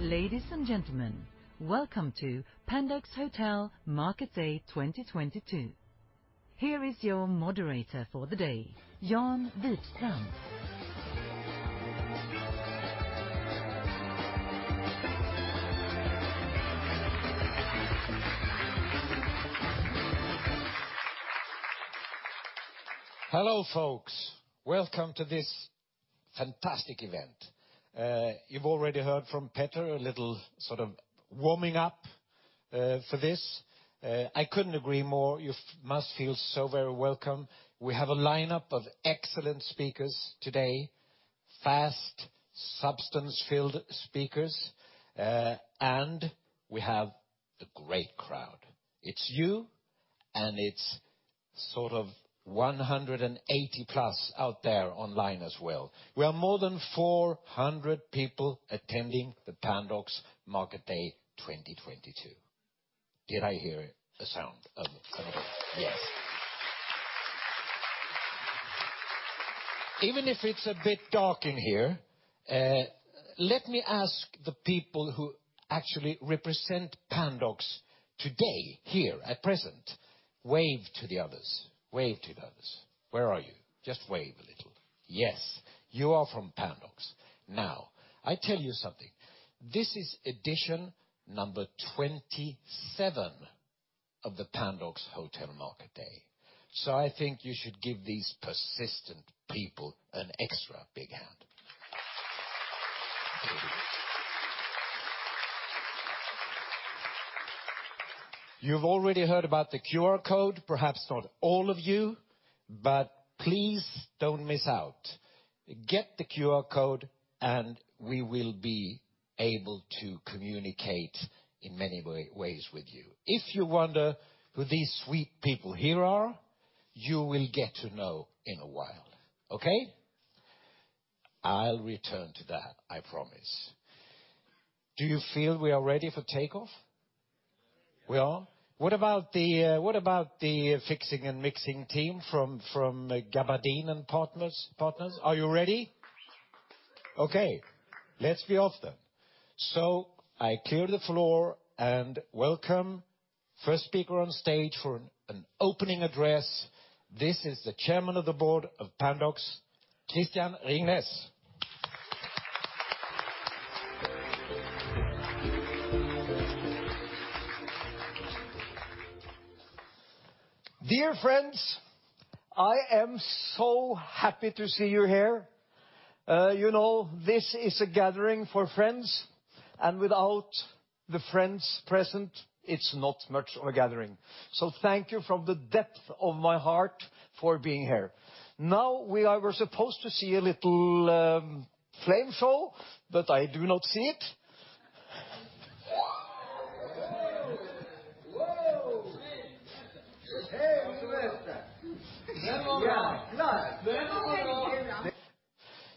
Ladies and gentlemen, welcome to Pandox Hotel Market Day 2022. Here is your moderator for the day, Jan Wifstrand. Hello, folks. Welcome to this fantastic event. You've already heard from Petter, a little sort of warming up for this. I couldn't agree more. You must feel so very welcome. We have a lineup of excellent speakers today. Fast, substance-filled speakers, and we have a great crowd. It's you, and it's sort of 180+ out there online as well. We are more than 400 people attending the Pandox Market Day 2022. Did I hear a sound of agreement? Yes. Even if it's a bit dark in here, let me ask the people who actually represent Pandox today here at present, wave to the others. Wave to the others. Where are you? Just wave a little. Yes, you are from Pandox. Now, I tell you something. This is edition number 27 of the Pandox Hotel Market Day. I think you should give these persistent people an extra big hand. You've already heard about the QR code, perhaps not all of you, but please don't miss out. Get the QR code, and we will be able to communicate in many ways with you. If you wonder who these sweet people here are, you will get to know in a while. Okay? I'll return to that, I promise. Do you feel we are ready for takeoff? We are? What about the fixing and mixing team from Gabadeen and Partners? Are you ready? Okay, let's be off then. I clear the floor and welcome first speaker on stage for an opening address. This is the Chairman of the Board of Pandox, Christian Ringnes. Dear friends, I am so happy to see you here. You know, this is a gathering for friends, and without the friends present, it's not much of a gathering. Thank you from the depth of my heart for being here. Now, we were supposed to see a little flame show, but I do not see it.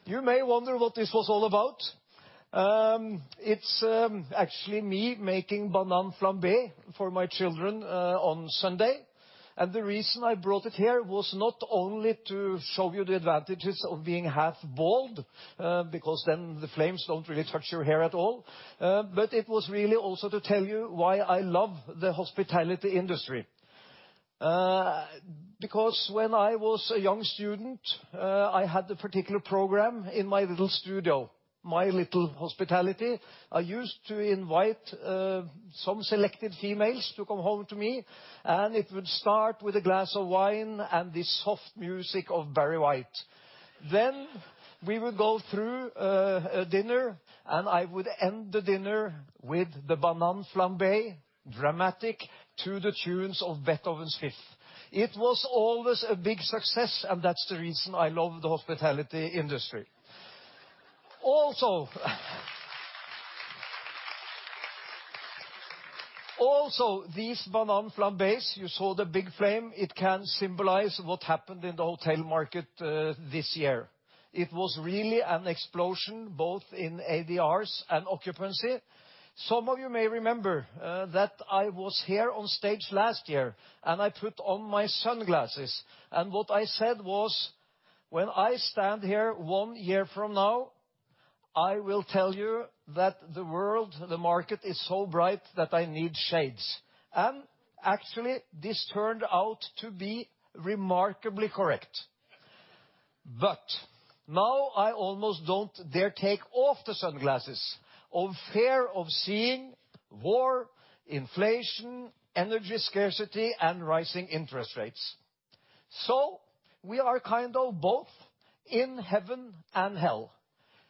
You may wonder what this was all about. It's actually me making bananas flambé for my children on Sunday. The reason I brought it here was not only to show you the advantages of being half bald because then the flames don't really touch your hair at all, but it was really also to tell you why I love the hospitality industry. Because when I was a young student, I had a particular program in my little studio, my little hospitality. I used to invite some selected females to come home to me, and it would start with a glass of wine and the soft music of Barry White. We would go through a dinner, and I would end the dinner with the bananas flambé, dramatic to the tunes of Beethoven's Fifth. It was always a big success, and that's the reason I love the hospitality industry. Also, these bananas flambés, you saw the big flame, it can symbolize what happened in the hotel market this year. It was really an explosion both in ADRs and occupancy. Some of you may remember that I was here on stage last year, and I put on my sunglasses. What I said was, "When I stand here one year from now, I will tell you that the world, the market is so bright that I need shades." Actually, this turned out to be remarkably correct. Now I almost don't dare take off the sunglasses for fear of seeing war, inflation, energy scarcity, and rising interest rates. We are kind of both in heaven and hell.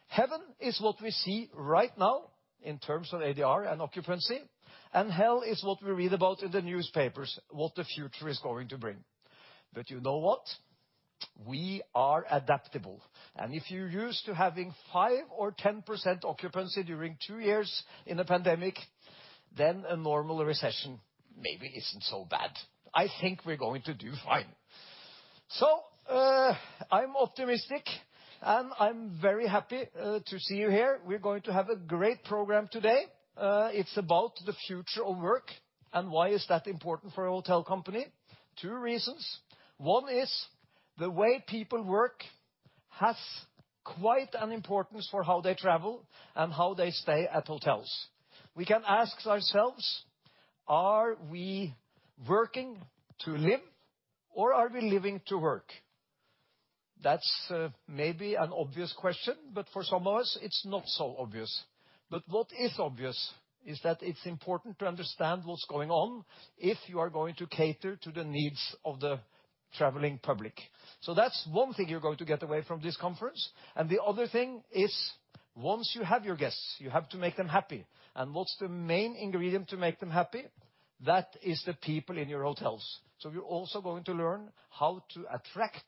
Heaven is what we see right now in terms of ADR and occupancy, and hell is what we read about in the newspapers, what the future is going to bring. You know what? We are adaptable. If you're used to having 5% or 10% occupancy during two years in a pandemic, then a normal recession maybe isn't so bad. I think we're going to do fine. I'm optimistic, and I'm very happy to see you here. We're going to have a great program today. It's about the future of work and why is that important for a hotel company. Two reasons. One is the way people work has quite an importance for how they travel and how they stay at hotels. We can ask ourselves, are we working to live or are we living to work? That's maybe an obvious question, but for some of us, it's not so obvious. What is obvious is that it's important to understand what's going on if you are going to cater to the needs of the traveling public. That's one thing you're going to get away from this conference. The other thing is once you have your guests, you have to make them happy. What's the main ingredient to make them happy? That is the people in your hotels. You're also going to learn how to attract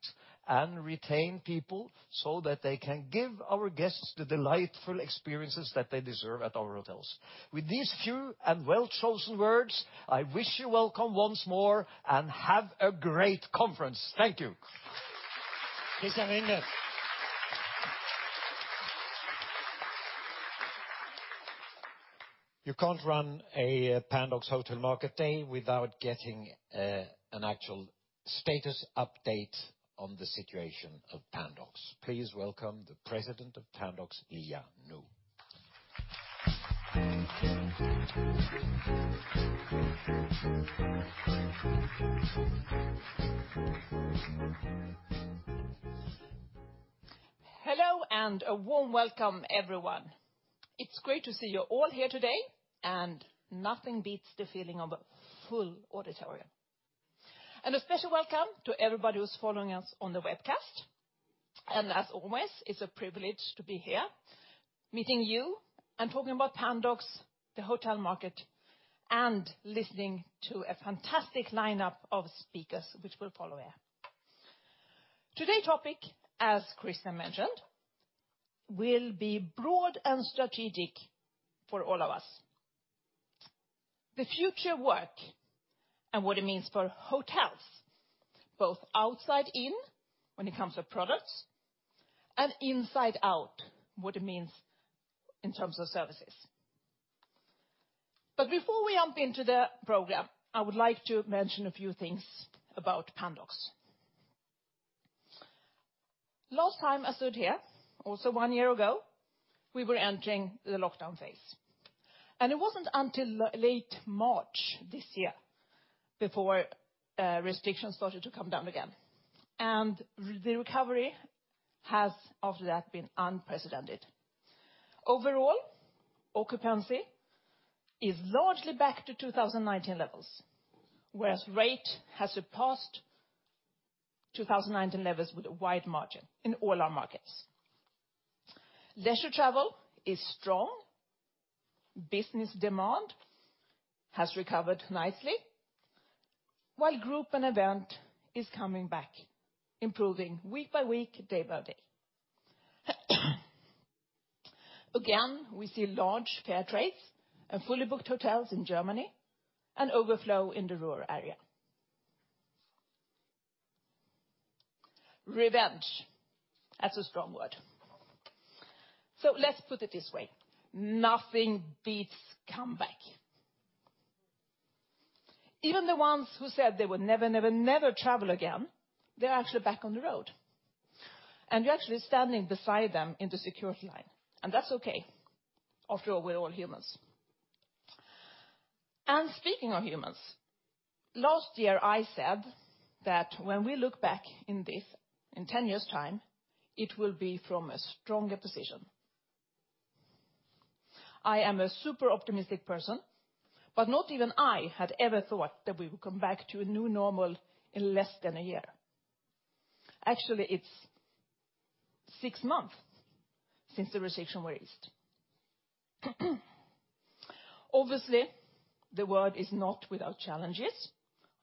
and retain people so that they can give our guests the delightful experiences that they deserve at our hotels. With these few and well-chosen words, I wish you welcome once more, and have a great conference. Thank you. Christian Ringnes. You can't run a Pandox Hotel Market Day without getting an actual status update on the situation of Pandox. Please welcome the President of Pandox, Liia Nõu. Hello, a warm welcome, everyone. It's great to see you all here today, and nothing beats the feeling of a full auditorium. A special welcome to everybody who's following us on the webcast. As always, it's a privilege to be here meeting you and talking about Pandox, the hotel market, and listening to a fantastic lineup of speakers which will follow here. Today's topic, as Christian mentioned, will be broad and strategic for all of us. The future of work and what it means for hotels, both outside in when it comes to products, and inside out, what it means in terms of services. Before we jump into the program, I would like to mention a few things about Pandox. Last time I stood here, also one year ago, we were entering the lockdown phase. It wasn't until late March this year before restrictions started to come down again. The recovery has after that been unprecedented. Overall, occupancy is largely back to 2019 levels, whereas rate has surpassed 2019 levels with a wide margin in all our markets. Leisure travel is strong, business demand has recovered nicely, while group and event is coming back, improving week by week, day by day. Again, we see large trade fairs and fully booked hotels in Germany, and overflow in the rural area. Revenge. That's a strong word. So let's put it this way. Nothing beats comeback. Even the ones who said they would never travel again, they're actually back on the road. You're actually standing beside them in the security line, and that's okay. After all, we're all humans. Speaking of humans, last year I said that when we look back on this in 10 years' time, it will be from a stronger position. I am a super optimistic person, but not even I had ever thought that we would come back to a new normal in less than a year. Actually, it's six months since the restrictions were eased. Obviously, the world is not without challenges.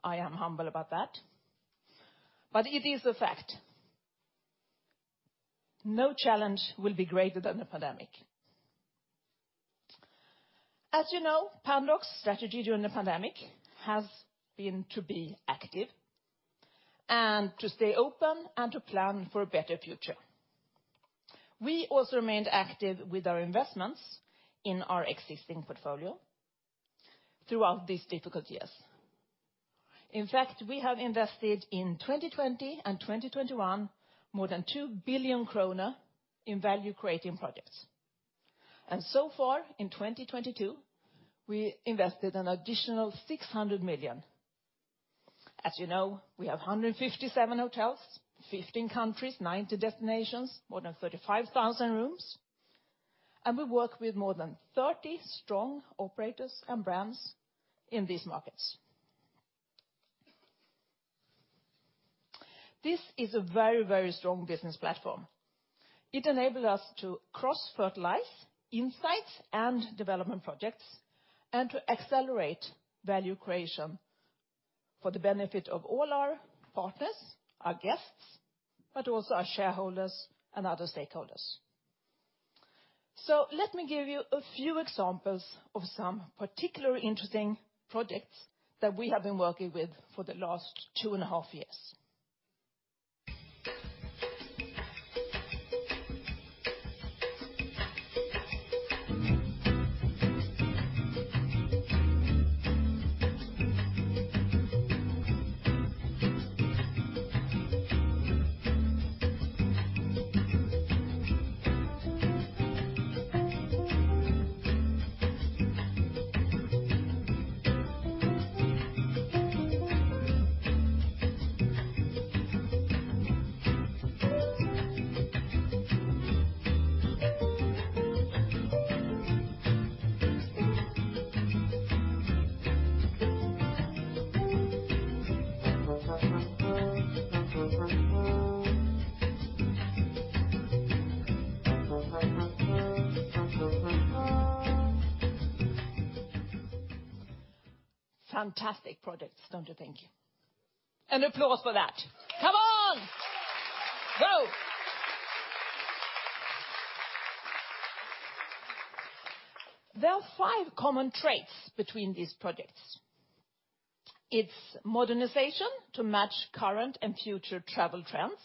I am humble about that, but it is a fact. No challenge will be greater than the pandemic. As you know, Pandox strategy during the pandemic has been to be active and to stay open and to plan for a better future. We also remained active with our investments in our existing portfolio throughout these difficult years. In fact, we have invested in 2020 and 2021 more than 2 billion kronor in value-creating projects. Far in 2022, we invested an additional 600 million. As you know, we have 157 hotels, 15 countries, 90 destinations, more than 35,000 rooms, and we work with more than 30 strong operators and brands in these markets. This is a very, very strong business platform. It enabled us to cross-fertilize insights and development projects and to accelerate value creation for the benefit of all our partners, our guests, but also our shareholders and other stakeholders. Let me give you a few examples of some particularly interesting projects that we have been working with for the last 2.5 years. Fantastic projects, don't you think? Applause for that. Come on. Go. There are five common traits between these projects. It's modernization to match current and future travel trends.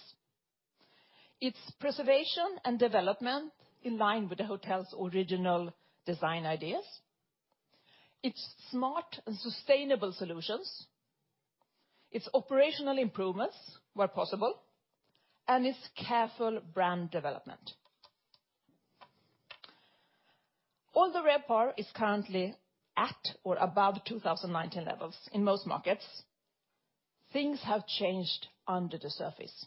It's preservation and development in line with the hotel's original design ideas. It's smart and sustainable solutions. It's operational improvements, where possible, and it's careful brand development. All the RevPAR is currently at or above 2019 levels in most markets. Things have changed under the surface.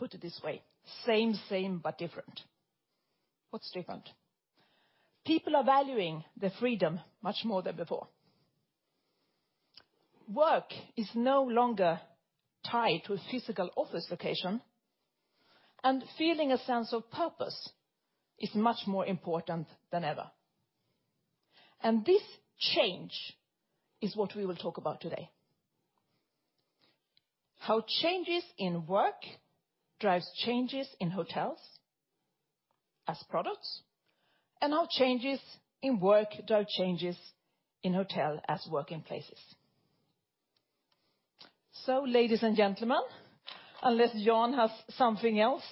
Put it this way, same, but different. What's different? People are valuing their freedom much more than before. Work is no longer tied to a physical office location, and feeling a sense of purpose is much more important than ever. This change is what we will talk about today. How changes in work drives changes in hotels as products, and how changes in work drive changes in hotel as working places. Ladies and gentlemen, unless Jan has something else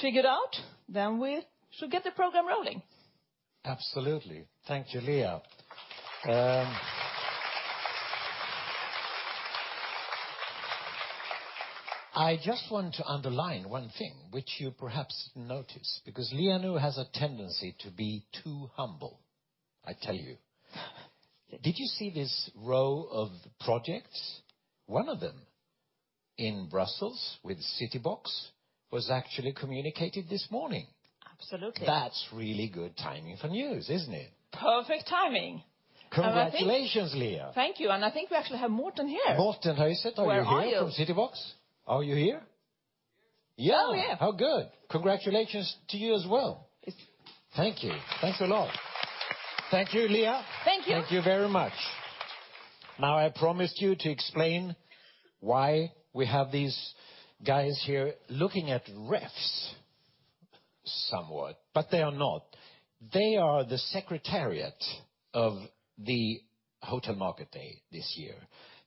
figured out, then we should get the program rolling. Absolutely. Thank you, Liia Nõu. I just want to underline one thing which you perhaps didn't notice, because Liia Nõu has a tendency to be too humble, I tell you. Did you see this row of projects? One of them in Brussels with Citybox was actually communicated this morning. Absolutely. That's really good timing for news, isn't it? Perfect timing. Congratulations, Liia Nõu. Thank you. I think we actually have Morten here. Morten Høiseth, are you here from Citybox? Where are you? Are you here? I'm here. Yeah. Oh, we have. How good. Congratulations to you as well. It's... Thank you. Thanks a lot. Thank you, Liia Nõu. Thank you. Thank you very much. Now, I promised you to explain why we have these guys here looking at RevPAR somewhat, but they are not. They are the secretariat of the Capital Markets Day this year.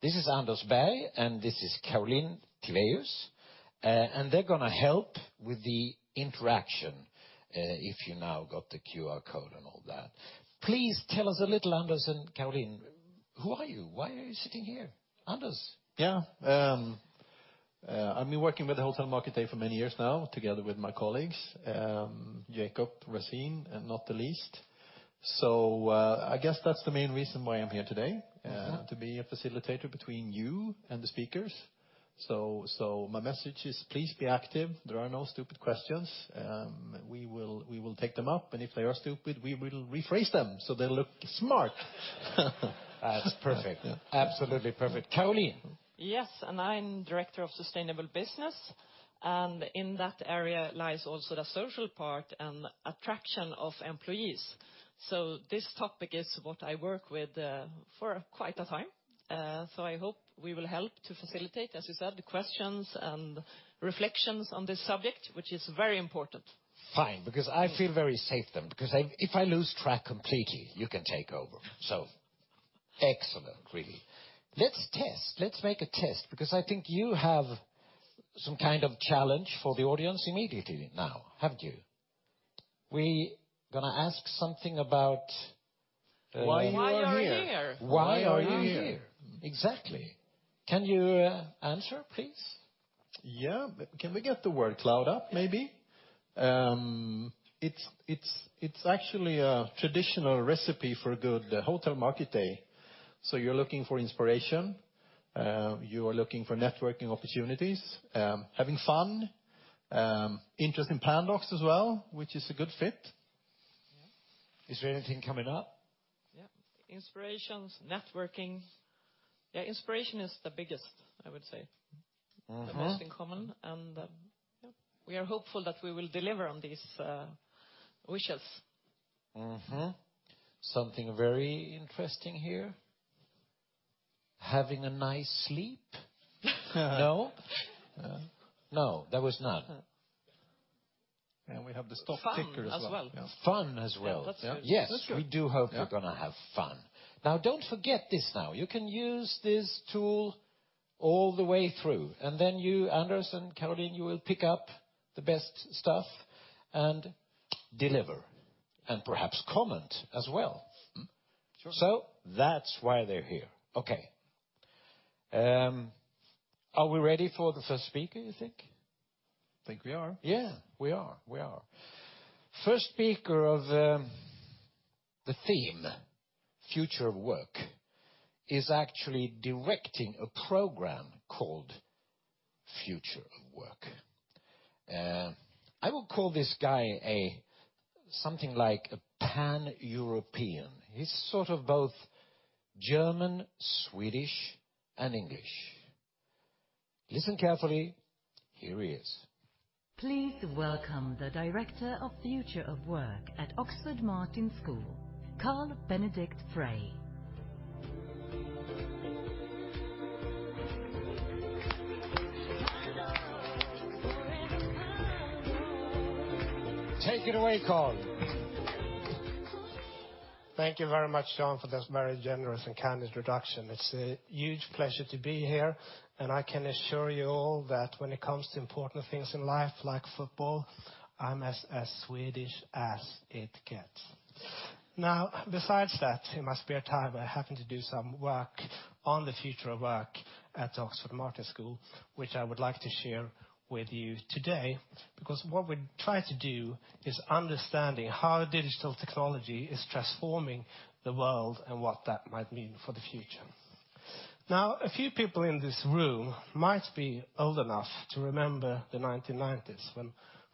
This is Anders Berg, and this is Caroline Tivéus. They're gonna help with the interaction, if you now got the QR code and all that. Please tell us a little, Anders and Caroline, who are you? Why are you sitting here? Anders? Yeah. I've been working with the Hotel Market Day for many years now, together with my colleagues, Jacob Rasin and not the least. I guess that's the main reason why I'm here today. To be a facilitator between you and the speakers. My message is, please be active. There are no stupid questions. We will take them up. If they are stupid, we will rephrase them, so they look smart. That's perfect. Absolutely perfect. Caroline? Yes. I'm Director of Sustainable Business. In that area lies also the social part and attraction of employees. This topic is what I work with, for quite a time. I hope we will help to facilitate, as you said, the questions and reflections on this subject, which is very important. Fine. Because I feel very safe then. Because if I lose track completely, you can take over. Excellent, really. Let's test. Let's make a test, because I think you have some kind of challenge for the audience immediately now, haven't you? We gonna ask something about. Why you are here? Why you are here? Why are you here? Exactly. Can you answer, please? Yeah. Can we get the word cloud up, maybe? It's actually a traditional recipe for a good Hotel Market Day. You're looking for inspiration, you are looking for networking opportunities, having fun, interest in Pandox as well, which is a good fit. Yeah. Is there anything coming up? Inspirations, networking. Inspiration is the biggest, I would say. ...The most in common. Yeah, we are hopeful that we will deliver on these wishes. Something very interesting here. Having a nice sleep. No? No, there was none. Yeah, we have the stock ticker as well. Fun as well. Fun as well. Yeah, that's good. Yeah. That's good. Yes, we do hope you're gonna have fun. Now, don't forget this now. You can use this tool all the way through. You, Anders and Caroline, you will pick up the best stuff and deliver and perhaps comment as well. Sure. That's why they're here. Okay. Are we ready for the first speaker, you think? I think we are. Yeah, we are. First speaker of the theme, Future of Work, is actually directing a program called Future of Work. I will call this guy something like a pan-European. He's sort of both German, Swedish, and English. Listen carefully. Here he is. Please welcome the Director of Future of Work at Oxford Martin School, Carl Benedikt Frey. Take it away, Carl. Thank you very much, Jan, for this very generous and kind introduction. It's a huge pleasure to be here, and I can assure you all that when it comes to important things in life like football, I'm as Swedish as it gets. Now, besides that, in my spare time, I happen to do some work on the future of work at Oxford Martin School, which I would like to share with you today, because what we try to do is understanding how the digital technology is transforming the world and what that might mean for the future. Now, a few people in this room might be old enough to remember the 1990s when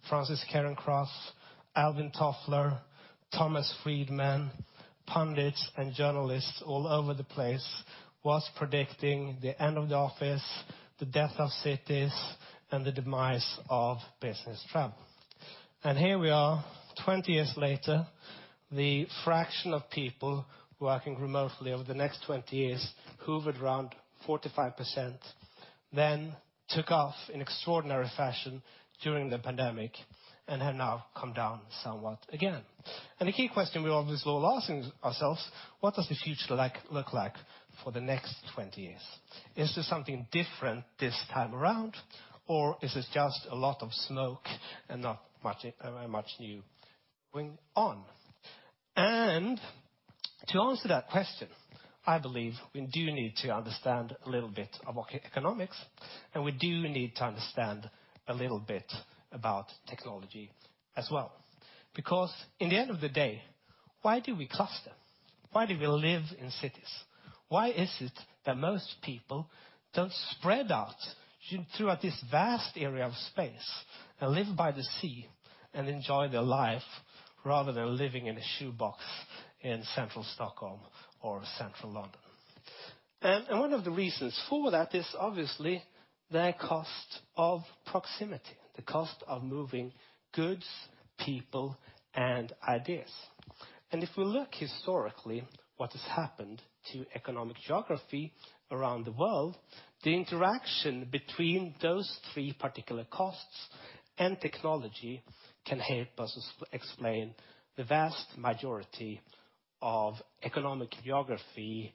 Francis Fukuyama, Alvin Toffler, Thomas Friedman, pundits, and journalists all over the place was predicting the end of the office, the death of cities, and the demise of business travel. Here we are, 20 years later, the fraction of people working remotely over the next 20 years hovered around 45%, then took off in extraordinary fashion during the pandemic and have now come down somewhat again. The key question we always all asking ourselves, what does the future look like for the next 20 years? Is there something different this time around, or is this just a lot of smoke and not much new going on? To answer that question, I believe we do need to understand a little bit of economics, and we do need to understand a little bit about technology as well. Because at the end of the day, why do we cluster? Why do we live in cities? Why is it that most people don't spread out throughout this vast area of space and live by the sea and enjoy their life rather than living in a shoebox in central Stockholm or central London? One of the reasons for that is obviously the cost of proximity, the cost of moving goods, people, and ideas. If we look historically what has happened to economic geography around the world, the interaction between those three particular costs and technology can help us explain the vast majority of economic geography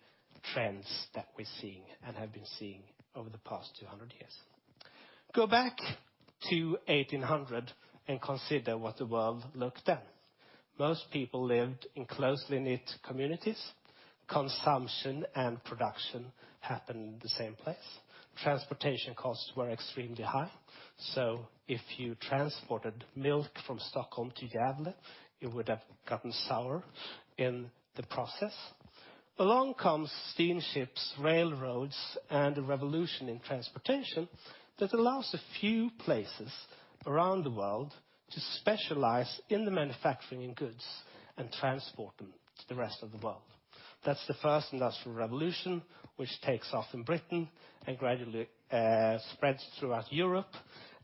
trends that we're seeing and have been seeing over the past 200 years. Go back to 1800 and consider what the world looked then. Most people lived in closely-knit communities. Consumption and production happened in the same place. Transportation costs were extremely high. If you transported milk from Stockholm to Gävle, it would have gotten sour in the process. Along comes steamships, railroads, and a revolution in transportation that allows a few places around the world to specialize in the manufacturing in goods and transport them to the rest of the world. That's the first industrial revolution, which takes off in Britain and gradually spreads throughout Europe.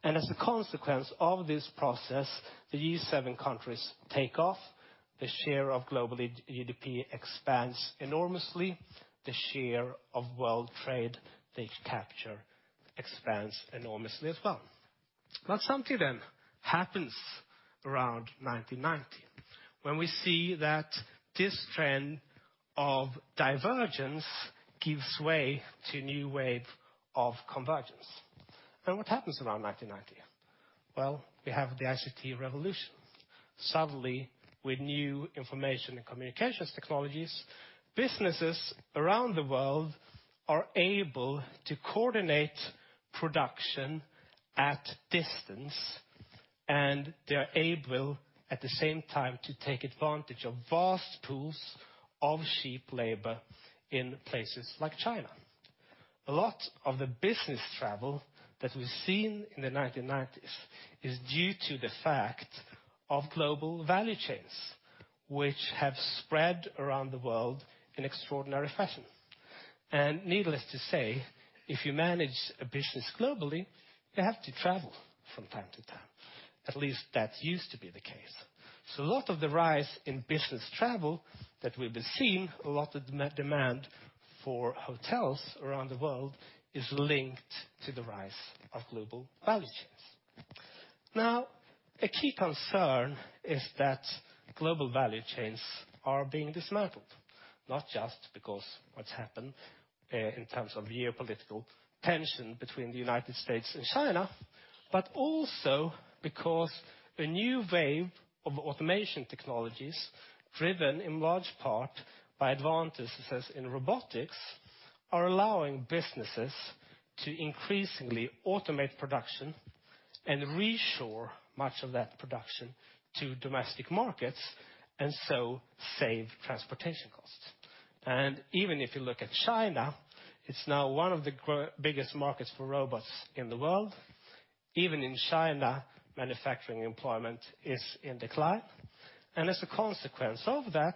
As a consequence of this process, the G7 countries take off. The share of global GDP expands enormously. The share of world trade they capture expands enormously as well. Something then happens around 1990 when we see that this trend of divergence gives way to a new wave of convergence. What happens around 1990? Well, we have the ICT revolution. Suddenly, with new information and communications technologies, businesses around the world are able to coordinate production at distance, and they are able, at the same time, to take advantage of vast pools of cheap labor in places like China. A lot of the business travel that we've seen in the 1990s is due to the fact of global value chains, which have spread around the world in extraordinary fashion. Needless to say, if you manage a business globally, you have to travel from time to time. At least that used to be the case. A lot of the rise in business travel that we've been seeing, a lot of demand for hotels around the world is linked to the rise of global value chains. Now, a key concern is that global value chains are being dismantled, not just because what's happened in terms of geopolitical tension between the United States and China, but also because a new wave of automation technologies, driven in large part by advances in robotics, are allowing businesses to increasingly automate production and reshore much of that production to domestic markets, and so save transportation costs. Even if you look at China, it's now one of the biggest markets for robots in the world. Even in China, manufacturing employment is in decline. As a consequence of that,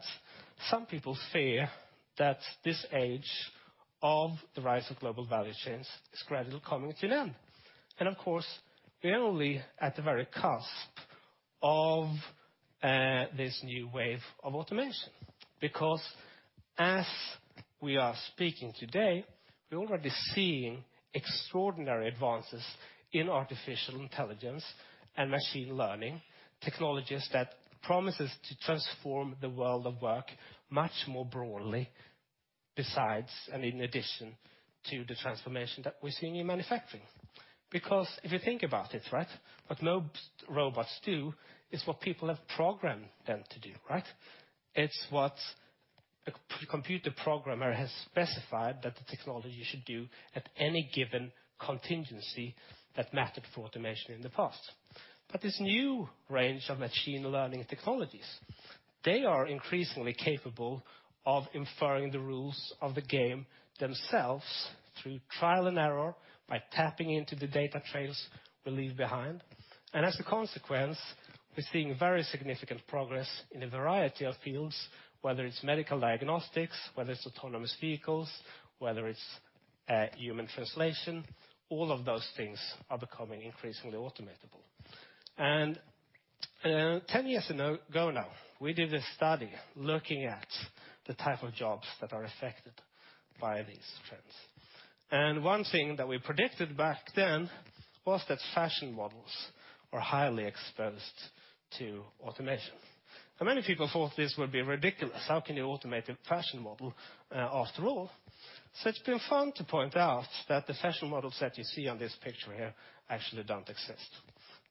some people fear that this age of the rise of global value chains is gradually coming to an end. Of course, we are only at the very cusp of this new wave of automation. As we are speaking today, we're already seeing extraordinary advances in artificial intelligence and machine learning, technologies that promises to transform the world of work much more broadly, besides, and in addition to the transformation that we're seeing in manufacturing. If you think about it, right, what robots do is what people have programmed them to do, right? It's what a computer programmer has specified that the technology should do at any given contingency that mattered for automation in the past. This new range of machine learning technologies, they are increasingly capable of inferring the rules of the game themselves through trial and error by tapping into the data trails we leave behind. As a consequence, we're seeing very significant progress in a variety of fields, whether it's medical diagnostics, whether it's autonomous vehicles, whether it's human translation, all of those things are becoming increasingly automatable. 10 years ago now, we did a study looking at the type of jobs that are affected by these trends. One thing that we predicted back then was that fashion models are highly exposed to automation. Now, many people thought this would be ridiculous. How can you automate a fashion model after all? It's been fun to point out that the fashion models that you see on this picture here actually don't exist.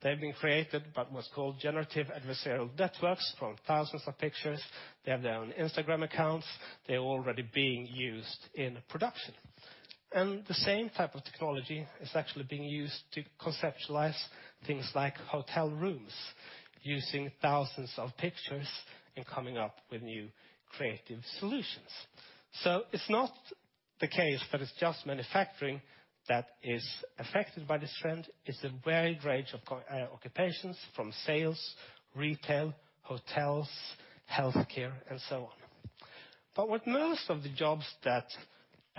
They've been created by what's called generative adversarial networks from thousands of pictures. They have their own Instagram accounts. They're already being used in production. The same type of technology is actually being used to conceptualize things like hotel rooms, using thousands of pictures and coming up with new creative solutions. It's not the case that it's just manufacturing that is affected by this trend. It's a varied range of occupations from sales, retail, hotels, healthcare, and so on. What most of the jobs that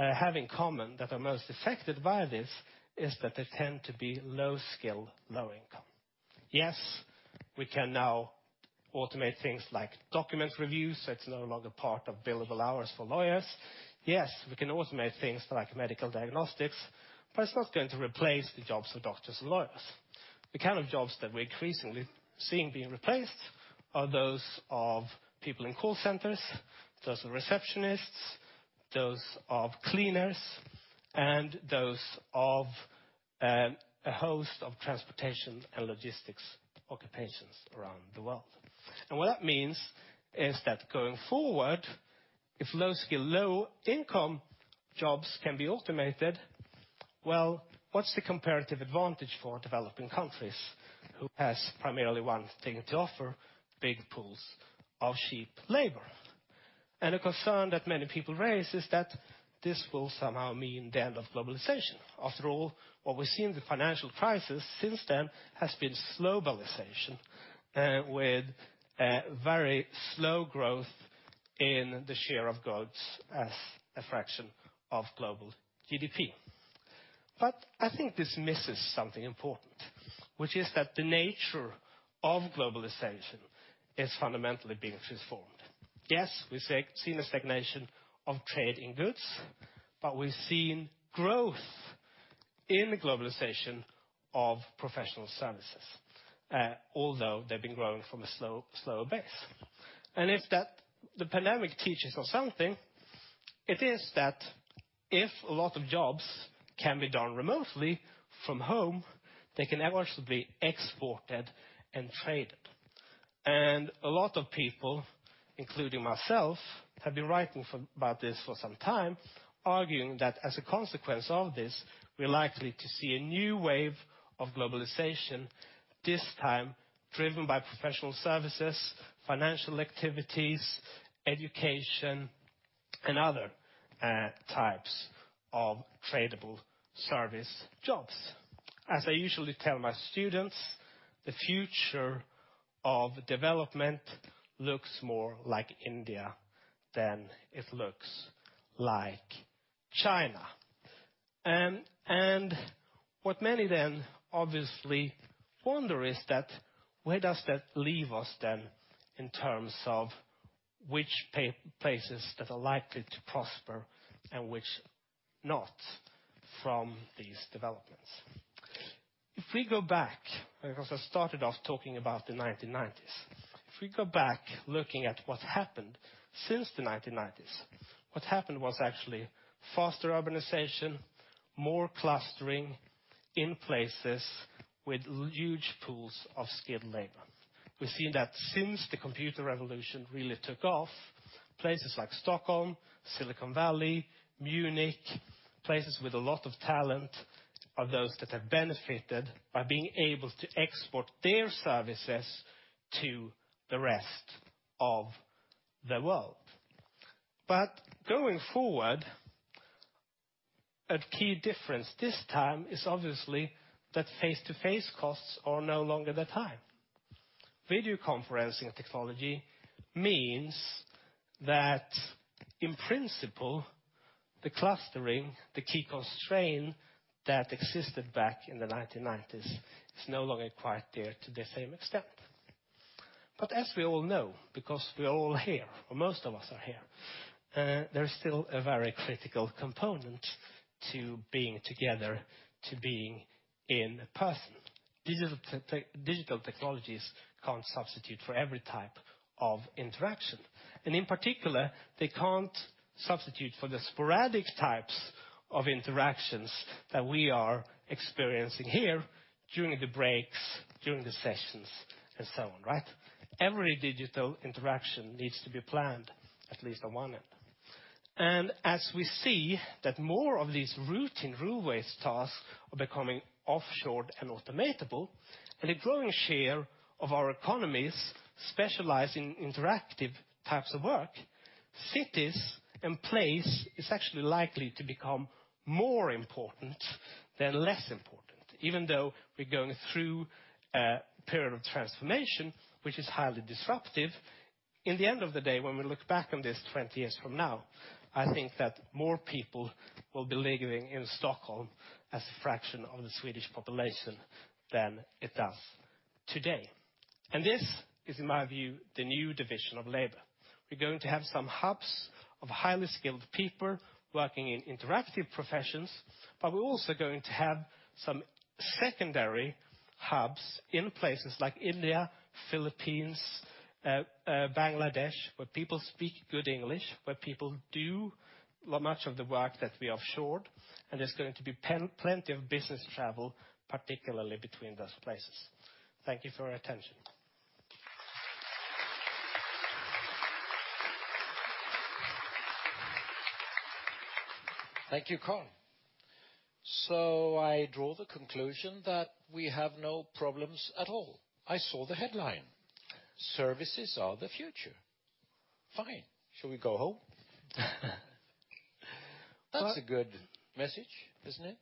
have in common that are most affected by this is that they tend to be low-skill, low-income? Yes, we can now automate things like document reviews, so it's no longer part of billable hours for lawyers. Yes, we can automate things like medical diagnostics, but it's not going to replace the jobs of doctors and lawyers. The kind of jobs that we're increasingly seeing being replaced are those of people in call centers, those of receptionists, those of cleaners, and those of a host of transportation and logistics occupations around the world. What that means is that going forward, if low-skill, low-income jobs can be automated, well, what's the comparative advantage for developing countries who has primarily one thing to offer, big pools of cheap labor? A concern that many people raise is that this will somehow mean the end of globalization. After all, what we see in the financial crisis since then has been slowbalization with very slow growth in the share of goods as a fraction of global GDP. I think this misses something important, which is that the nature of globalization is fundamentally being transformed. Yes, we've seen a stagnation of trade in goods, but we've seen growth in the globalization of professional services, although they've been growing from a slower base. The pandemic teaches us something, it is that if a lot of jobs can be done remotely from home, they can eventually be exported and traded. A lot of people, including myself, have been writing about this for some time, arguing that as a consequence of this, we're likely to see a new wave of globalization, this time driven by professional services, financial activities, education, and other types of tradable service jobs. As I usually tell my students, the future of development looks more like India than it looks like China. What many then obviously wonder is that, where does that leave us then in terms of which places that are likely to prosper and which not from these developments. If we go back, because I started off talking about the 1990s. If we go back looking at what happened since the 1990s, what happened was actually faster urbanization, more clustering in places with huge pools of skilled labor. We've seen that since the computer revolution really took off, places like Stockholm, Silicon Valley, Munich, places with a lot of talent are those that have benefited by being able to export their services to the rest of the world. Going forward, a key difference this time is obviously that face-to-face costs are no longer that high. Video conferencing technology means that in principle, the clustering, the key constraint that existed back in the 1990s is no longer quite there to the same extent. As we all know, because we are all here, or most of us are here, there is still a very critical component to being together, to being in person. Digital technologies can't substitute for every type of interaction, and in particular, they can't substitute for the sporadic types of interactions that we are experiencing here during the breaks, during the sessions and so on, right? Every digital interaction needs to be planned at least on one end. As we see that more of these routine rule-based tasks are becoming offshored and automatable, and a growing share of our economies specialize in interactive types of work, cities and place is actually likely to become more important than less important. Even though we're going through a period of transformation, which is highly disruptive, in the end of the day, when we look back on this 20 years from now, I think that more people will be living in Stockholm as a fraction of the Swedish population than it does today. This is, in my view, the new division of labor. We're going to have some hubs of highly skilled people working in interactive professions, but we're also going to have some secondary hubs in places like India, Philippines, Bangladesh, where people speak good English, where people do much of the work that we offshored, and there's going to be plenty of business travel, particularly between those places. Thank you for your attention. Thank you, Carl. I draw the conclusion that we have no problems at all. I saw the headline, Services are the Future. Fine. Shall we go home? That's a good message, isn't it?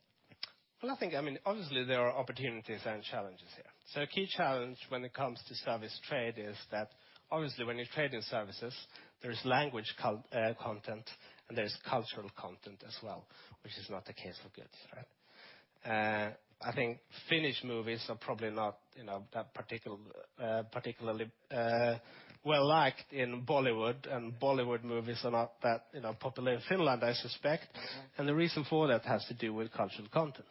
I think I mean, obviously there are opportunities and challenges here. A key challenge when it comes to service trade is that obviously when you trade in services, there's language content and there's cultural content as well, which is not the case with goods, right? I think Finnish movies are probably not, you know, that particularly well-liked in Bollywood, and Bollywood movies are not that, you know, popular in Finland, I suspect. The reason for that has to do with cultural content.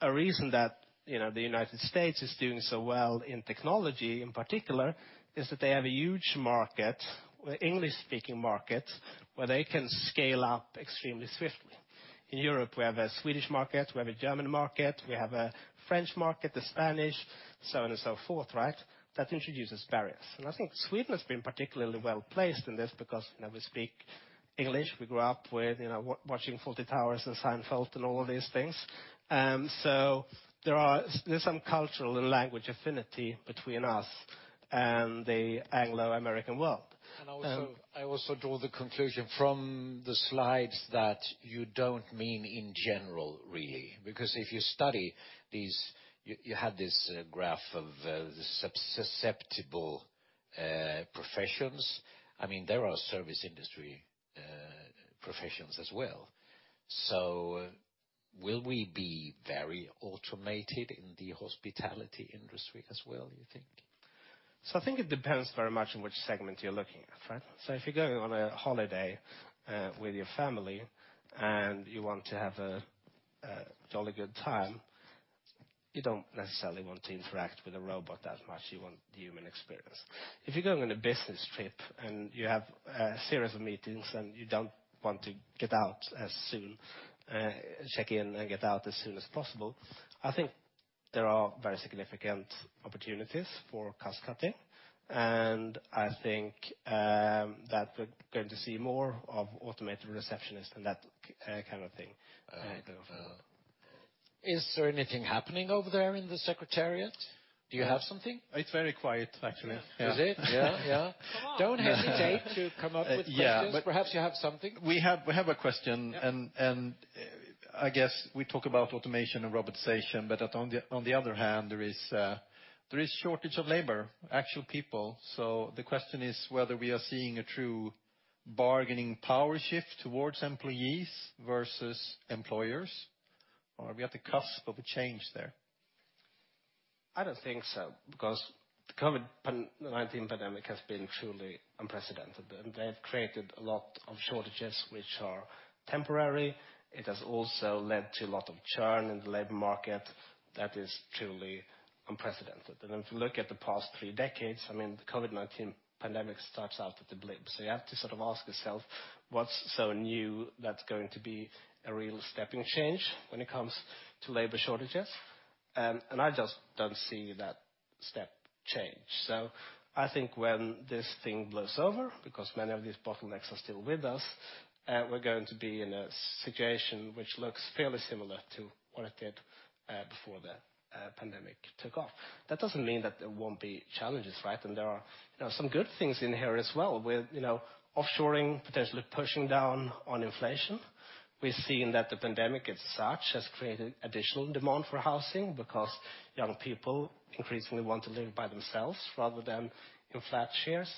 A reason that, you know, the United States is doing so well in technology, in particular, is that they have a huge market, English-speaking market, where they can scale up extremely swiftly. In Europe, we have a Swedish market, we have a German market, we have a French market, the Spanish, so on and so forth, right? That introduces barriers. I think Sweden has been particularly well-placed in this because, you know, we speak English. We grew up with, you know, watching Fawlty Towers and Seinfeld and all of these things. So there is some cultural and language affinity between us and the Anglo-American world. I also draw the conclusion from the slides that you don't mean in general, really. Because if you study these, you had this graph of the susceptible professions. I mean, there are service industry professions as well. Will we be very automated in the hospitality industry as well, you think? I think it depends very much on which segment you're looking at, right? If you're going on a holiday with your family and you want to have a jolly good time, you don't necessarily want to interact with a robot as much. You want the human experience. If you're going on a business trip and you have a series of meetings and you don't want to check-in and get out as soon as possible, I think there are very significant opportunities for cost-cutting. I think that we're going to see more of automated receptionists and that kind of thing going forward. Is there anything happening over there in the secretariat? Do you have something? It's very quiet, actually. Is it? Yeah, yeah. Come on. Don't hesitate to come up with questions. Yeah. Perhaps you have something. We have a question. Yeah. I guess we talk about automation and robotization, but on the other hand, there is shortage of labor, actual people. The question is whether we are seeing a true bargaining power shift towards employees versus employers, or are we at the cusp of a change there? I don't think so, because the COVID-19 pandemic has been truly unprecedented, and they have created a lot of shortages which are temporary. It has also led to a lot of churn in the labor market that is truly unprecedented. If you look at the past three decades, I mean, the COVID-19 pandemic starts out with a blip. You have to sort of ask yourself what's so new that's going to be a real step change when it comes to labor shortages. I just don't see that step change. I think when this thing blows over, because many of these bottlenecks are still with us, we're going to be in a situation which looks fairly similar to what it did before the pandemic took off. That doesn't mean that there won't be challenges, right? There are, you know, some good things in here as well with, you know, offshoring potentially pushing down on inflation. We've seen that the pandemic as such has created additional demand for housing because young people increasingly want to live by themselves rather than in flat shares.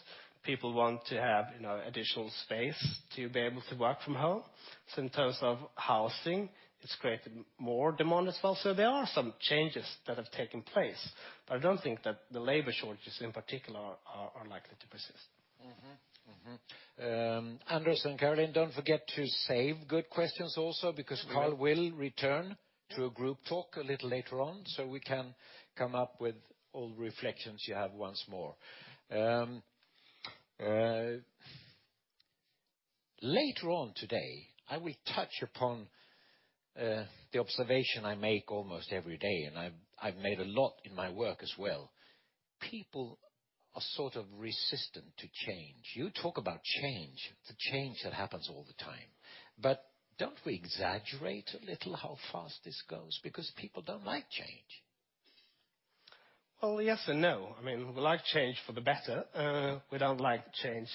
People want to have, you know, additional space to be able to work from home. In terms of housing, it's created more demand as well. There are some changes that have taken place, but I don't think that the labor shortages in particular are likely to persist. Anders and Caroline, don't forget to save good questions also, because Carl will return to a group talk a little later on, so we can come up with all the reflections you have once more. Later on today, I will touch upon the observation I make almost every day, and I've made a lot in my work as well. People are sort of resistant to change. You talk about change, the change that happens all the time. Don't we exaggerate a little how fast this goes because people don't like change? Well, yes and no. I mean, we like change for the better. We don't like change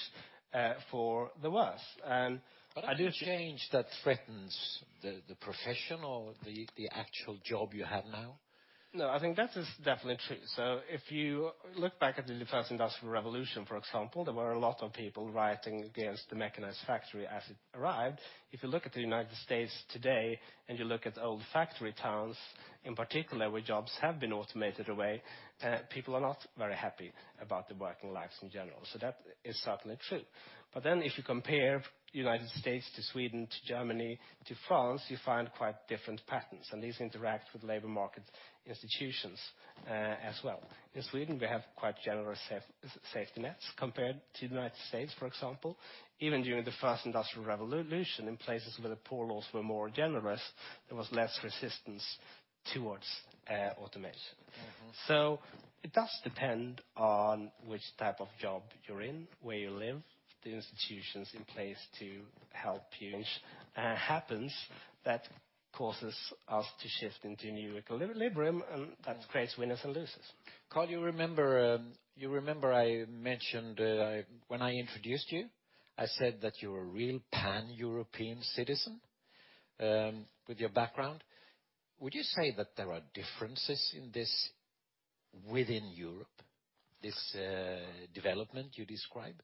for the worse. I do- Change that threatens the profession or the actual job you have now. No, I think that is definitely true. If you look back at the first industrial revolution, for example, there were a lot of people rioting against the mechanized factory as it arrived. If you look at the United States today, and you look at old factory towns, in particular, where jobs have been automated away, people are not very happy about their working lives in general. That is certainly true. If you compare United States to Sweden, to Germany, to France, you find quite different patterns, and these interact with labor market institutions, as well. In Sweden, we have quite generous safety nets compared to the United States, for example. Even during the first industrial revolution, in places where the poor laws were more generous, there was less resistance towards, automation. It does depend on which type of job you're in, where you live, the institutions in place to help you. Which, happens that causes us to shift into a new equilibrium, and that creates winners and losers. Carl, you remember I mentioned when I introduced you, I said that you're a real Pan-European citizen with your background. Would you say that there are differences in this within Europe, this development you describe?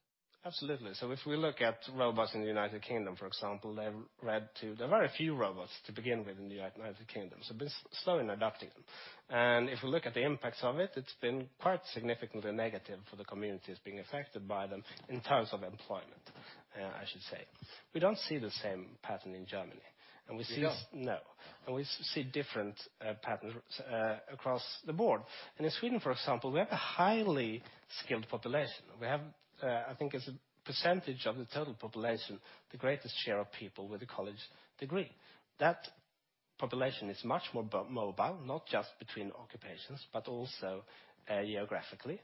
Absolutely. If we look at robots in the United Kingdom, for example. There are very few robots to begin with in the United Kingdom, so been slow in adopting them. If we look at the impacts of it's been quite significantly negative for the communities being affected by them in terms of employment, I should say. We don't see the same pattern in Germany. We see You don't? No. We see different patterns across the board. In Sweden, for example, we have a highly skilled population. We have, I think as a percentage of the total population, the greatest share of people with a college degree. That population is much more mobile, not just between occupations, but also geographically.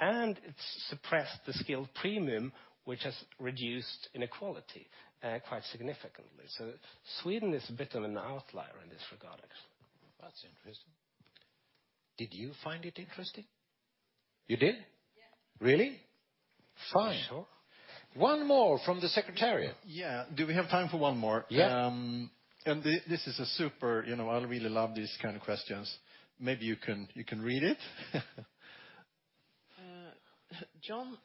It's suppressed the skill premium, which has reduced inequality quite significantly. Sweden is a bit of an outlier in this regard, actually. That's interesting. Did you find it interesting? You did? Yeah. Really? Fine. Sure. One more from the secretariat. Yeah. Do we have time for one more? Yeah. This is super. You know, I really love these kind of questions. Maybe you can read it? John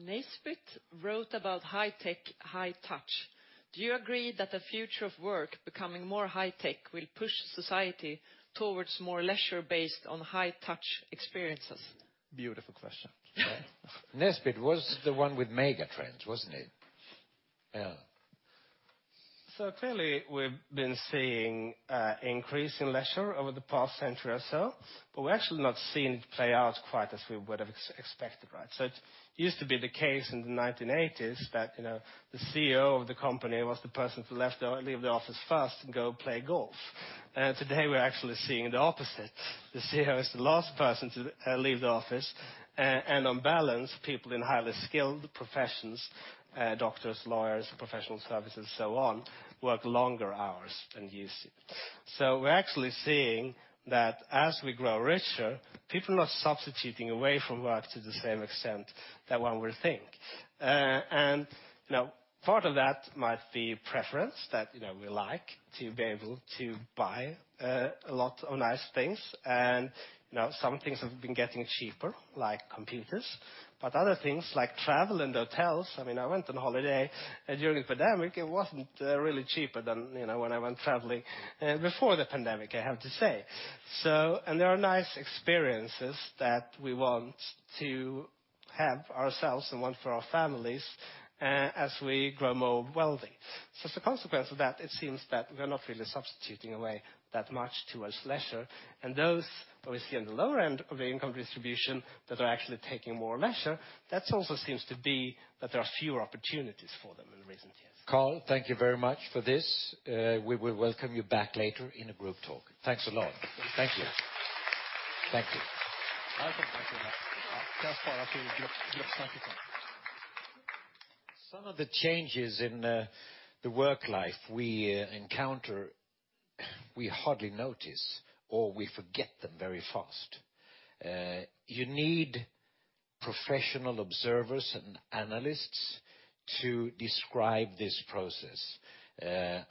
Naisbitt wrote about high tech, high touch. Do you agree that the future of work becoming more high tech will push society towards more leisure based on high touch experiences? Beautiful question. Naisbitt was the one with mega trends, wasn't he? Yeah. Clearly, we've been seeing increase in leisure over the past century or so, but we've actually not seen it play out quite as we would have expected, right? It used to be the case in the 1980s that, you know, the CEO of the company was the person to leave the office first and go play golf. Today, we're actually seeing the opposite. The CEO is the last person to leave the office. And on balance, people in highly skilled professions, doctors, lawyers, professional services, so on, work longer hours than you see. We're actually seeing that as we grow richer, people are substituting away from work to the same extent that one would think. You know, part of that might be preference that, you know, we like to be able to buy a lot of nice things. You know, some things have been getting cheaper, like computers, but other things like travel and hotels. I mean, I went on holiday during the pandemic. It wasn't really cheaper than, you know, when I went traveling before the pandemic, I have to say. There are nice experiences that we want to have ourselves and one for our families as we grow more wealthy. As a consequence of that, it seems that we're not really substituting away that much towards leisure. Those who we see on the lower end of the income distribution that are actually taking more leisure, that also seems to be that there are fewer opportunities for them in recent years. Carl, thank you very much for this. We will welcome you back later in a group talk. Thanks a lot. Thank you. Thank you. Welcome back. Some of the changes in the work life we encounter, we hardly notice or we forget them very fast. You need professional observers and analysts to describe this process.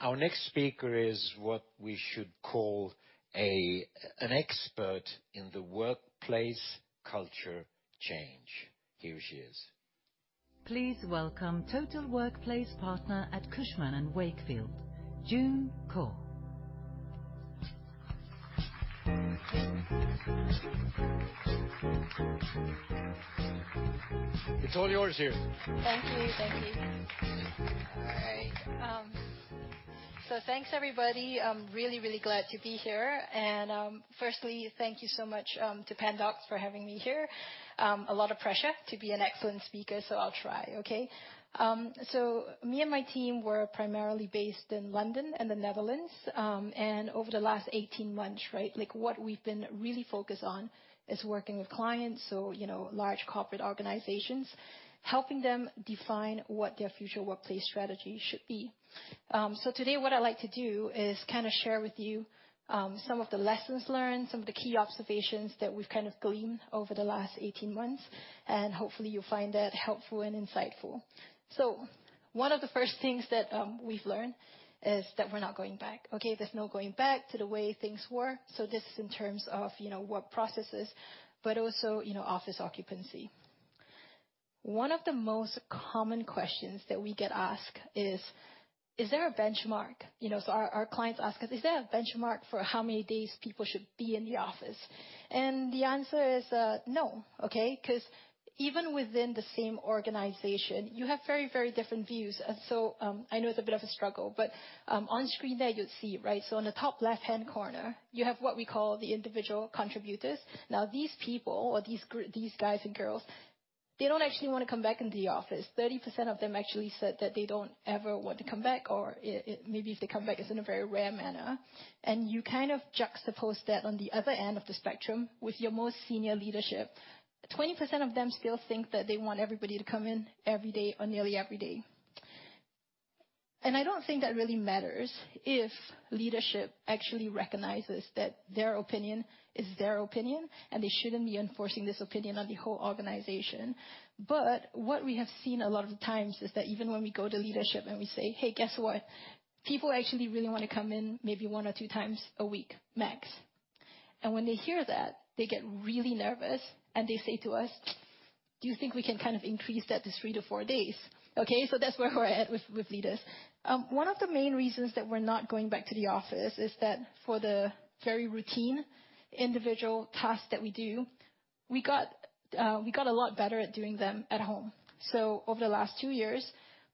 Our next speaker is what we should call an expert in the workplace culture change. Here she is. Please welcome Total Workplace Partner at Cushman & Wakefield, June Koh. It's all yours, June. Thank you. All right. Thanks, everybody. I'm really, really glad to be here. Firstly, thank you so much to Pandox for having me here. A lot of pressure to be an excellent speaker, so I'll try. Okay. Me and my team were primarily based in London and the Netherlands. Over the last 18 months, right, like what we've been really focused on is working with clients, so, you know, large corporate organizations, helping them define what their future workplace strategy should be. Today what I'd like to do is kinda share with you some of the lessons learned, some of the key observations that we've kind of gleaned over the last 18 months, and hopefully you'll find that helpful and insightful. One of the first things that we've learned is that we're not going back. Okay. There's no going back to the way things were. This is in terms of, you know, work processes, but also, you know, office occupancy. One of the most common questions that we get asked is, "Is there a benchmark?" You know, our clients ask us, "Is there a benchmark for how many days people should be in the office?" The answer is no. 'Cause even within the same organization, you have very, very different views. I know it's a bit of a struggle, but on screen there you'll see, right. On the top left-hand corner, you have what we call the individual contributors. Now, these people or these guys and girls, they don't actually wanna come back into the office. 30% of them actually said that they don't ever want to come back, or maybe if they come back, it's in a very rare manner. You kind of juxtapose that on the other end of the spectrum with your most senior leadership. 20% of them still think that they want everybody to come in every day or nearly every day. I don't think that really matters if leadership actually recognizes that their opinion is their opinion and they shouldn't be enforcing this opinion on the whole organization. What we have seen a lot of the times is that even when we go to leadership and we say, "Hey, guess what? People actually really wanna come in maybe one or two times a week max. When they hear that, they get really nervous, and they say to us, "Do you think we can kind of increase that to three to four days?" Okay. That's where we're at with leaders. One of the main reasons that we're not going back to the office is that for the very routine individual tasks that we do, we got a lot better at doing them at home. Over the last two years,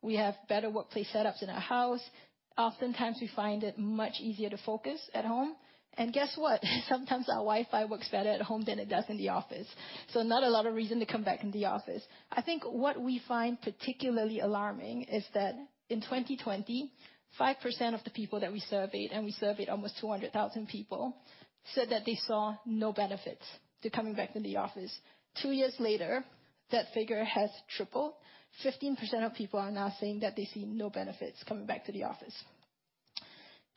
we have better workplace setups in our house. Oftentimes, we find it much easier to focus at home. Guess what. Sometimes our Wi-Fi works better at home than it does in the office. Not a lot of reason to come back in the office. I think what we find particularly alarming is that in 2020, 5% of the people that we surveyed, and we surveyed almost 200,000 people, said that they saw no benefits to coming back into the office. Two years later, that figure has tripled. 15% of people are now saying that they see no benefits coming back to the office.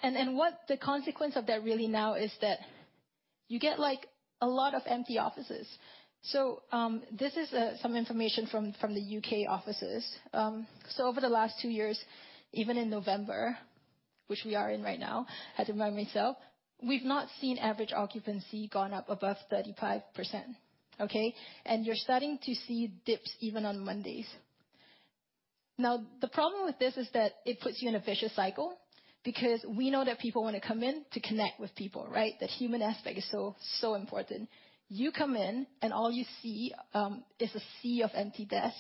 What the consequence of that really now is that you get, like, a lot of empty offices. This is some information from the U.K. offices. Over the last two years, even in November, which we are in right now, had to remind myself, we've not seen average occupancy gone up above 35%, okay. You're starting to see dips even on Mondays. Now, the problem with this is that it puts you in a vicious cycle because we know that people wanna come in to connect with people, right? That human aspect is so important. You come in, and all you see is a sea of empty desks.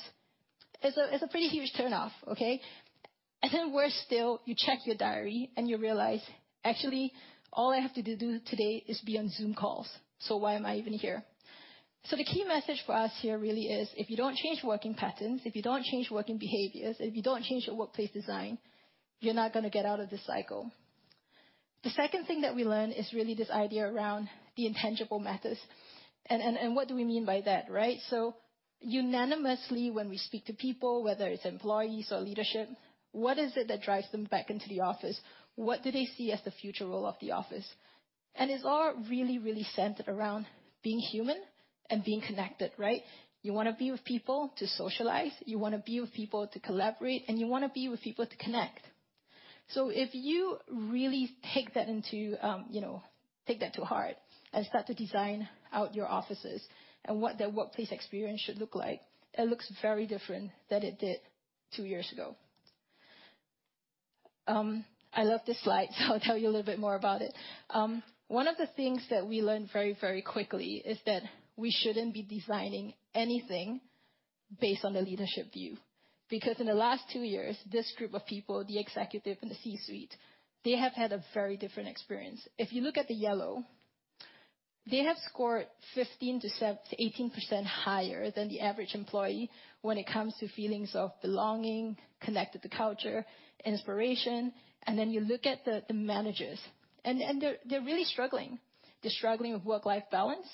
It's a pretty huge turn-off, okay? Then worse still, you check your diary and you realize, "Actually, all I have to do today is be on Zoom calls, so why am I even here?" The key message for us here really is if you don't change working patterns, if you don't change working behaviors, and if you don't change your workplace design, you're not gonna get out of this cycle. The second thing that we learn is really this idea around the intangible matters. What do we mean by that, right? Unanimously, when we speak to people, whether it's employees or leadership, what is it that drives them back into the office? What do they see as the future role of the office? It's all really, really centered around being human and being connected, right? You wanna be with people to socialize, you wanna be with people to collaborate, and you wanna be with people to connect. If you really take that to heart and start to design out your offices and what that workplace experience should look like, it looks very different than it did two years ago. I love this slide, I'll tell you a little bit more about it. One of the things that we learned very, very quickly is that we shouldn't be designing anything based on the leadership view, because in the last two years, this group of people, the executive and the C-suite, they have had a very different experience. If you look at the yellow, they have scored 15%-18% higher than the average employee when it comes to feelings of belonging, connected to culture, inspiration, and then you look at the managers. They're really struggling. They're struggling with work-life balance,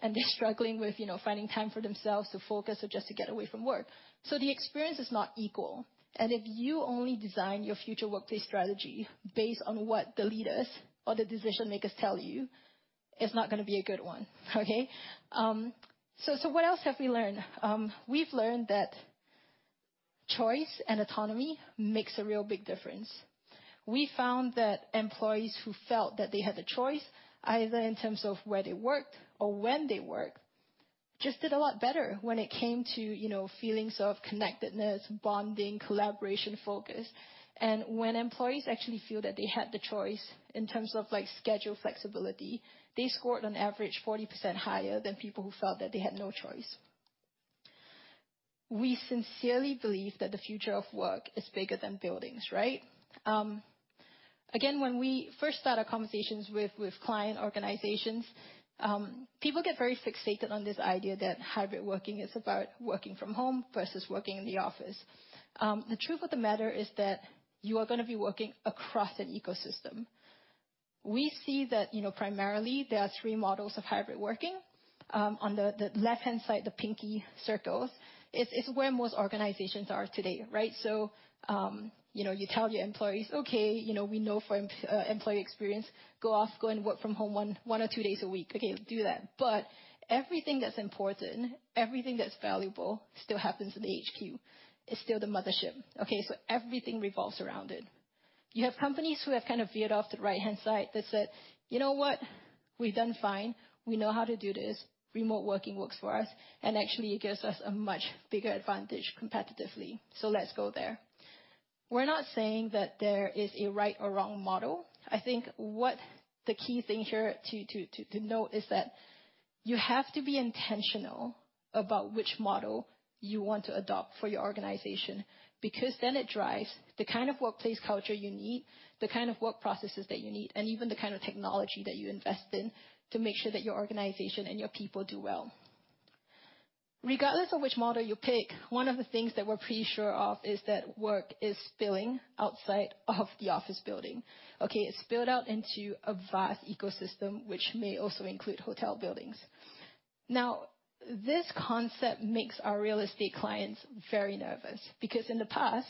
and they're struggling with, you know, finding time for themselves to focus or just to get away from work. The experience is not equal. If you only design your future workplace strategy based on what the leaders or the decision-makers tell you it's not gonna be a good one. Okay? What else have we learned? We've learned that choice and autonomy makes a real big difference. We found that employees who felt that they had the choice, either in terms of where they worked or when they worked, just did a lot better when it came to, you know, feelings of connectedness, bonding, collaboration, focus. When employees actually feel that they had the choice in terms of, like, schedule flexibility, they scored on average 40% higher than people who felt that they had no choice. We sincerely believe that the future of work is bigger than buildings, right? Again, when we first start our conversations with client organizations, people get very fixated on this idea that hybrid working is about working from home versus working in the office. The truth of the matter is that you are gonna be working across an ecosystem. We see that, you know, primarily there are three models of hybrid working. On the left-hand side, the pinky circles, it's where most organizations are today, right? You know, you tell your employees, "Okay, you know, we know from employee experience, go and work from home one or two days a week. Okay, do that." Everything that's important, everything that's valuable still happens in the HQ. It's still the mothership. Okay? Everything revolves around it. You have companies who have kind of veered off the right-hand side that said, "You know what? We've done fine. We know how to do this. Remote working works for us, and actually, it gives us a much bigger advantage competitively. Let's go there." We're not saying that there is a right or wrong model. I think what the key thing here to note is that you have to be intentional about which model you want to adopt for your organization, because then it drives the kind of workplace culture you need, the kind of work processes that you need, and even the kind of technology that you invest in to make sure that your organization and your people do well. Regardless of which model you pick, one of the things that we're pretty sure of is that work is spilling outside of the office building. Okay? It's spilled out into a vast ecosystem, which may also include hotel buildings. This concept makes our real estate clients very nervous, because in the past,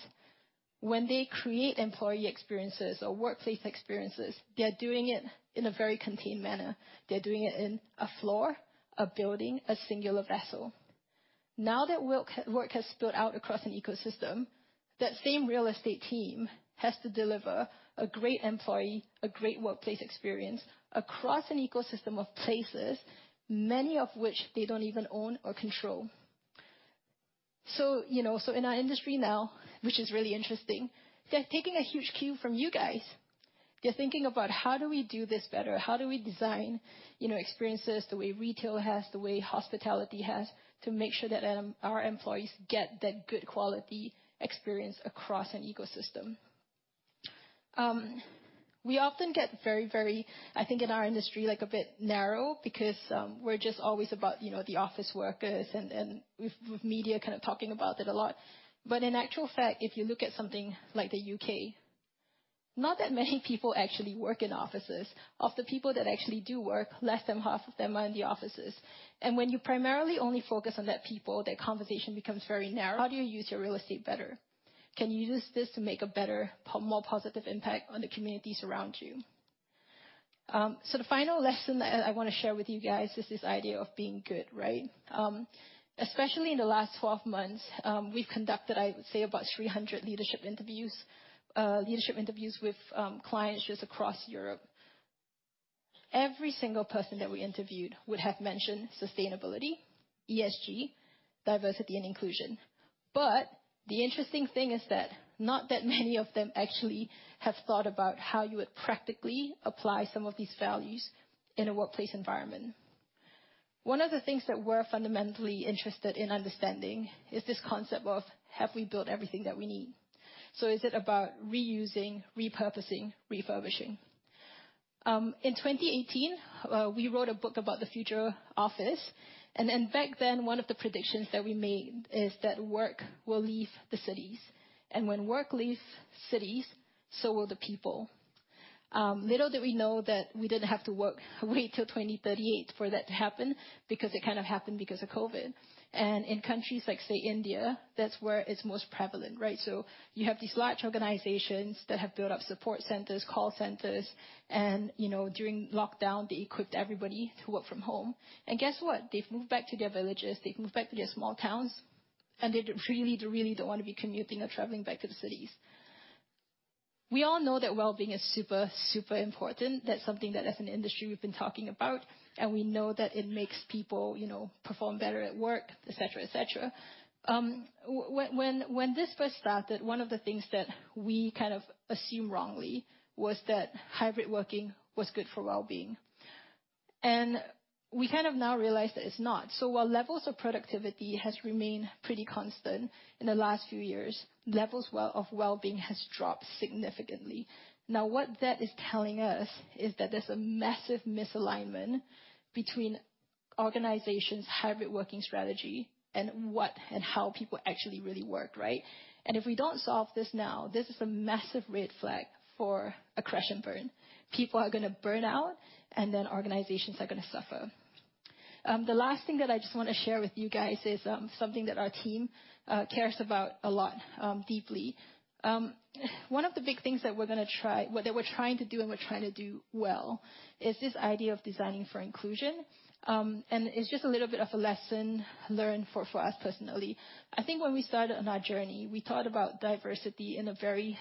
when they create employee experiences or workplace experiences, they're doing it in a very contained manner. They're doing it in a floor, a building, a singular vessel. Now that work has spilled out across an ecosystem, that same real estate team has to deliver a great employee, a great workplace experience across an ecosystem of places, many of which they don't even own or control. You know, so in our industry now, which is really interesting, they're taking a huge cue from you guys. They're thinking about how do we do this better? How do we design, you know, experiences the way retail has, the way hospitality has, to make sure that our employees get that good quality experience across an ecosystem? We often get very, I think, in our industry, like a bit narrow because, we're just always about, you know, the office workers and with media kind of talking about it a lot. In actual fact, if you look at something like the U.K., not that many people actually work in offices. Of the people that actually do work, less than half of them are in the offices. When you primarily only focus on that people, that conversation becomes very narrow. How do you use your real estate better? Can you use this to make a better, more positive impact on the communities around you? The final lesson that I wanna share with you guys is this idea of being good, right? Especially in the last 12 months, we've conducted, I would say, about 300 leadership interviews. Leadership interviews with clients just across Europe. Every single person that we interviewed would have mentioned sustainability, ESG, diversity and inclusion. The interesting thing is that not that many of them actually have thought about how you would practically apply some of these values in a workplace environment. One of the things that we're fundamentally interested in understanding is this concept of have we built everything that we need? Is it about reusing, repurposing, refurbishing? In 2018, we wrote a book about the future office, and then back then, one of the predictions that we made is that work will leave the cities, and when work leaves cities, so will the people. Little did we know that we didn't have to wait till 2038 for that to happen, because it kind of happened because of COVID. In countries like, say, India, that's where it's most prevalent, right? You have these large organizations that have built up support centers, call centers, and, you know, during lockdown, they equipped everybody to work from home. Guess what? They've moved back to their villages. They've moved back to their small towns, and they really, really don't wanna be commuting or traveling back to the cities. We all know that well-being is super important. That's something that as an industry we've been talking about, and we know that it makes people, you know, perform better at work, et cetera, et cetera. When this first started, one of the things that we kind of assumed wrongly was that hybrid working was good for well-being. We kind of now realize that it's not. While levels of productivity has remained pretty constant in the last few years, levels of well-being has dropped significantly. Now, what that is telling us is that there's a massive misalignment between organizations' hybrid working strategy and what and how people actually really work, right? If we don't solve this now, this is a massive red flag for a crash-and-burn. People are gonna burn out, and then organizations are gonna suffer. The last thing that I just wanna share with you guys is something that our team cares about a lot, deeply. One of the big things that we're trying to do and we're trying to do well is this idea of designing for inclusion. It's just a little bit of a lesson learned for us personally. I think when we started on our journey, we thought about diversity in a very,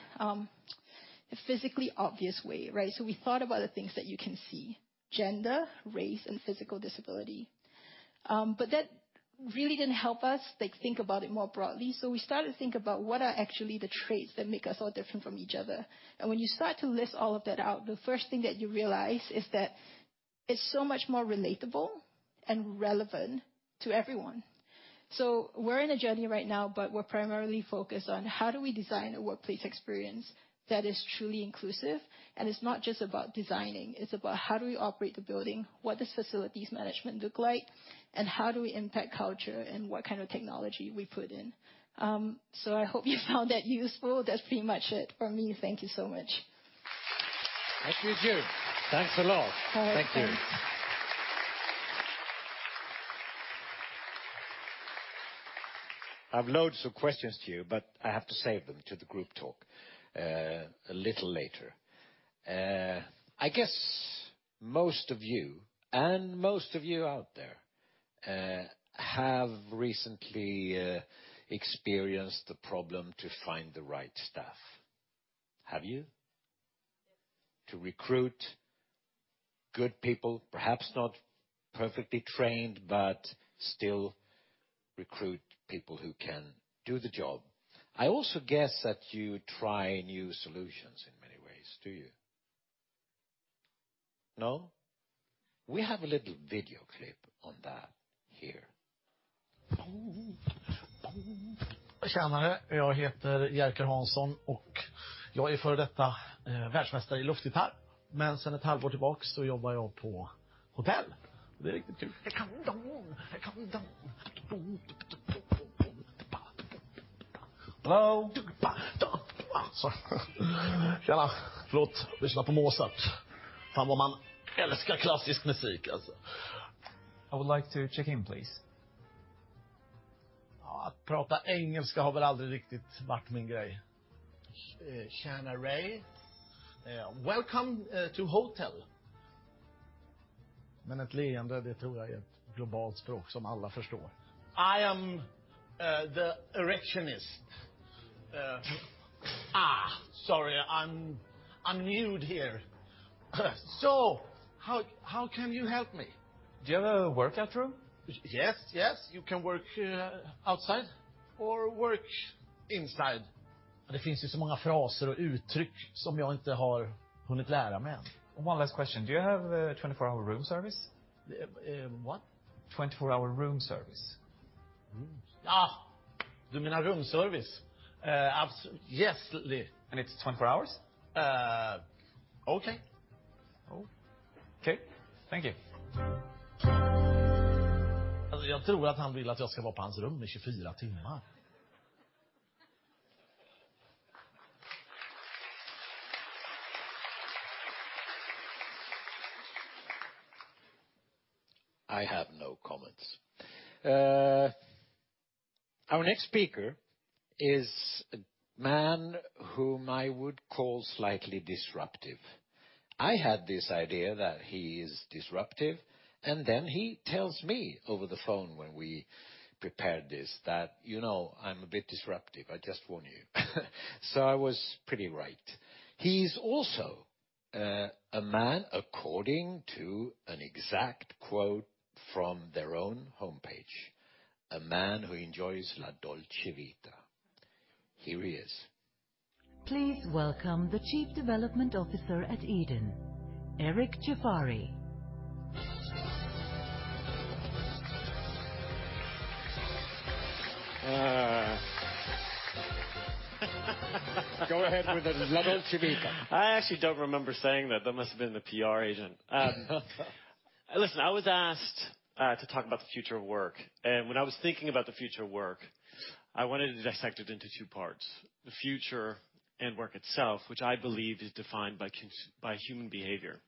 physically obvious way, right? We thought about the things that you can see: gender, race, and physical disability. That really didn't help us, like, think about it more broadly, so we started to think about what are actually the traits that make us all different from each other. When you start to list all of that out, the first thing that you realize is that it's so much more relatable and relevant to everyone. We're in a journey right now, but we're primarily focused on how do we design a workplace experience that is truly inclusive. It's not just about designing. It's about how do we operate the building, what does facilities management look like, and how do we impact culture, and what kind of technology we put in. I hope you found that useful. That's pretty much it from me. Thank you so much. Thank you, June. Thanks a lot. All right. Thank you. Thanks. I've loads of questions to you, but I have to save them to the group talk a little later. I guess most of you out there have recently experienced the problem to find the right staff. Have you? Yes. To recruit good people, perhaps not perfectly trained, but still recruit people who can do the job. I also guess that you try new solutions in many ways. Do you? No? We have a little video clip on that here. Hello. Hello. I would like to check in please. Ray. Welcome to the hotel. I am the receptionist. Sorry, I'm new here. How can you help me? Do you have a workout room? Yes, yes. You can work outside or work inside. One last question. Do you have a 24-hour room service? What? 24-hour room service. Yesly. It's 24 hours? Okay. Oh, okay. Thank you. I have no comments. Our next speaker is a man whom I would call slightly disruptive. I had this idea that he is disruptive, and then he tells me over the phone when we prepared this, that, "You know, I'm a bit disruptive. I just warn you." So I was pretty right. He's also a man, according to an exact quote from their own homepage, "A man who enjoys la dolce vita." Here he is. Please welcome the Chief Development Officer at edyn, Eric Jafari. Go ahead with the la dolce vita. I actually don't remember saying that. That must have been the PR agent. Listen, I was asked to talk about the future of work. When I was thinking about the future of work, I wanted to dissect it into two parts, the future and work itself, which I believe is defined by human behavior.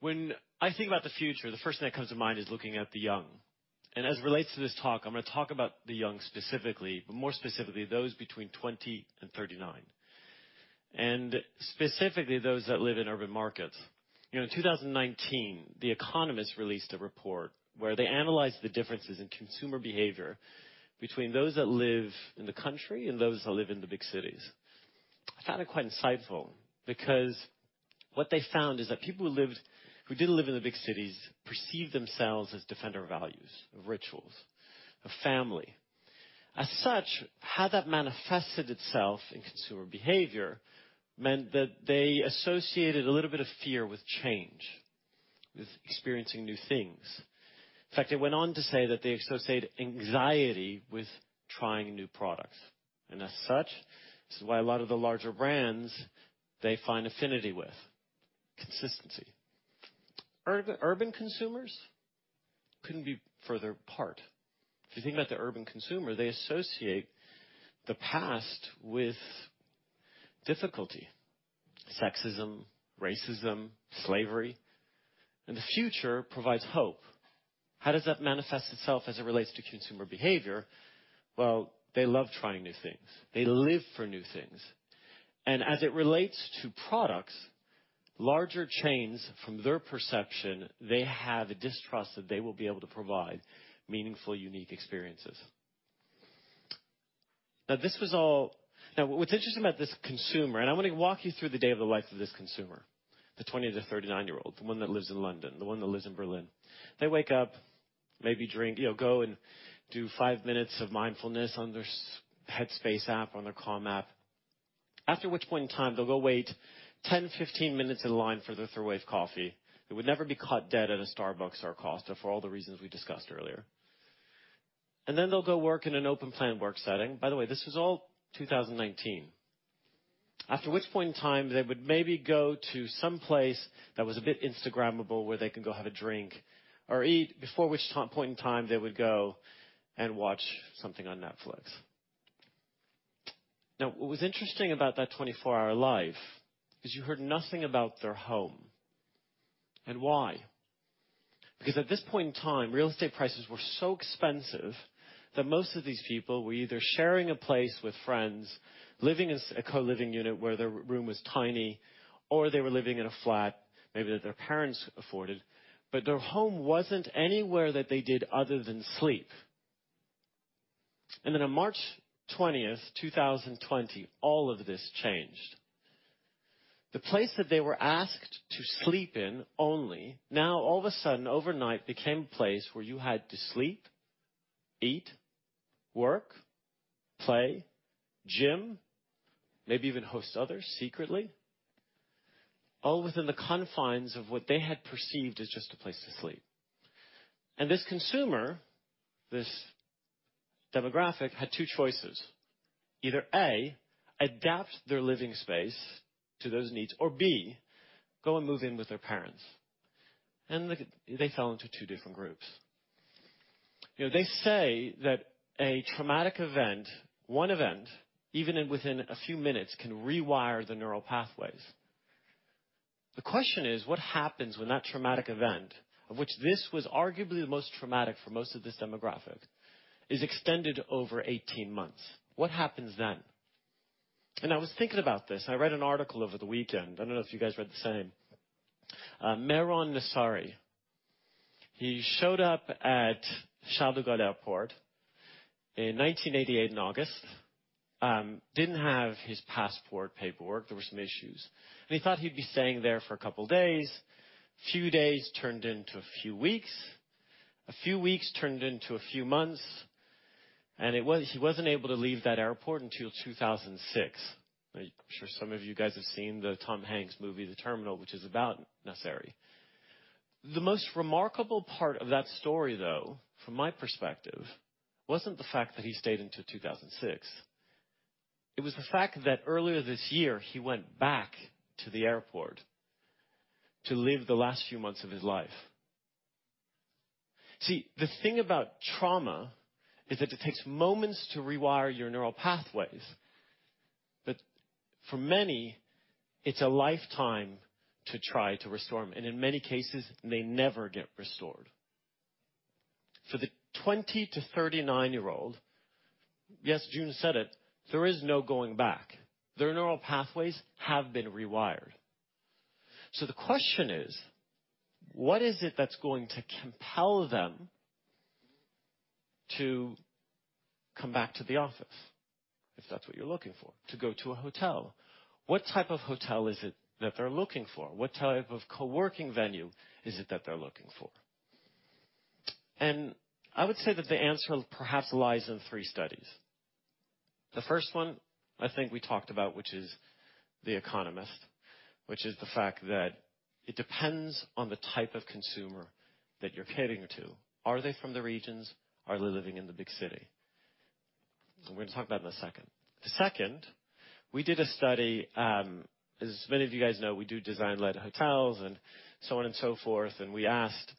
When I think about the future, the first thing that comes to mind is looking at the young. As it relates to this talk, I'm gonna talk about the young specifically, but more specifically, those between 20 and 39, and specifically those that live in urban markets. You know, in 2019, The Economist released a report where they analyzed the differences in consumer behavior between those that live in the country and those that live in the big cities. I found it quite insightful because what they found is that people who didn't live in the big cities perceived themselves as defender of values, of rituals, the family. As such, how that manifested itself in consumer behavior meant that they associated a little bit of fear with change, with experiencing new things. In fact, it went on to say that they associated anxiety with trying new products. As such, this is why a lot of the larger brands they find affinity with consistency. Urban consumers couldn't be further apart. If you think about the urban consumer, they associate the past with difficulty, sexism, racism, slavery, and the future provides hope. How does that manifest itself as it relates to consumer behavior? Well, they love trying new things. They live for new things. As it relates to products, larger chains from their perception, they have a distrust that they will be able to provide meaningful, unique experiences. This was all. Now, what's interesting about this consumer, and I wanna walk you through the day in the life of this consumer, the 20- to 39-year-old, the one that lives in London, the one that lives in Berlin. They wake up, maybe drink, you know, go and do 5 minutes of mindfulness on their Headspace app, on their Calm app, after which point in time they'll go wait 10, 15 minutes in line for their third wave coffee. They would never be caught dead at a Starbucks or a Costa for all the reasons we discussed earlier. Then they'll go work in an open plan work setting. By the way, this was all 2019. After which point in time, they would maybe go to some place that was a bit Instagrammable, where they can go have a drink or eat, before which point in time they would go and watch something on Netflix. Now, what was interesting about that 24-hour life is you heard nothing about their home. Why? Because at this point in time, real estate prices were so expensive that most of these people were either sharing a place with friends, living in a co-living unit where their room was tiny, or they were living in a flat maybe that their parents afforded, but their home wasn't anywhere that they did other than sleep. On March 20th, 2020, all of this changed. The place that they were asked to sleep in only, now all of a sudden, overnight, became a place where you had to sleep, eat, work, play, gym, maybe even host others secretly, all within the confines of what they had perceived as just a place to sleep. This consumer, this demographic, had two choices: either, A, adapt their living space to those needs, or B, go and move in with their parents. Look at. They fell into two different groups. You know, they say that a traumatic event, one event, even within a few minutes, can rewire the neural pathways. The question is: what happens when that traumatic event, of which this was arguably the most traumatic for most of this demographic, is extended over 18 months? What happens then? I was thinking about this. I read an article over the weekend. I don't know if you guys read the same. Mehran Nasseri, he showed up at Charles de Gaulle Airport in 1988 in August. Didn't have his passport paperwork. There were some issues, and he thought he'd be staying there for a couple days. Few days turned into a few weeks, a few weeks turned into a few months, and he wasn't able to leave that airport until 2006. I'm sure some of you guys have seen the Tom Hanks movie, The Terminal, which is about Nasseri. The most remarkable part of that story, though, from my perspective, wasn't the fact that he stayed until 2006. It was the fact that earlier this year, he went back to the airport to live the last few months of his life. See, the thing about trauma is that it takes moments to rewire your neural pathways, but for many, it's a lifetime to try to restore them, and in many cases, they never get restored. For the 20- to 39-year-old, yes, June said it, there is no going back. Their neural pathways have been rewired. So the question is: what is it that's going to compel them to come back to the office, if that's what you're looking for? To go to a hotel? What type of hotel is it that they're looking for? What type of co-working venue is it that they're looking for? And I would say that the answer perhaps lies in three studies. The first one I think we talked about, which is The Economist, which is the fact that it depends on the type of consumer that you're catering to. Are they from the regions? Are they living in the big city? We're gonna talk about in a second. The second, we did a study, as many of you guys know, we do design-led hotels and so on and so forth, and we asked,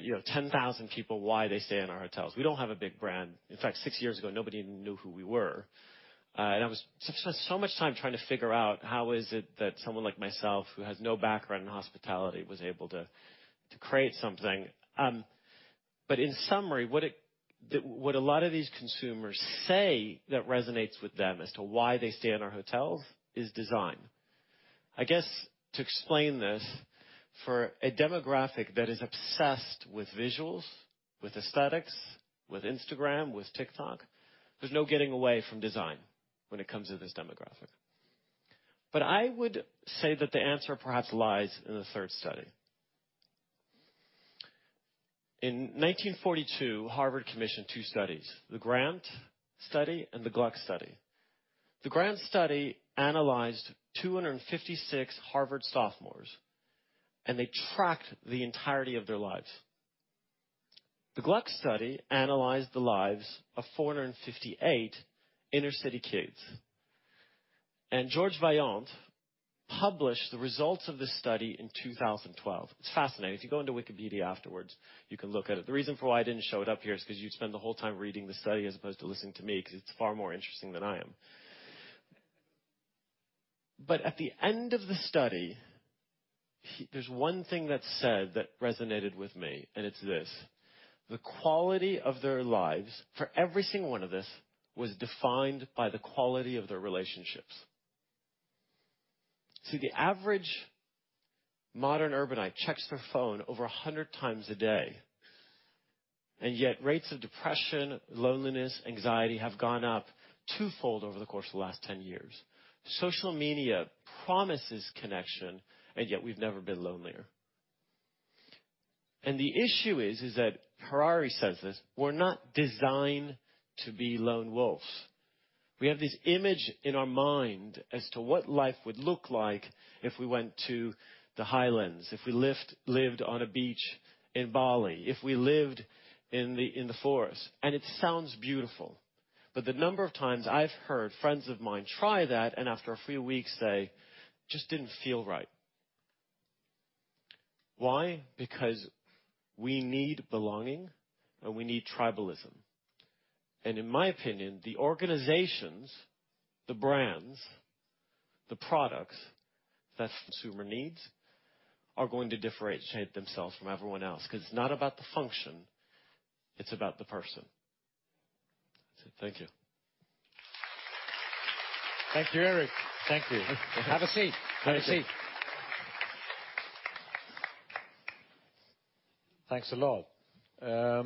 you know, 10,000 people why they stay in our hotels. We don't have a big brand. In fact, six years ago, nobody even knew who we were. I spent so much time trying to figure out how is it that someone like myself, who has no background in hospitality, was able to create something. In summary, what a lot of these consumers say that resonates with them as to why they stay in our hotels is design. I guess to explain this, for a demographic that is obsessed with visuals, with aesthetics, with Instagram, with TikTok, there's no getting away from design when it comes to this demographic. I would say that the answer perhaps lies in the third study. In 1942, Harvard commissioned two studies, the Grant Study and the Glueck Study. The Grant Study analyzed 256 Harvard sophomores, and they tracked the entirety of their lives. The Glueck study analyzed the lives of 458 inner-city kids. George Vaillant published the results of this study in 2012. It's fascinating. If you go into Wikipedia afterwards, you can look at it. The reason for why I didn't show it up here is 'cause you'd spend the whole time reading the study as opposed to listening to me, 'cause it's far more interesting than I am. At the end of the study, there's one thing that's said that resonated with me, and it's this: the quality of their lives, for every single one of us, was defined by the quality of their relationships. See, the average modern urbanite checks their phone over 100 times a day, and yet rates of depression, loneliness, anxiety have gone up twofold over the course of the last 10 years. Social media promises connection, and yet we've never been lonelier. The issue is that Harari says this, we're not designed to be lone wolves. We have this image in our mind as to what life would look like if we went to the highlands, if we lived on a beach in Bali, if we lived in the forest. It sounds beautiful, but the number of times I've heard friends of mine try that and after a few weeks say, "Just didn't feel right." Why? Because we need belonging, and we need tribalism. In my opinion, the organizations, the brands, the products that consumer needs are going to differentiate themselves from everyone else 'cause it's not about the function, it's about the person. That's it. Thank you. Thank you, Eric. Thank you. Thank you. Have a seat. Have a seat. Thank you. Thanks a lot.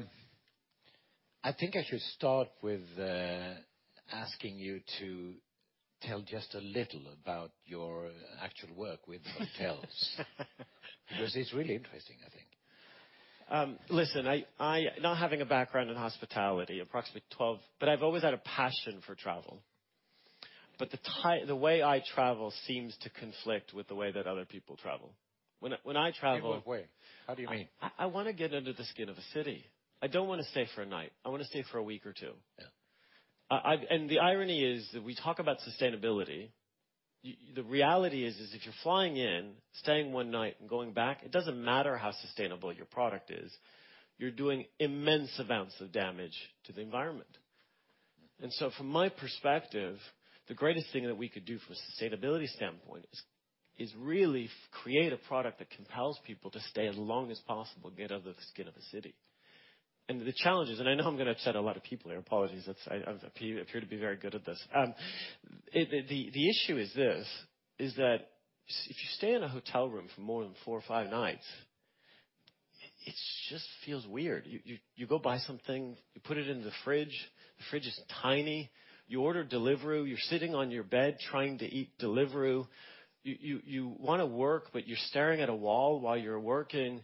I think I should start with asking you to tell just a little about your actual work with hotels. Because it's really interesting, I think. Listen, I not having a background in hospitality, approximately 12. I've always had a passion for travel. The way I travel seems to conflict with the way that other people travel. When I travel In what way? How do you mean? I wanna get under the skin of a city. I don't wanna stay for a night. I wanna stay for a week or two. Yeah. The irony is that we talk about sustainability. The reality is if you're flying in, staying one night and going back, it doesn't matter how sustainable your product is, you're doing immense amounts of damage to the environment. From my perspective, the greatest thing that we could do from a sustainability standpoint is really create a product that compels people to stay as long as possible, get under the skin of a city. The challenges, I know I'm gonna upset a lot of people here, apologies, that's I appear to be very good at this. The issue is that if you stay in a hotel room for more than four or five nights, it's just feels weird. You go buy something, you put it in the fridge, the fridge is tiny. You order Deliveroo, you're sitting on your bed trying to eat Deliveroo. You wanna work, but you're staring at a wall while you're working.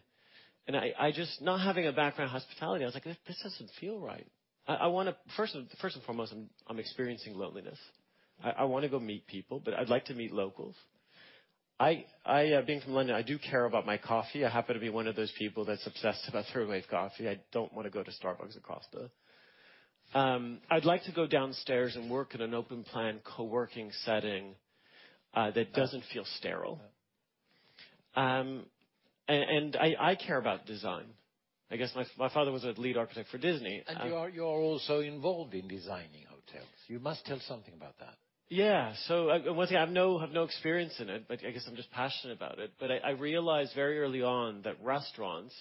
Not having a background in hospitality, I was like, "This doesn't feel right." I wanna first and foremost, I'm experiencing loneliness. I wanna go meet people, but I'd like to meet locals. Being from London, I do care about my coffee. I happen to be one of those people that's obsessed about third wave coffee. I don't wanna go to Starbucks or Costa. I'd like to go downstairs and work in an open plan co-working setting that doesn't feel sterile. Yeah. I care about design. I guess my father was a lead architect for Disney. You are also involved in designing hotels. You must tell something about that. Once again, I have no experience in it, but I guess I'm just passionate about it. I realized very early on that restaurants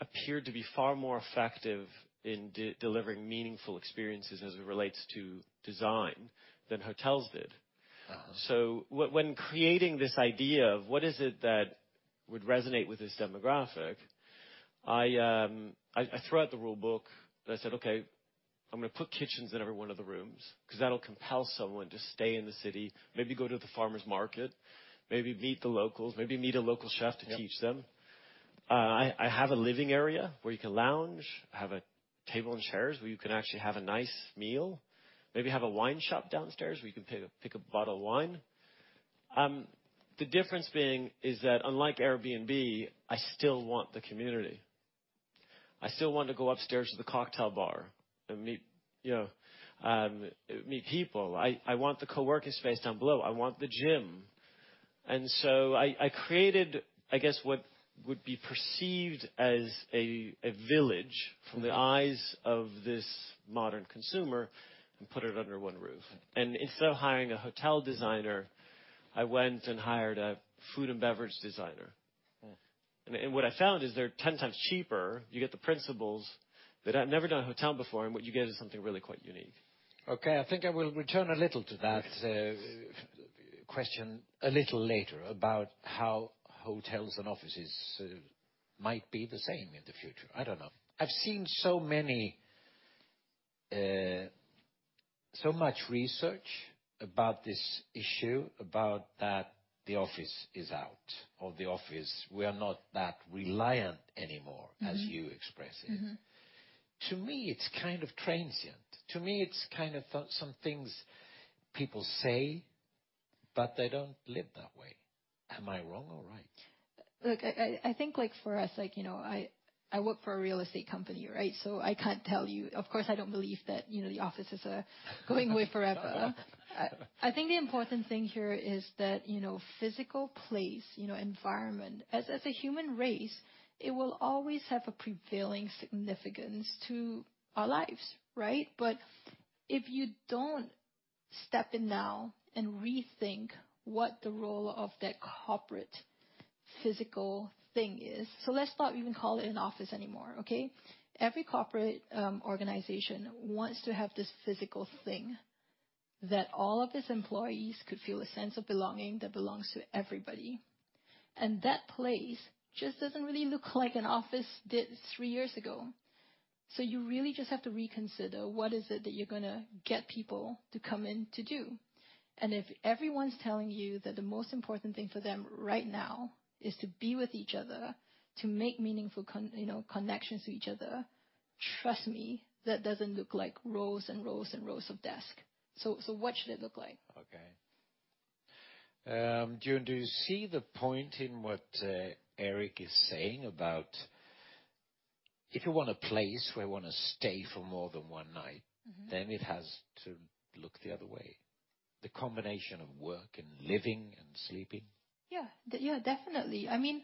appeared to be far more effective in delivering meaningful experiences as it relates to design than hotels did. Uh-huh. When creating this idea of what is it that would resonate with this demographic, I threw out the rule book and I said, "Okay, I'm gonna put kitchens in every one of the rooms, 'cause that'll compel someone to stay in the city, maybe go to the farmers market, maybe meet the locals, maybe meet a local chef to teach them. Yeah. I have a living area where you can lounge. I have a table and chairs where you can actually have a nice meal. Maybe have a wine shop downstairs where you can pick a bottle of wine. The difference being is that unlike Airbnb, I still want the community. I still want to go upstairs to the cocktail bar and meet, you know, meet people. I want the co-working space down below. I want the gym. I created, I guess what would be perceived as a village from the eyes of this modern consumer and put it under one roof. Yeah. Instead of hiring a hotel designer, I went and hired a food and beverage designer. What I found is they're 10 times cheaper. You get the principals. They have never done a hotel before, and what you get is something really quite unique. Okay. I think I will return a little to that. Yes. Question a little later about how hotels and offices might be the same in the future? I don't know. I've seen so much research about this issue, about that the office is out or the office, we are not that reliant anymore. As you express it. To me, it's kind of transient. To me, it's kind of some things people say, but they don't live that way. Am I wrong or right? Look, I think like for us, like, you know, I work for a real estate company, right? I can't tell you. Of course, I don't believe that, you know, the office is going away forever. I think the important thing here is that, you know, physical place, you know, environment. As a human race, it will always have a prevailing significance to our lives, right? If you don't step in now and rethink what the role of that corporate physical thing is. Let's not even call it an office anymore, okay? Every corporate organization wants to have this physical thing that all of its employees could feel a sense of belonging that belongs to everybody, and that place just doesn't really look like an office did three years ago. You really just have to reconsider what is it that you're gonna get people to come in to do. If everyone's telling you that the most important thing for them right now is to be with each other, to make meaningful you know, connections to each other, trust me, that doesn't look like rows and rows and rows of desk. What should it look like? Okay, June, do you see the point in what Eric is saying about if you want a place where you wanna stay for more than one night? It has to look the other way. The combination of work and living and sleeping. Yeah. Yeah, definitely. I mean,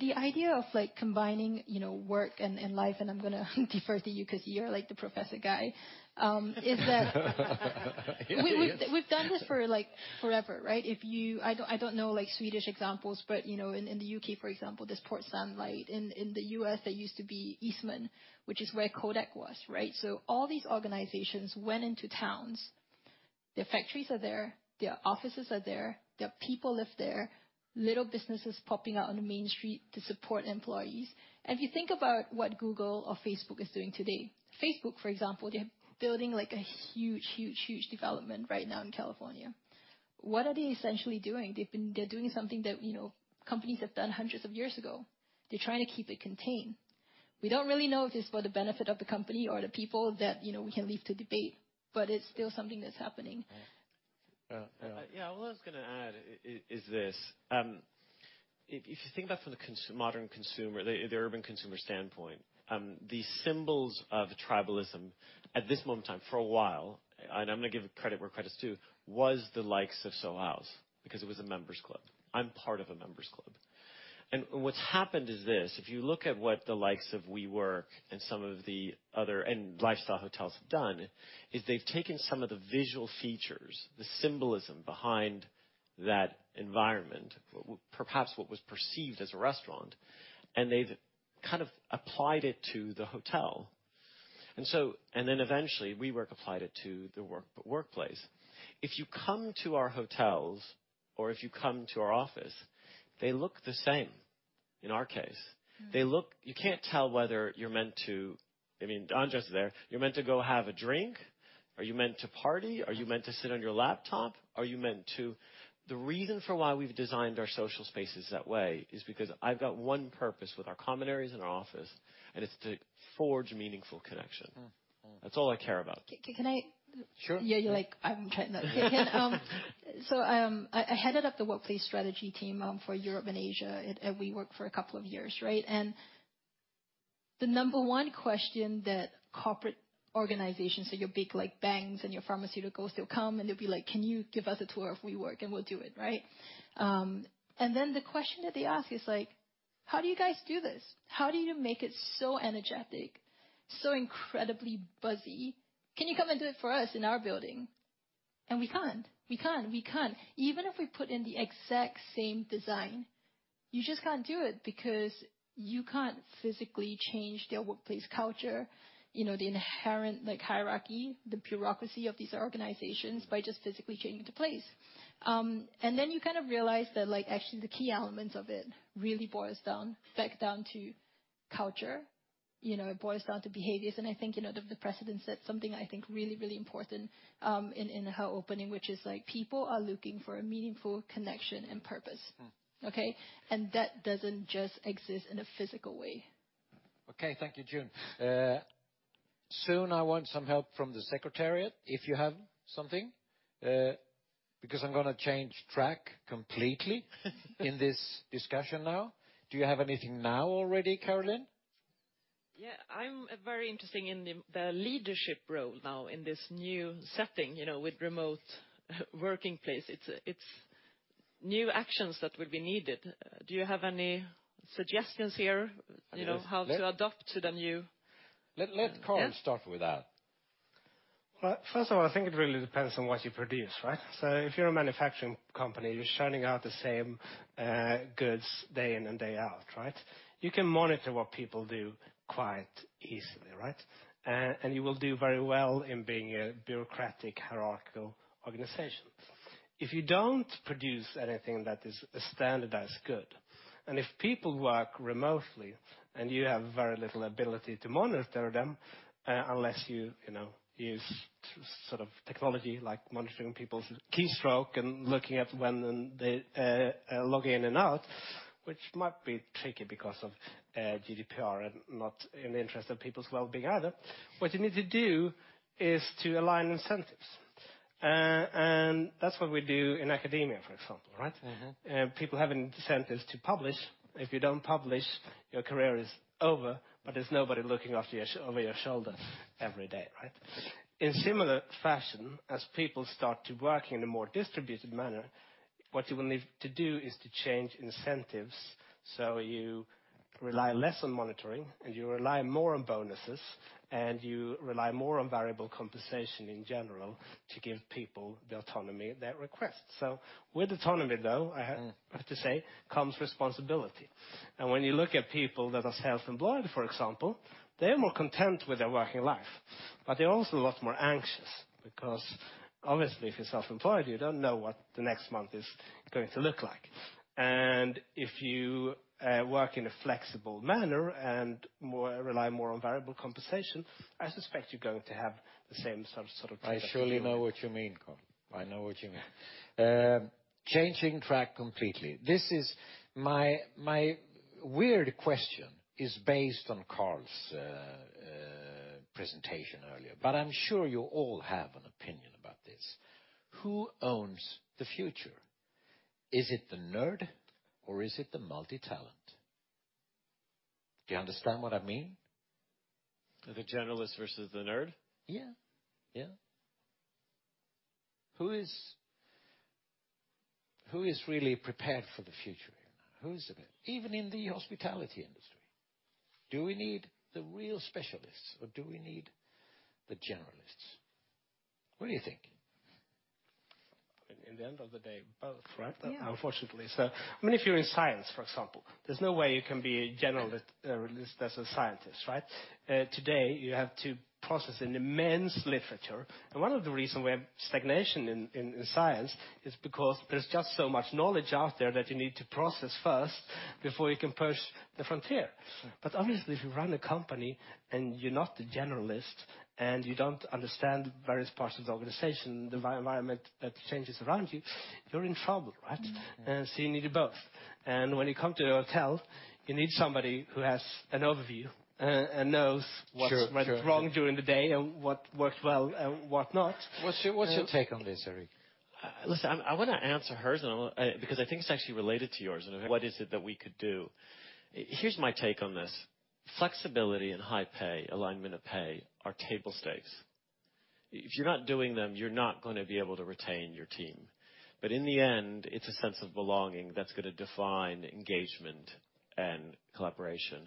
the idea of like combining, you know, work and life, and I'm gonna defer to you 'cause you're like the professor guy. We've done this for, like, forever, right? I don't know like Swedish examples, but, you know, in the U.K., for example, there's Port Sunlight. In the U.S., there used to be Eastman, which is where Kodak was, right? So all these organizations went into towns. Their factories are there. Their offices are there. Their people live there. Little businesses popping out on the main street to support employees. If you think about what Google or Facebook is doing today. Facebook, for example, they're building like a huge, huge, huge development right now in California. What are they essentially doing? They're doing something that, you know, companies have done hundreds of years ago. They're trying to keep it contained. We don't really know if it's for the benefit of the company or the people that, you know, we can leave to debate, but it's still something that's happening. All right. Yeah. All I was gonna add is this, if you think about for the modern consumer, the urban consumer standpoint, the symbols of tribalism at this point in time for a while, and I'm gonna give credit where credit's due, was the likes of Soho House because it was a members club. I'm part of a members club. What's happened is this, if you look at what the likes of WeWork and some of the other, and lifestyle hotels have done, is they've taken some of the visual features, the symbolism behind that environment, well, perhaps what was perceived as a restaurant, and they've kind of applied it to the hotel. Then eventually, WeWork applied it to the workplace. If you come to our hotels or if you come to our office, they look the same in our case. They look. You can't tell whether you're meant to. I mean, Anders is there. You're meant to go have a drink. Are you meant to party? Are you meant to sit on your laptop? Are you meant to. The reason for why we've designed our social spaces that way is because I've got one purpose with our common areas in our office, and it's to forge meaningful connection. That's all I care about. Can I? Sure. I headed up the workplace strategy team for Europe and Asia at WeWork for a couple of years, right? The number one question that corporate organizations, so your big like banks and your pharmaceuticals, they'll come, and they'll be like, "Can you give us a tour of WeWork?" We'll do it, right? The question that they ask is like, "How do you guys do this? How do you make it so energetic, so incredibly buzzy? Can you come and do it for us in our building?" We can't. Even if we put in the exact same design, you just can't do it because you can't physically change their workplace culture, you know, the inherent like hierarchy, the bureaucracy of these organizations by just physically changing the place. You kind of realize that, like, actually, the key elements of it really boils down back down to culture. You know, it boils down to behaviors. I think, you know, the precedent set something I think really important in her opening, which is like people are looking for a meaningful connection and purpose. Okay? That doesn't just exist in a physical way. Okay. Thank you, June. Soon I want some help from the secretariat, if you have something, because I'm gonna change track completely in this discussion now. Do you have anything now already, Caroline? Yeah. I'm very interested in the leadership role now in this new setting, you know, with remote workplace. It's new interactions that will be needed. Do you have any suggestions here? Yes. You know, how to adapt to the new Let Carl start with that. Well, first of all, I think it really depends on what you produce, right? If you're a manufacturing company, you're churning out the same goods day in and day out, right? You can monitor what people do quite easily, right? You will do very well in being a bureaucratic, hierarchical organization. If you don't produce anything that is a standardized good, and if people work remotely, and you have very little ability to monitor them, unless you know, use sort of technology like monitoring people's keystroke and looking at when they log in and out, which might be tricky because of GDPR and not in the interest of people's well-being either. What you need to do is to align incentives. That's what we do in academia, for example, right? People have incentives to publish. If you don't publish, your career is over, but there's nobody looking over your shoulder every day, right? In similar fashion, as people start to work in a more distributed manner, what you will need to do is to change incentives, so you rely less on monitoring and you rely more on bonuses, and you rely more on variable compensation in general to give people the autonomy they request. With autonomy, though, I have to say, comes responsibility. When you look at people that are self-employed, for example, they're more content with their working life, but they're also a lot more anxious because obviously, if you're self-employed, you don't know what the next month is going to look like. If you work in a flexible manner and more. Rely more on variable compensation, I suspect you're going to have the same sort of. I surely know what you mean, Carl. I know what you mean. Changing track completely. This is my weird question is based on Carl's presentation earlier, but I'm sure you all have an opinion about this. Who owns the future? Is it the nerd or is it the multi-talent? Do you understand what I mean? The generalist versus the nerd? Yeah. Who is really prepared for the future? Who is it? Even in the hospitality industry, do we need the real specialists or do we need the generalists? What do you think? In the end of the day, both, right? Yeah. Unfortunately. I mean, if you're in science, for example, there's no way you can be a generalist as a scientist, right? Today you have to process an immense literature. One of the reason we have stagnation in science is because there's just so much knowledge out there that you need to process first before you can push the frontier. Obviously, if you run a company and you're not a generalist and you don't understand various parts of the organization, the environment that changes around you're in trouble, right? You need it both. When you come to a hotel, you need somebody who has an overview, and knows. Sure, sure. What went wrong during the day and what worked well and what not? What's your take on this, Eric? Listen, I wanna answer hers and because I think it's actually related to yours. What is it that we could do? Here's my take on this. Flexibility and high pay, alignment of pay are table stakes. If you're not doing them, you're not gonna be able to retain your team. In the end, it's a sense of belonging that's gonna define engagement and collaboration.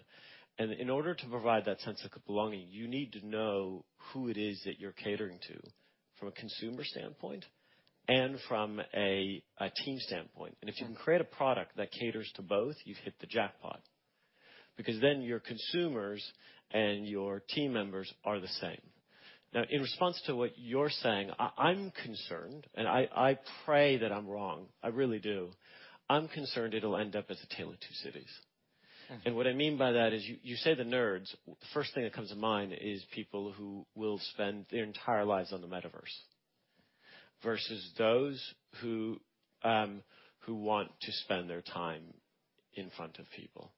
In order to provide that sense of belonging, you need to know who it is that you're catering to from a consumer standpoint and from a team standpoint. If you can create a product that caters to both, you've hit the jackpot because then your consumers and your team members are the same. Now, in response to what you're saying, I'm concerned, and I pray that I'm wrong, I really do. I'm concerned it'll end up as a tale of two cities. What I mean by that is you say the nerds, first thing that comes to mind is people who will spend their entire lives on the metaverse versus those who want to spend their time in front of people.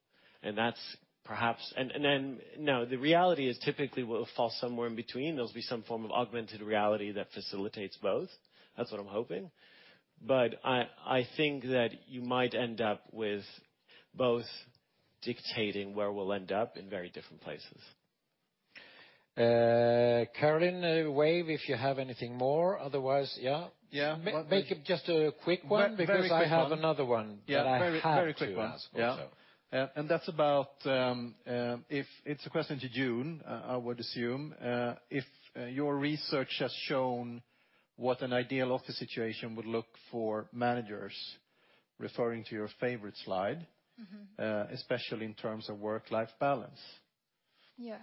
The reality is typically we'll fall somewhere in between. There'll be some form of augmented reality that facilitates both. That's what I'm hoping. I think that you might end up with both dictating where we'll end up in very different places. Caroline, wave if you have anything more, otherwise. Yeah. Yeah. Make it just a quick one. Very, very quick one. Because I have another one that I have to ask also. Very quick one. It's a question to June, I would assume. If your research has shown what an ideal office situation would look for managers, referring to your favorite slide. Especially in terms of work-life balance. Yeah.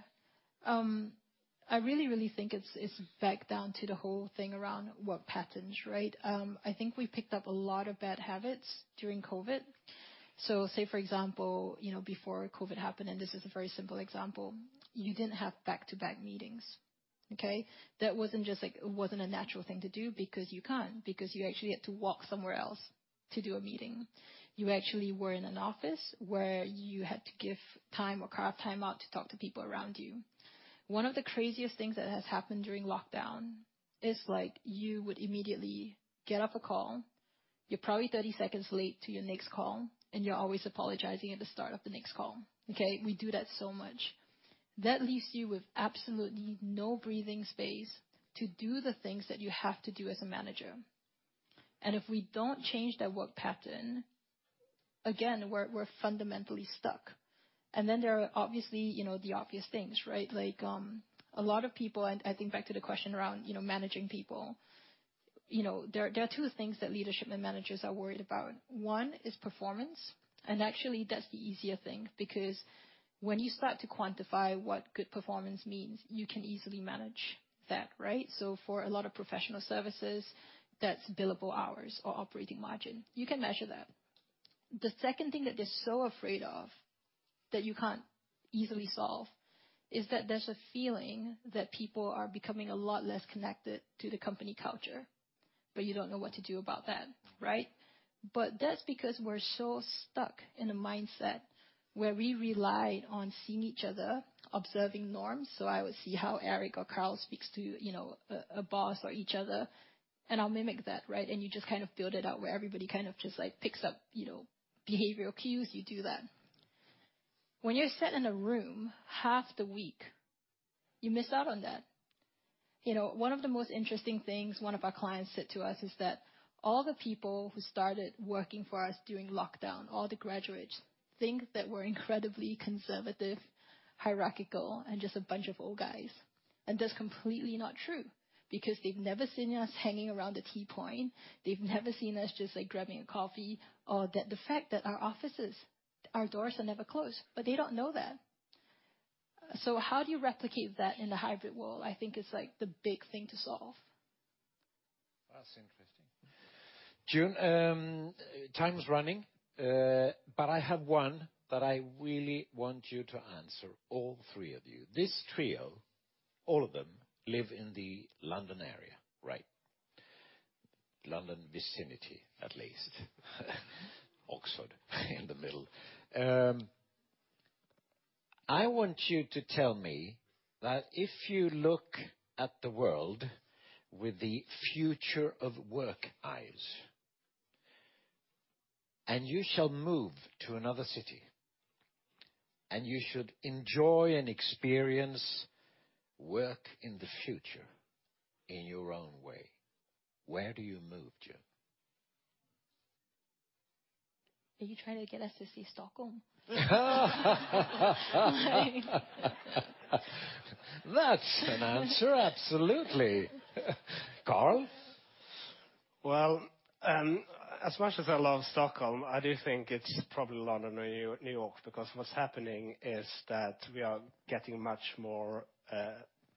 I really, really think it's back down to the whole thing around work patterns, right? I think we picked up a lot of bad habits during COVID. Say, for example, you know, before COVID happened, and this is a very simple example, you didn't have back-to-back meetings, okay? That wasn't just like. It wasn't a natural thing to do because you can't, because you actually had to walk somewhere else to do a meeting. You actually were in an office where you had to give time or carve time out to talk to people around you. One of the craziest things that has happened during lockdown is, like, you would immediately get off a call, you're probably 30 seconds late to your next call, and you're always apologizing at the start of the next call, okay? We do that so much. That leaves you with absolutely no breathing space to do the things that you have to do as a manager. If we don't change that work pattern, again, we're fundamentally stuck. Then there are obviously, you know, the obvious things, right? Like, a lot of people, and I think back to the question around, you know, managing people. You know, there are two things that leadership and managers are worried about. One is performance, and actually, that's the easier thing because when you start to quantify what good performance means, you can easily manage that, right? For a lot of professional services, that's billable hours or operating margin. You can measure that. The second thing that they're so afraid of, that you can't easily solve, is that there's a feeling that people are becoming a lot less connected to the company culture, but you don't know what to do about that, right? That's because we're so stuck in a mindset where we rely on seeing each other, observing norms. I would see how Eric or Carl speaks to, you know, a boss or each other, and I'll mimic that, right? You just kind of build it out where everybody kind of just like picks up, you know, behavioral cues. You do that. When you're sat in a room half the week, you miss out on that. You know, one of the most interesting things one of our clients said to us is that all the people who started working for us during lockdown, all the graduates think that we're incredibly conservative, hierarchical, and just a bunch of old guys. That's completely not true because they've never seen us hanging around a tea point. They've never seen us just like grabbing a coffee or that the fact that our offices, our doors are never closed. They don't know that. How do you replicate that in a hybrid world, I think is like the big thing to solve. That's interesting. June, time is running. But I have one that I really want you to answer, all three of you. This trio, all of them live in the London area, right? London vicinity, at least. Oxford in the middle. I want you to tell me that if you look at the world with the future of work eyes, and you shall move to another city, and you should enjoy and experience work in the future in your own way, where do you move, June? Are you trying to get us to say Stockholm? Why? That's an answer, absolutely. Carl? Well, as much as I love Stockholm, I do think it's probably London or New York, because what's happening is that we are getting much more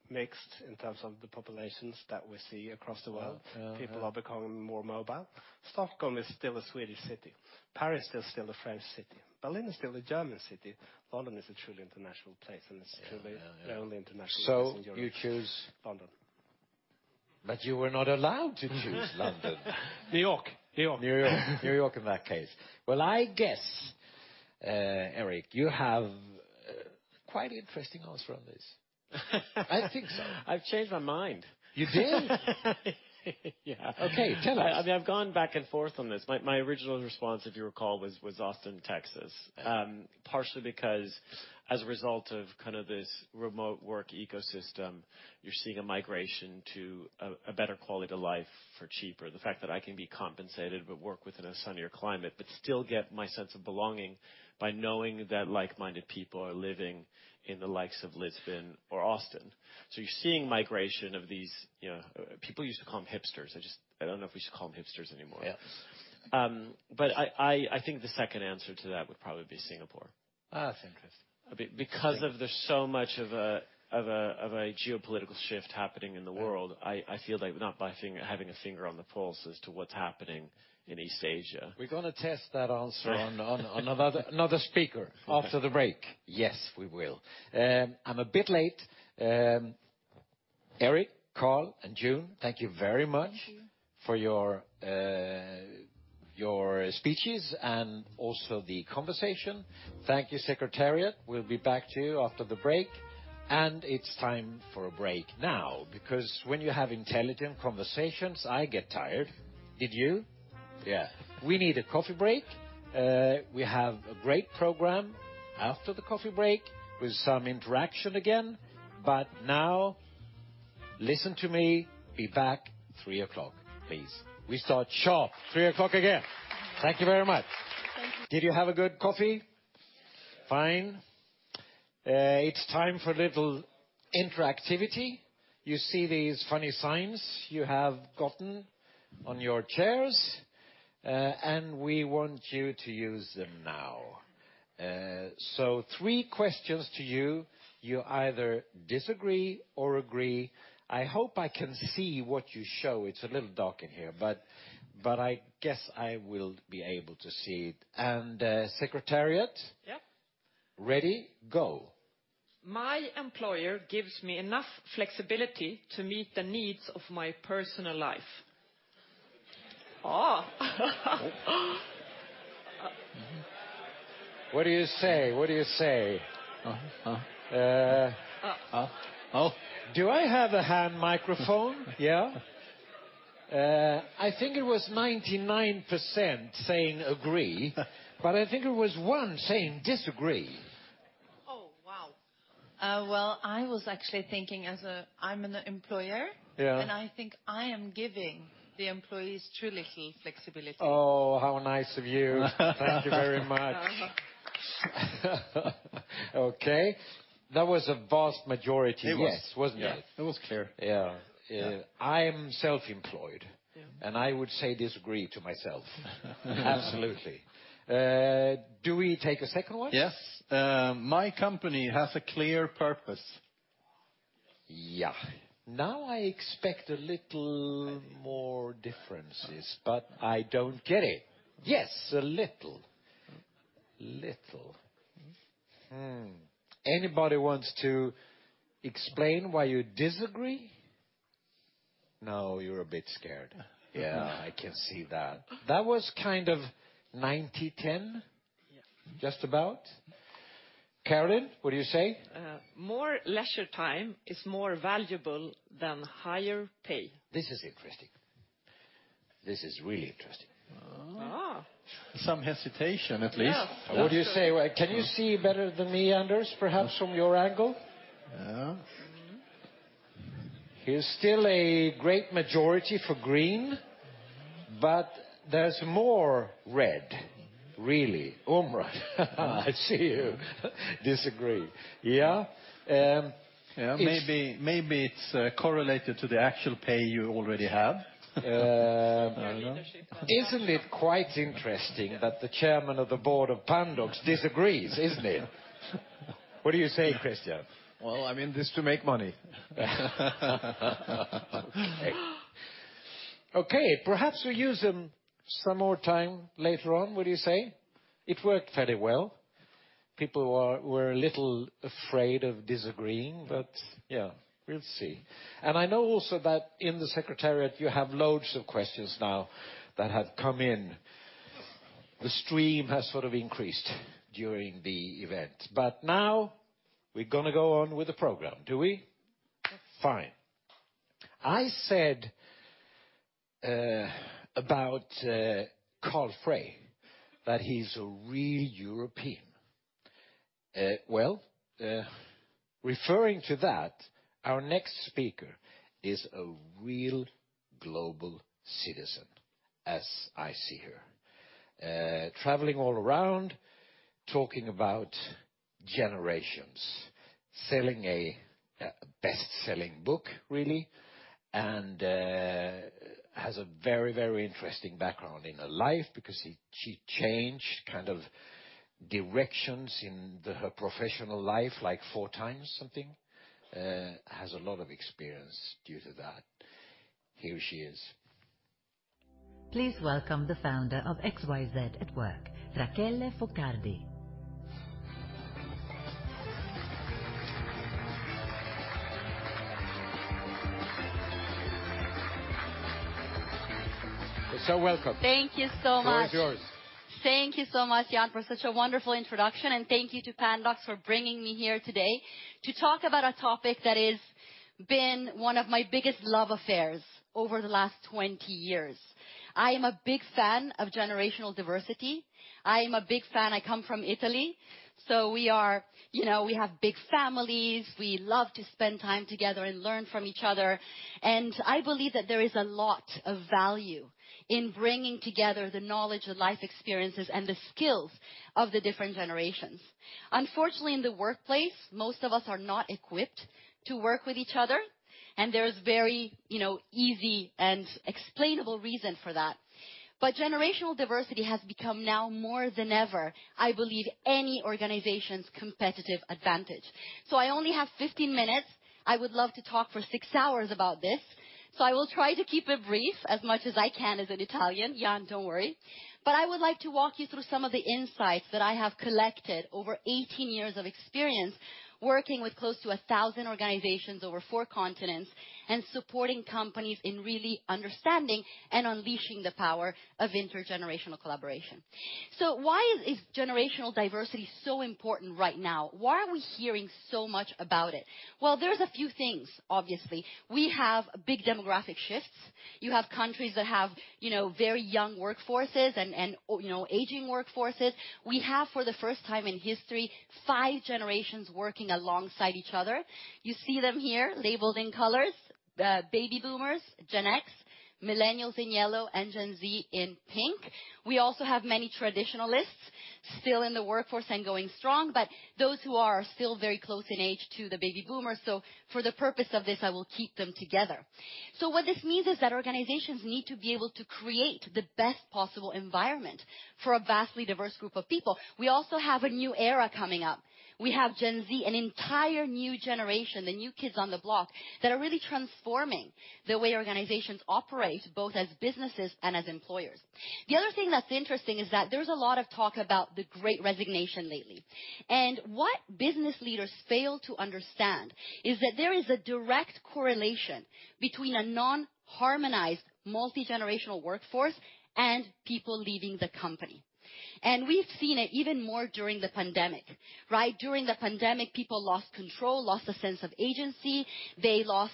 mixed in terms of the populations that we see across the world. Yeah. Yeah. People are becoming more mobile. Stockholm is still a Swedish city. Paris is still a French city. Berlin is still a German city. London is a truly international place, and it's truly. Yeah. Yeah. Yeah. The only international place in Europe. You choose. London. You were not allowed to choose London. New York. New York. New York. New York, in that case. Well, I guess, Eric, you have quite an interesting answer on this. I think so. I've changed my mind. You did? Yeah. Okay. Tell us. I mean, I've gone back and forth on this. My original response, if you recall, was Austin, Texas. Partially because as a result of kind of this remote work ecosystem, you're seeing a migration to a better quality of life for cheaper. The fact that I can be compensated, but work within a sunnier climate, but still get my sense of belonging by knowing that like-minded people are living in the likes of Lisbon or Austin. You're seeing migration of these, you know. People used to call them hipsters. I just don't know if we should call them hipsters anymore. Yeah. I think the second answer to that would probably be Singapore. Interesting. Singapore. Because there's so much of a geopolitical shift happening in the world, I feel like we're not having a finger on the pulse as to what's happening in East Asia. We're gonna test that answer on another speaker after the break. Yes, we will. I'm a bit late. Eric, Carl, and June, thank you very much. Thank you. for your speeches and also the conversation. Thank you, secretariat. We'll be back to you after the break. It's time for a break now because when you have intelligent conversations, I get tired. Did you? Yeah. We need a coffee break. We have a great program after the coffee break with some interaction again. Now listen to me, be back at 3:00 P.M., please. We start sharp. 3:00 P.M. again. Thank you very much. Thank you. Did you have a good coffee? Yes. Fine. It's time for a little interactivity. You see these funny signs you have gotten on your chairs, and we want you to use them now. Three questions to you. You either disagree or agree. I hope I can see what you show. It's a little dark in here. I guess I will be able to see it. Secretariat? Yep. Ready? Go. My employer gives me enough flexibility to meet the needs of my personal life. Oh. What do you say? Oh, oh. Oh. Oh. Do I have a hand microphone? Yeah. I think it was 99% saying agree, but I think it was 1 saying disagree. Oh, wow. Well, I'm an employer. Yeah. I think I am giving the employees too little flexibility. Oh, how nice of you. Thank you very much. Okay. That was a vast majority. It was. Yes, wasn't it? Yeah. It was clear. Yeah. Yeah. I'm self-employed. Yeah. I would say disagree to myself. Absolutely. Do we take a second one? Yes. My company has a clear purpose. Yeah. Now I expect a little more differences, but I don't get it. Yes, a little. Anybody wants to explain why you disagree? No, you're a bit scared. Yeah, I can see that. That was kind of 90/10. Yes. Just about. Caroline, what do you say? More leisure time is more valuable than higher pay. This is interesting. This is really interesting. Oh. Ah. Some hesitation at least. Yeah. What do you say? Can you see better than me, Anders, perhaps from your angle? Yeah. There's still a great majority for green, but there's more red. Really. Umran, I see you disagree. Yeah. Yeah. Maybe it's correlated to the actual pay you already have. Uh. Leadership. Isn't it quite interesting that the Chairman of the Board of Pandox disagrees, isn't it? What do you say, Christian? Well, I'm in this to make money. Okay. Perhaps we use them some more time later on, what do you say? It worked very well. People were a little afraid of disagreeing, but yeah, we'll see. I know also that in the secretariat you have loads of questions now that have come in. The stream has sort of increased during the event. Now we're gonna go on with the program. Do we? Fine. I said about Carl Benedikt Frey that he's a real European. Well, referring to that, our next speaker is a real global citizen, as I see her, traveling all around, talking about generations. Selling a best-selling book, really, and has a very, very interesting background in her life because she changed kind of directions in her professional life, like four times, something. Has a lot of experience due to that. Here she is. Please welcome the founder of XYZ@Work, Rachele Focardi. Welcome. Thank you so much. The floor is yours. Thank you so much, Jan, for such a wonderful introduction, and thank you to Pandox for bringing me here today to talk about a topic that has been one of my biggest love affairs over the last 20 years. I am a big fan of generational diversity. I am a big fan. I come from Italy, so we are, you know we have big families, we love to spend time together and learn from each other. I believe that there is a lot of value in bringing together the knowledge, the life experiences, and the skills of the different generations. Unfortunately, in the workplace, most of us are not equipped to work with each other, and there's very, you know, easy and explainable reason for that. Generational diversity has become now more than ever, I believe, any organization's competitive advantage. I only have 15 minutes. I would love to talk for 6 hours about this, so I will try to keep it brief as much as I can as an Italian. Jan, don't worry. I would like to walk you through some of the insights that I have collected over 18 years of experience working with close to a 1,000 organizations over four continents and supporting companies in really understanding and unleashing the power of intergenerational collaboration. Why is generational diversity so important right now? Why are we hearing so much about it? Well, there's a few things, obviously. We have big demographic shifts. You have countries that have, you know, very young workforces and, you know, aging workforces. We have, for the first time in history, five generations working alongside each other. You see them here labeled in colors, baby boomers, Gen X, millennials in yellow, and Gen Z in pink. We also have many traditionalists still in the workforce and going strong, but those who are still very close in age to the baby boomers. For the purpose of this, I will keep them together. What this means is that organizations need to be able to create the best possible environment for a vastly diverse group of people. We also have a new era coming up. We have Gen Z, an entire new generation, the new kids on the block, that are really transforming the way organizations operate, both as businesses and as employers. The other thing that's interesting is that there's a lot of talk about the Great Resignation lately. What business leaders fail to understand is that there is a direct correlation between a non-harmonized, multi-generational workforce and people leaving the company. We've seen it even more during the pandemic, right? During the pandemic, people lost control, lost a sense of agency, they lost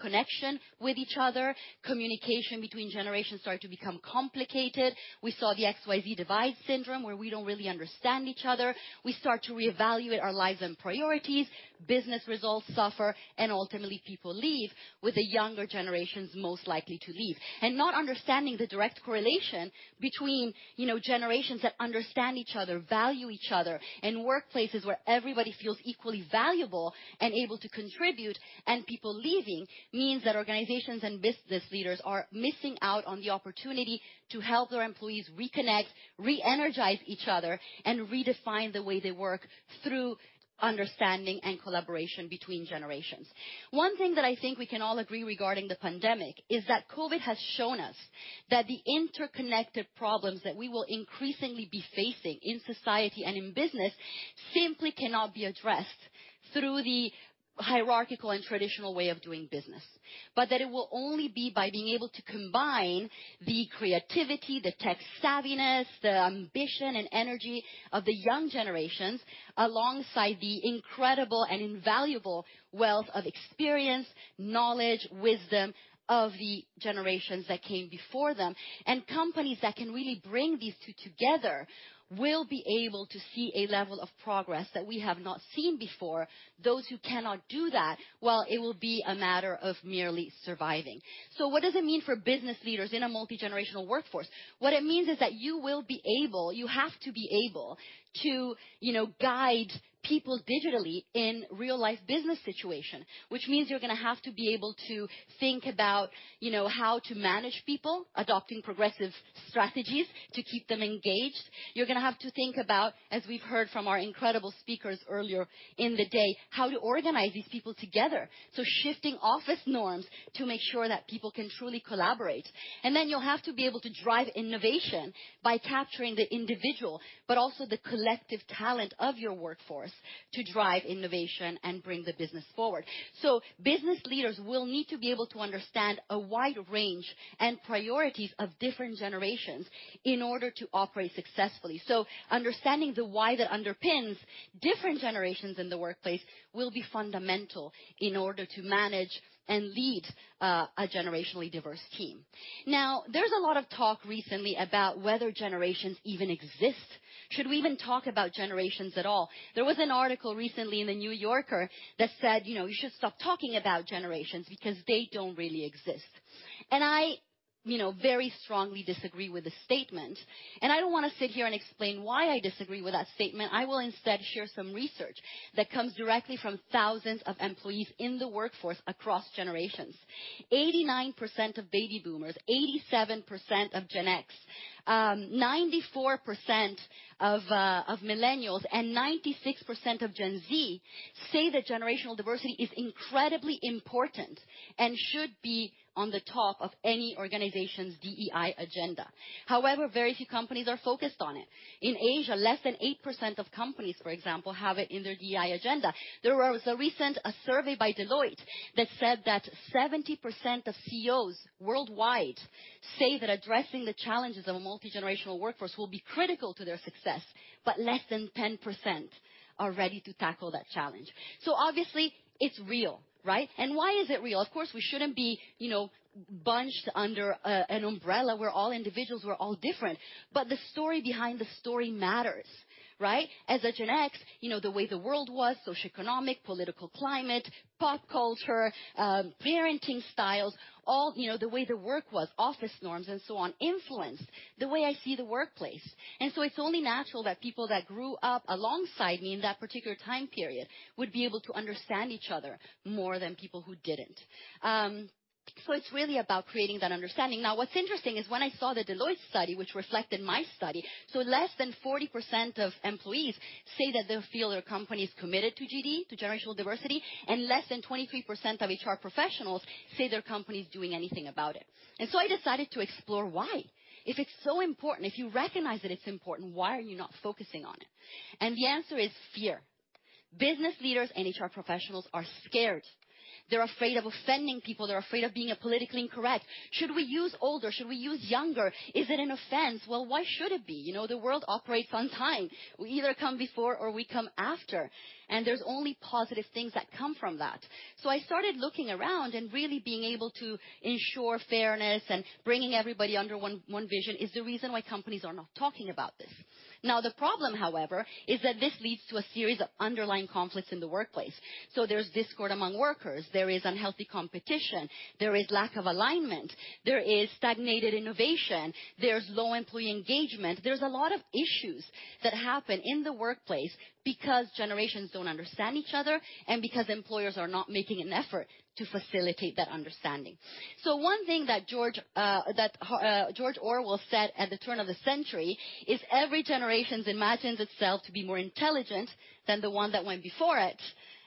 connection with each other. Communication between generations started to become complicated. We saw the X-Y-Z Divide Syndrome, where we don't really understand each other. We start to reevaluate our lives and priorities. Business results suffer, and ultimately people leave, with the younger generations most likely to leave. Not understanding the direct correlation between, you know, generations that understand each other, value each other, and workplaces where everybody feels equally valuable and able to contribute and people leaving means that organizations and business leaders are missing out on the opportunity to help their employees reconnect, re-energize each other, and redefine the way they work through understanding and collaboration between generations. One thing that I think we can all agree regarding the pandemic is that COVID has shown us that the interconnected problems that we will increasingly be facing in society and in business simply cannot be addressed through the hierarchical and traditional way of doing business. That it will only be by being able to combine the creativity, the tech savviness, the ambition and energy of the young generations, alongside the incredible and invaluable wealth of experience, knowledge, wisdom of the generations that came before them. Companies that can really bring these two together will be able to see a level of progress that we have not seen before. Those who cannot do that, well, it will be a matter of merely surviving. What does it mean for business leaders in a multigenerational workforce? What it means is that you have to be able to, you know, guide people digitally in real-life business situation. Which means you're gonna have to be able to think about, you know, how to manage people, adopting progressive strategies to keep them engaged. You're gonna have to think about, as we've heard from our incredible speakers earlier in the day, how to organize these people together. Shifting office norms to make sure that people can truly collaborate. Then you'll have to be able to drive innovation by capturing the individual, but also the collective talent of your workforce to drive innovation and bring the business forward. Business leaders will need to be able to understand a wide range and priorities of different generations in order to operate successfully. Understanding the why that underpins different generations in the workplace will be fundamental in order to manage and lead a generationally diverse team. Now, there's a lot of talk recently about whether generations even exist. Should we even talk about generations at all? There was an article recently in The New Yorker that said, you know, "We should stop talking about generations because they don't really exist." I, you know, very strongly disagree with the statement. I don't wanna sit here and explain why I disagree with that statement. I will instead share some research that comes directly from thousands of employees in the workforce across generations. 89% of baby boomers, 87% of Gen X, 94% of millennials, and 96% of Gen Z say that generational diversity is incredibly important and should be on the top of any organization's DEI agenda. However, very few companies are focused on it. In Asia, less than 8% of companies, for example, have it in their DEI agenda. There was a recent survey by Deloitte that said that 70% of CEOs worldwide say that addressing the challenges of a multigenerational workforce will be critical to their success, but less than 10% are ready to tackle that challenge. Obviously it's real, right? Why is it real? Of course, we shouldn't be, you know, bunched under an umbrella. We're all individuals, we're all different. The story behind the story matters, right? As a Gen X, you know, the way the world was, socioeconomic, political climate, pop culture, parenting styles, all, you know, the way the work was, office norms and so on, influenced the way I see the workplace. It's only natural that people that grew up alongside me in that particular time period would be able to understand each other more than people who didn't. It's really about creating that understanding. Now, what's interesting is when I saw the Deloitte study, which reflected my study. Less than 40% of employees say that they feel their company is committed to GD, to generational diversity, and less than 23% of HR professionals say their company is doing anything about it. I decided to explore why. If it's so important, if you recognize that it's important, why are you not focusing on it? The answer is fear. Business leaders and HR professionals are scared. They're afraid of offending people. They're afraid of being politically incorrect. Should we use older? Should we use younger? Is it an offense? Well, why should it be? You know, the world operates on time. We either come before or we come after, and there's only positive things that come from that. I started looking around, and really being able to ensure fairness and bringing everybody under one vision is the reason why companies are not talking about this. Now, the problem, however, is that this leads to a series of underlying conflicts in the workplace. There's discord among workers, there is unhealthy competition, there is lack of alignment, there is stagnated innovation, there's low employee engagement. There's a lot of issues that happen in the workplace because generations don't understand each other and because employers are not making an effort to facilitate that understanding. One thing that George Orwell said at the turn of the century is, "Every generation imagines itself to be more intelligent than the one that went before it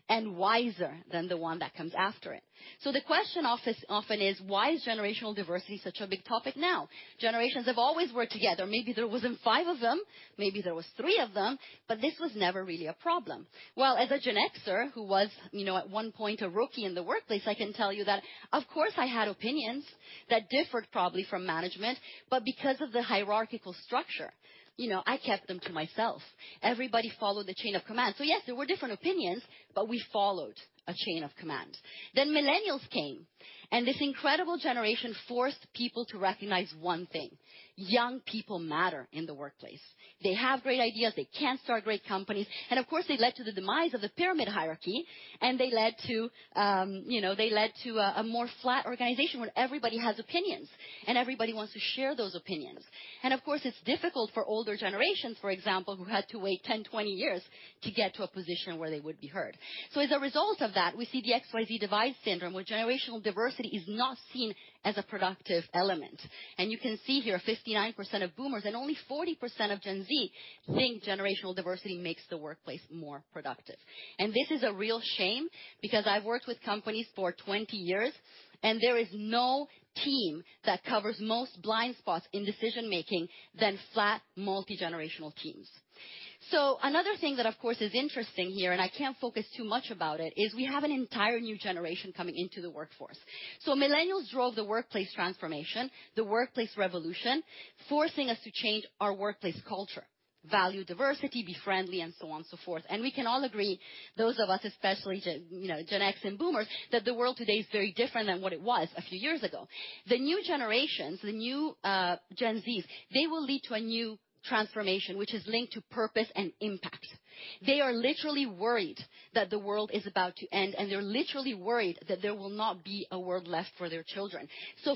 and wiser than the one that comes after it." The question often is, why is generational diversity such a big topic now? Generations have always worked together. Maybe there wasn't five of them, maybe there was three of them, but this was never really a problem. Well, as a Gen X-er who was, you know, at one point a rookie in the workplace, I can tell you that, of course, I had opinions that differed probably from management. Because of the hierarchical structure, you know, I kept them to myself. Everybody followed the chain of command. Yes, there were different opinions, but we followed a chain of command. Millennials came, and this incredible generation forced people to recognize one thing. Young people matter in the workplace. They have great ideas. They can start great companies. Of course, they led to the demise of the pyramid hierarchy, and they led to, you know, they led to a more flat organization where everybody has opinions and everybody wants to share those opinions. Of course, it's difficult for older generations, for example, who had to wait 10, 20 years to get to a position where they would be heard. As a result of that, we see the X-Y-Z Divide Syndrome, where generational diversity is not seen as a productive element. You can see here 59% of boomers and only 40% of Gen Z think generational diversity makes the workplace more productive. This is a real shame because I've worked with companies for 20 years, and there is no team that covers most blind spots in decision-making than flat multigenerational teams. Another thing that of course is interesting here, and I can't focus too much about it, is we have an entire new generation coming into the workforce. Millennials drove the workplace transformation, the workplace revolution, forcing us to change our workplace culture, value diversity, be friendly, and so on and so forth. We can all agree, those of us especially Gen, you know, Gen X and boomers, that the world today is very different than what it was a few years ago. The new generations, the new, Gen Z's, they will lead to a new transformation which is linked to purpose and impact. They are literally worried that the world is about to end, and they're literally worried that there will not be a world left for their children.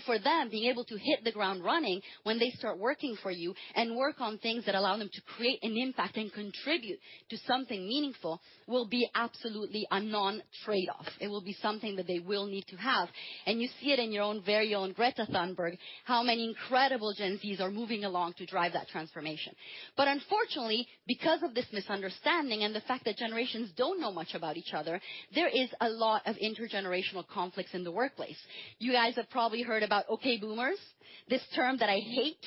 For them, being able to hit the ground running when they start working for you and work on things that allow them to create an impact and contribute to something meaningful will be absolutely a non-trade-off. It will be something that they will need to have. You see it in your own, very own Greta Thunberg, how many incredible Gen Z's are moving along to drive that transformation. Unfortunately, because of this misunderstanding and the fact that generations don't know much about each other, there is a lot of intergenerational conflicts in the workplace. You guys have probably heard about OK, boomers, this term that I hate,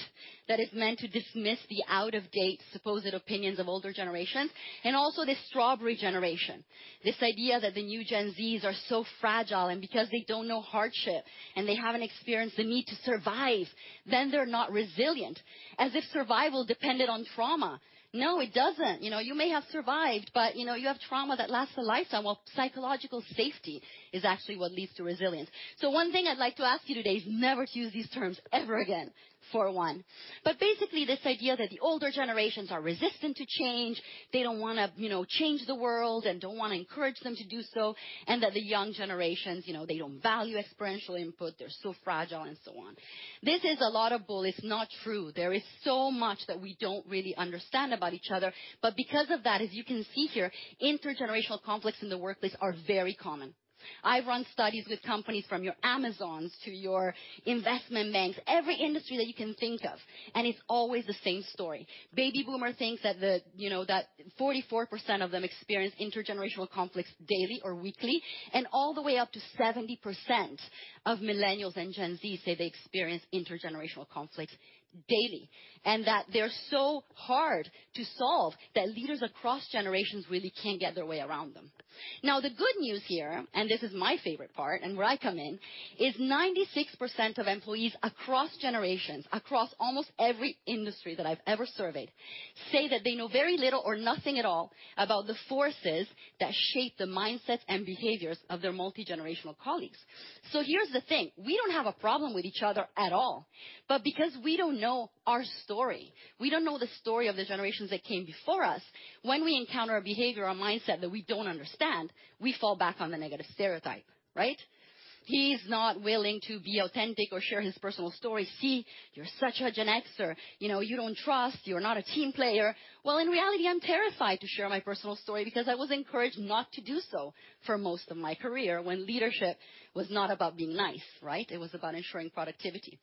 that is meant to dismiss the out-of-date supposed opinions of older generations, and also the strawberry generation. This idea that the new Gen Z's are so fragile, and because they don't know hardship and they haven't experienced the need to survive, then they're not resilient, as if survival depended on trauma. No, it doesn't. You know, you may have survived, but, you know, you have trauma that lasts a lifetime. While psychological safety is actually what leads to resilience. One thing I'd like to ask you today is never to use these terms ever again, for one. Basically, this idea that the older generations are resistant to change, they don't wanna, you know, change the world and don't wanna encourage them to do so, and that the young generations, you know, they don't value experiential input, they're so fragile and so on. This is a lot of bull. It's not true. There is so much that we don't really understand about each other, but because of that, as you can see here, intergenerational conflicts in the workplace are very common. I've run studies with companies from your Amazon to your investment banks, every industry that you can think of, and it's always the same story. Baby boomer. You know, that 44% of them experience intergenerational conflicts daily or weekly, and all the way up to 70% of millennials and Gen Z say they experience intergenerational conflicts daily. that they're so hard to solve that leaders across generations really can't get their way around them. Now, the good news here, and this is my favorite part and where I come in, is 96% of employees across generations, across almost every industry that I've ever surveyed, say that they know very little or nothing at all about the forces that shape the mindsets and behaviors of their multigenerational colleagues. here's the thing: we don't have a problem with each other at all. because we don't know our story, we don't know the story of the generations that came before us, when we encounter a behavior or mindset that we don't understand, we fall back on the negative stereotype, right? He's not willing to be authentic or share his personal story. See, you're such a Gen X, or, you know, you don't trust, you're not a team player. Well, in reality, I'm terrified to share my personal story because I was encouraged not to do so for most of my career when leadership was not about being nice, right? It was about ensuring productivity.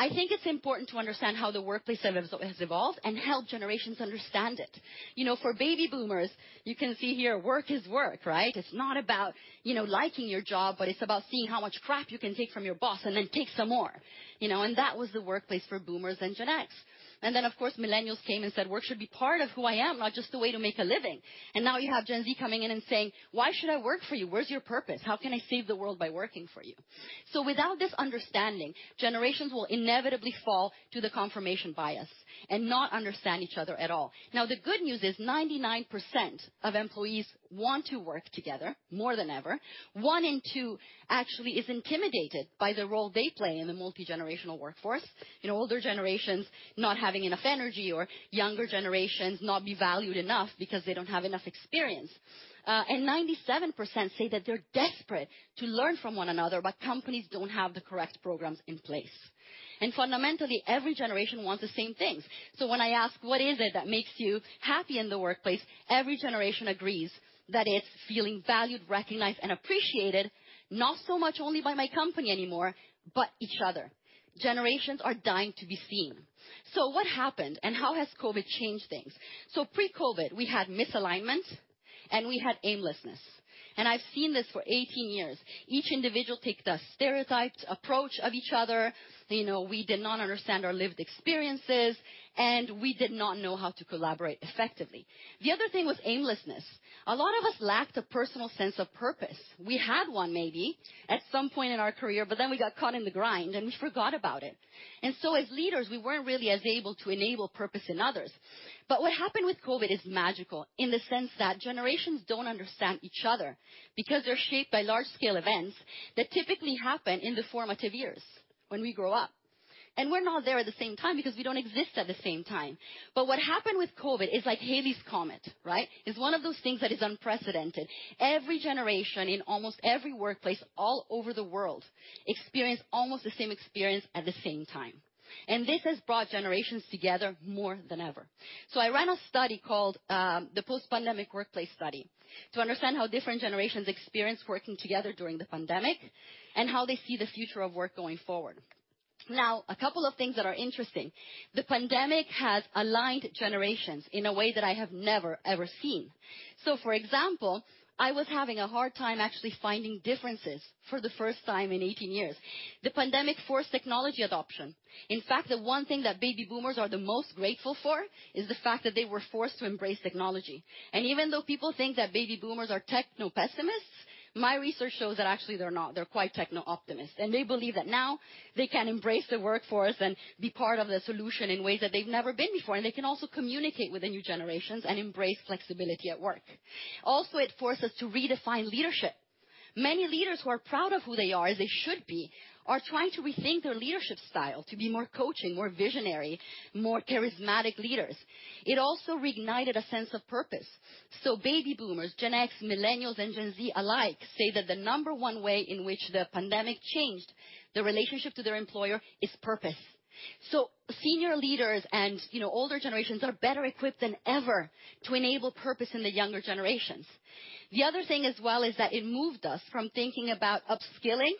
I think it's important to understand how the workplace has evolved and help generations understand it. You know, for Baby Boomers, you can see here work is work, right? It's not about, you know, liking your job, but it's about seeing how much crap you can take from your boss and then take some more. You know, that was the workplace for Boomers and Gen X. Of course, millennials came and said, "Work should be part of who I am, not just a way to make a living." Now you have Gen Z coming in and saying, "Why should I work for you? Where's your purpose? How can I save the world by working for you?" Without this understanding, generations will inevitably fall to the confirmation bias and not understand each other at all. Now, the good news is 99% of employees want to work together more than ever. One in two actually is intimidated by the role they play in the multigenerational workforce. You know, older generations not having enough energy or younger generations not be valued enough because they don't have enough experience. And 97% say that they're desperate to learn from one another, but companies don't have the correct programs in place. Fundamentally, every generation wants the same things. When I ask, what is it that makes you happy in the workplace? Every generation agrees that it's feeling valued, recognized, and appreciated, not so much only by my company anymore, but each other. Generations are dying to be seen. What happened and how has COVID-19 changed things? Pre-COVID-19, we had misalignment and we had aimlessness. I've seen this for 18 years. Each individual take the stereotyped approach of each other. You know, we did not understand our lived experiences, and we did not know how to collaborate effectively. The other thing was aimlessness. A lot of us lacked a personal sense of purpose. We had one maybe at some point in our career, but then we got caught in the grind, and we forgot about it. As leaders, we weren't really as able to enable purpose in others. What happened with COVID-19 is magical in the sense that generations don't understand each other because they're shaped by large-scale events that typically happen in the formative years when we grow up. We're not there at the same time because we don't exist at the same time. What happened with COVID-19 is like Halley's Comet, right? It's one of those things that is unprecedented. Every generation in almost every workplace all over the world experienced almost the same experience at the same time. This has brought generations together more than ever. I ran a study called the Post-Pandemic Workplace Study to understand how different generations experienced working together during the pandemic and how they see the future of work going forward. Now, a couple of things that are interesting. The pandemic has aligned generations in a way that I have never, ever seen. For example, I was having a hard time actually finding differences for the first time in 18 years. The pandemic forced technology adoption. In fact, the one thing that baby boomers are the most grateful for is the fact that they were forced to embrace technology. Even though people think that baby boomers are techno-pessimists, my research shows that actually they're not. They're quite techno-optimists. They believe that now they can embrace the workforce and be part of the solution in ways that they've never been before, and they can also communicate with the new generations and embrace flexibility at work. Also, it forces to redefine leadership. Many leaders who are proud of who they are, as they should be, are trying to rethink their leadership style to be more coaching, more visionary, more charismatic leaders. It also reignited a sense of purpose. Baby boomers, Gen X, millennials, and Gen Z alike say that the number one way in which the pandemic changed the relationship to their employer is purpose. Senior leaders and, you know, older generations are better equipped than ever to enable purpose in the younger generations. The other thing as well is that it moved us from thinking about upskilling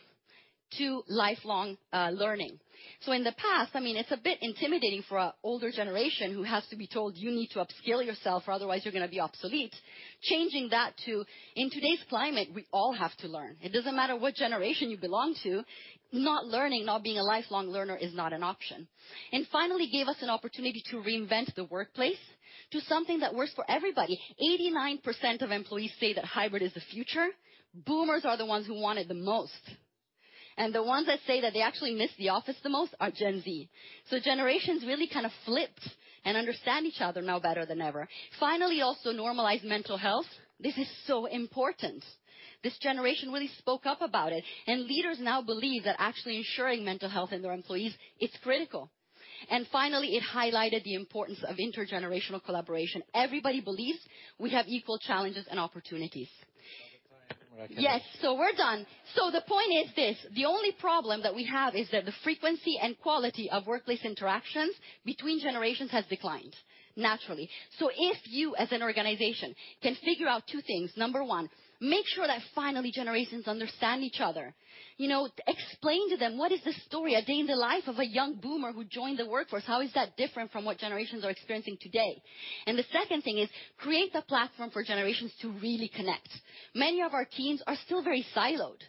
to lifelong learning. In the past, I mean, it's a bit intimidating for a older generation who has to be told, "You need to upskill yourself or otherwise you're gonna be obsolete." Changing that to, in today's climate, we all have to learn. It doesn't matter what generation you belong to. Not learning, not being a lifelong learner is not an option. Finally, gave us an opportunity to reinvent the workplace to something that works for everybody. 89% of employees say that hybrid is the future. Boomers are the ones who want it the most. The ones that say that they actually miss the office the most are Gen Z. Generations really kind of flipped and understand each other now better than ever. Finally, also normalize mental health. This is so important. This generation really spoke up about it, and leaders now believe that actually ensuring mental health in their employees, it's critical. Finally, it highlighted the importance of intergenerational collaboration. Everybody believes we have equal challenges and opportunities. Out of time. Yes. We're done. The point is this, the only problem that we have is that the frequency and quality of workplace interactions between generations has declined, naturally. If you, as an organization, can figure out two things. Number one, make sure that finally generations understand each other. You know, explain to them what is the story, a day in the life of a young boomer who joined the workforce, how is that different from what generations are experiencing today? The second thing is, create the platform for generations to really connect. Many of our teams are still very siloed.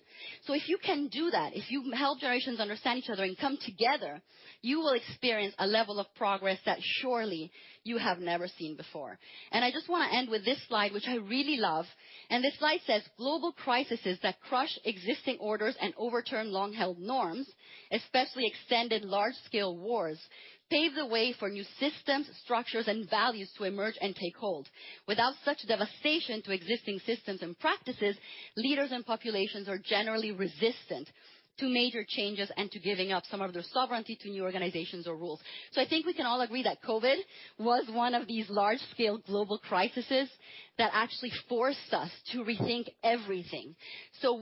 If you can do that, if you help generations understand each other and come together, you will experience a level of progress that surely you have never seen before. I just wanna end with this slide, which I really love. This slide says, "Global crises that crush existing orders and overturn long-held norms, especially extended large-scale wars, pave the way for new systems, structures, and values to emerge and take hold. Without such devastation to existing systems and practices, leaders and populations are generally resistant to major changes and to giving up some of their sovereignty to new organizations or rules." I think we can all agree that COVID was one of these large-scale global crises that actually forced us to rethink everything.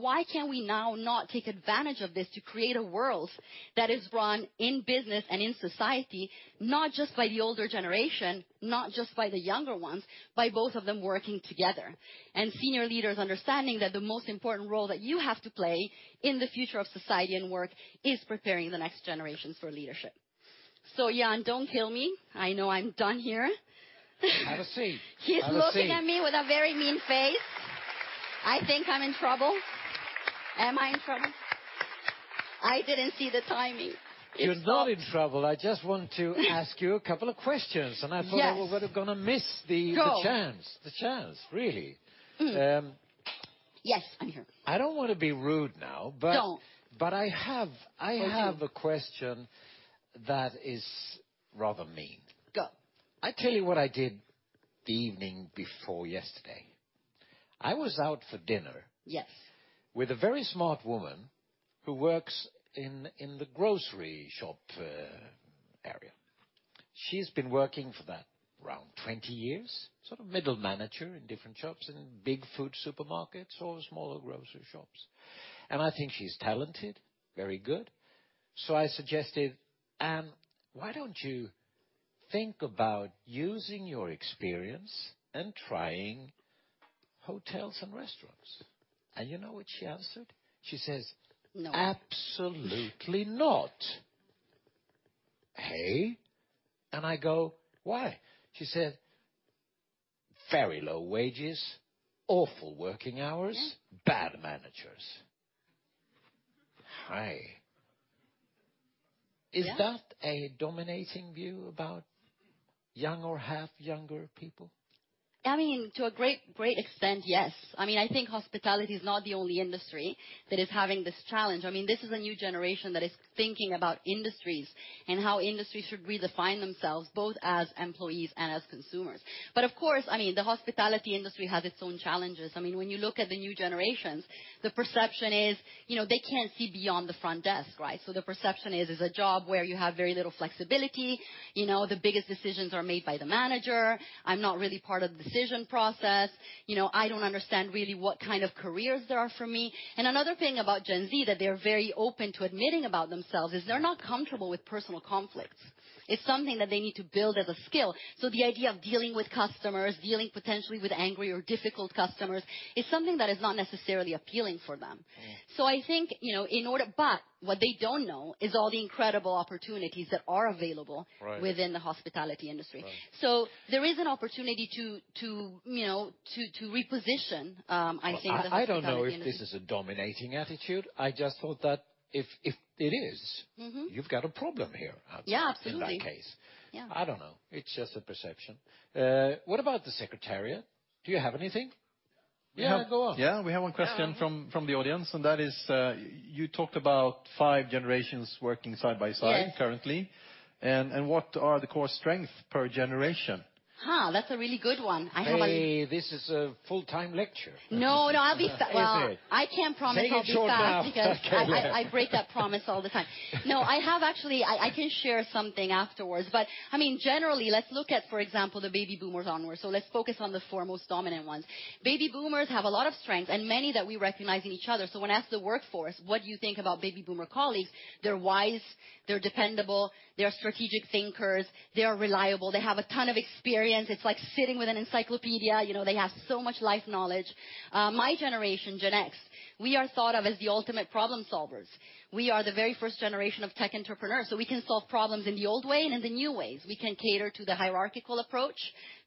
Why can we now not take advantage of this to create a world that is run in business and in society, not just by the older generation, not just by the younger ones, by both of them working together? Senior leaders understanding that the most important role that you have to play in the future of society and work is preparing the next generation for leadership. Jan, don't kill me. I know I'm done here. Have a seat. Have a seat. He's looking at me with a very mean face. I think I'm in trouble. Am I in trouble? I didn't see the timing. You're not in trouble. I just want to ask you a couple of questions. Yes. I thought we were gonna miss the chance. Go. The chance, really. Yes, I'm here. I don't wanna be rude now, but. Don't. I have a question that is rather mean. Go. I tell you what I did the evening before yesterday. I was out for dinner. Yes. With a very smart woman who works in the grocery shop area. She's been working for that around 20 years, sort of middle manager in different jobs in big food supermarkets or smaller grocery shops. I think she's talented, very good. I suggested, "Why don't you think about using your experience and trying hotels and restaurants?" You know what she answered? She says- No. Absolutely not." Hey. I go, "Why?" She said, "Very low wages, awful working hours. Bad managers." Hey. Yeah. Is that a dominating view about young or half younger people? I mean, to a great extent, yes. I mean, I think hospitality is not the only industry that is having this challenge. I mean, this is a new generation that is thinking about industries and how industries should redefine themselves, both as employees and as consumers. Of course, I mean, the hospitality industry has its own challenges. I mean, when you look at the new generations, the perception is, you know, they can't see beyond the front desk, right? The perception is, it's a job where you have very little flexibility. You know, the biggest decisions are made by the manager. I'm not really part of the decision process. You know, I don't understand really what kind of careers there are for me. Another thing about Gen Z that they're very open to admitting about themselves is they're not comfortable with personal conflict. It's something that they need to build as a skill. The idea of dealing with customers, dealing potentially with angry or difficult customers, is something that is not necessarily appealing for them. I think, you know, what they don't know is all the incredible opportunities that are available. Right. Within the hospitality industry. Right. There is an opportunity to, you know, reposition, I think, the hospitality industry. I don't know if this is a dominating attitude. I just thought that if it is. You've got a problem here. Yeah, absolutely. In that case. Yeah. I don't know. It's just a perception. What about the secretariat? Do you have anything? Yeah, go on. Yeah, we have one question from the audience, and that is, you talked about five generations working side by side. Yes. Currently. What are the core strength per generation? Ha, that's a really good one. Hey, this is a full-time lecture. No, no, I'll be fa- Okay. Well, I can't promise I'll be fast. Make it short now. Because I break that promise all the time. No, I have actually. I can share something afterwards, but, I mean, generally, let's look at, for example, the baby boomers onwards. Let's focus on the four most dominant ones. Baby boomers have a lot of strengths and many that we recognize in each other. When asked the workforce, "What do you think about baby boomer colleagues?" They're wise, they're dependable, they are strategic thinkers, they are reliable, they have a ton of experience. It's like sitting with an encyclopedia, you know, they have so much life knowledge. My generation, Gen X, we are thought of as the ultimate problem solvers. We are the very first generation of tech entrepreneurs, so we can solve problems in the old way and in the new ways. We can cater to the hierarchical approach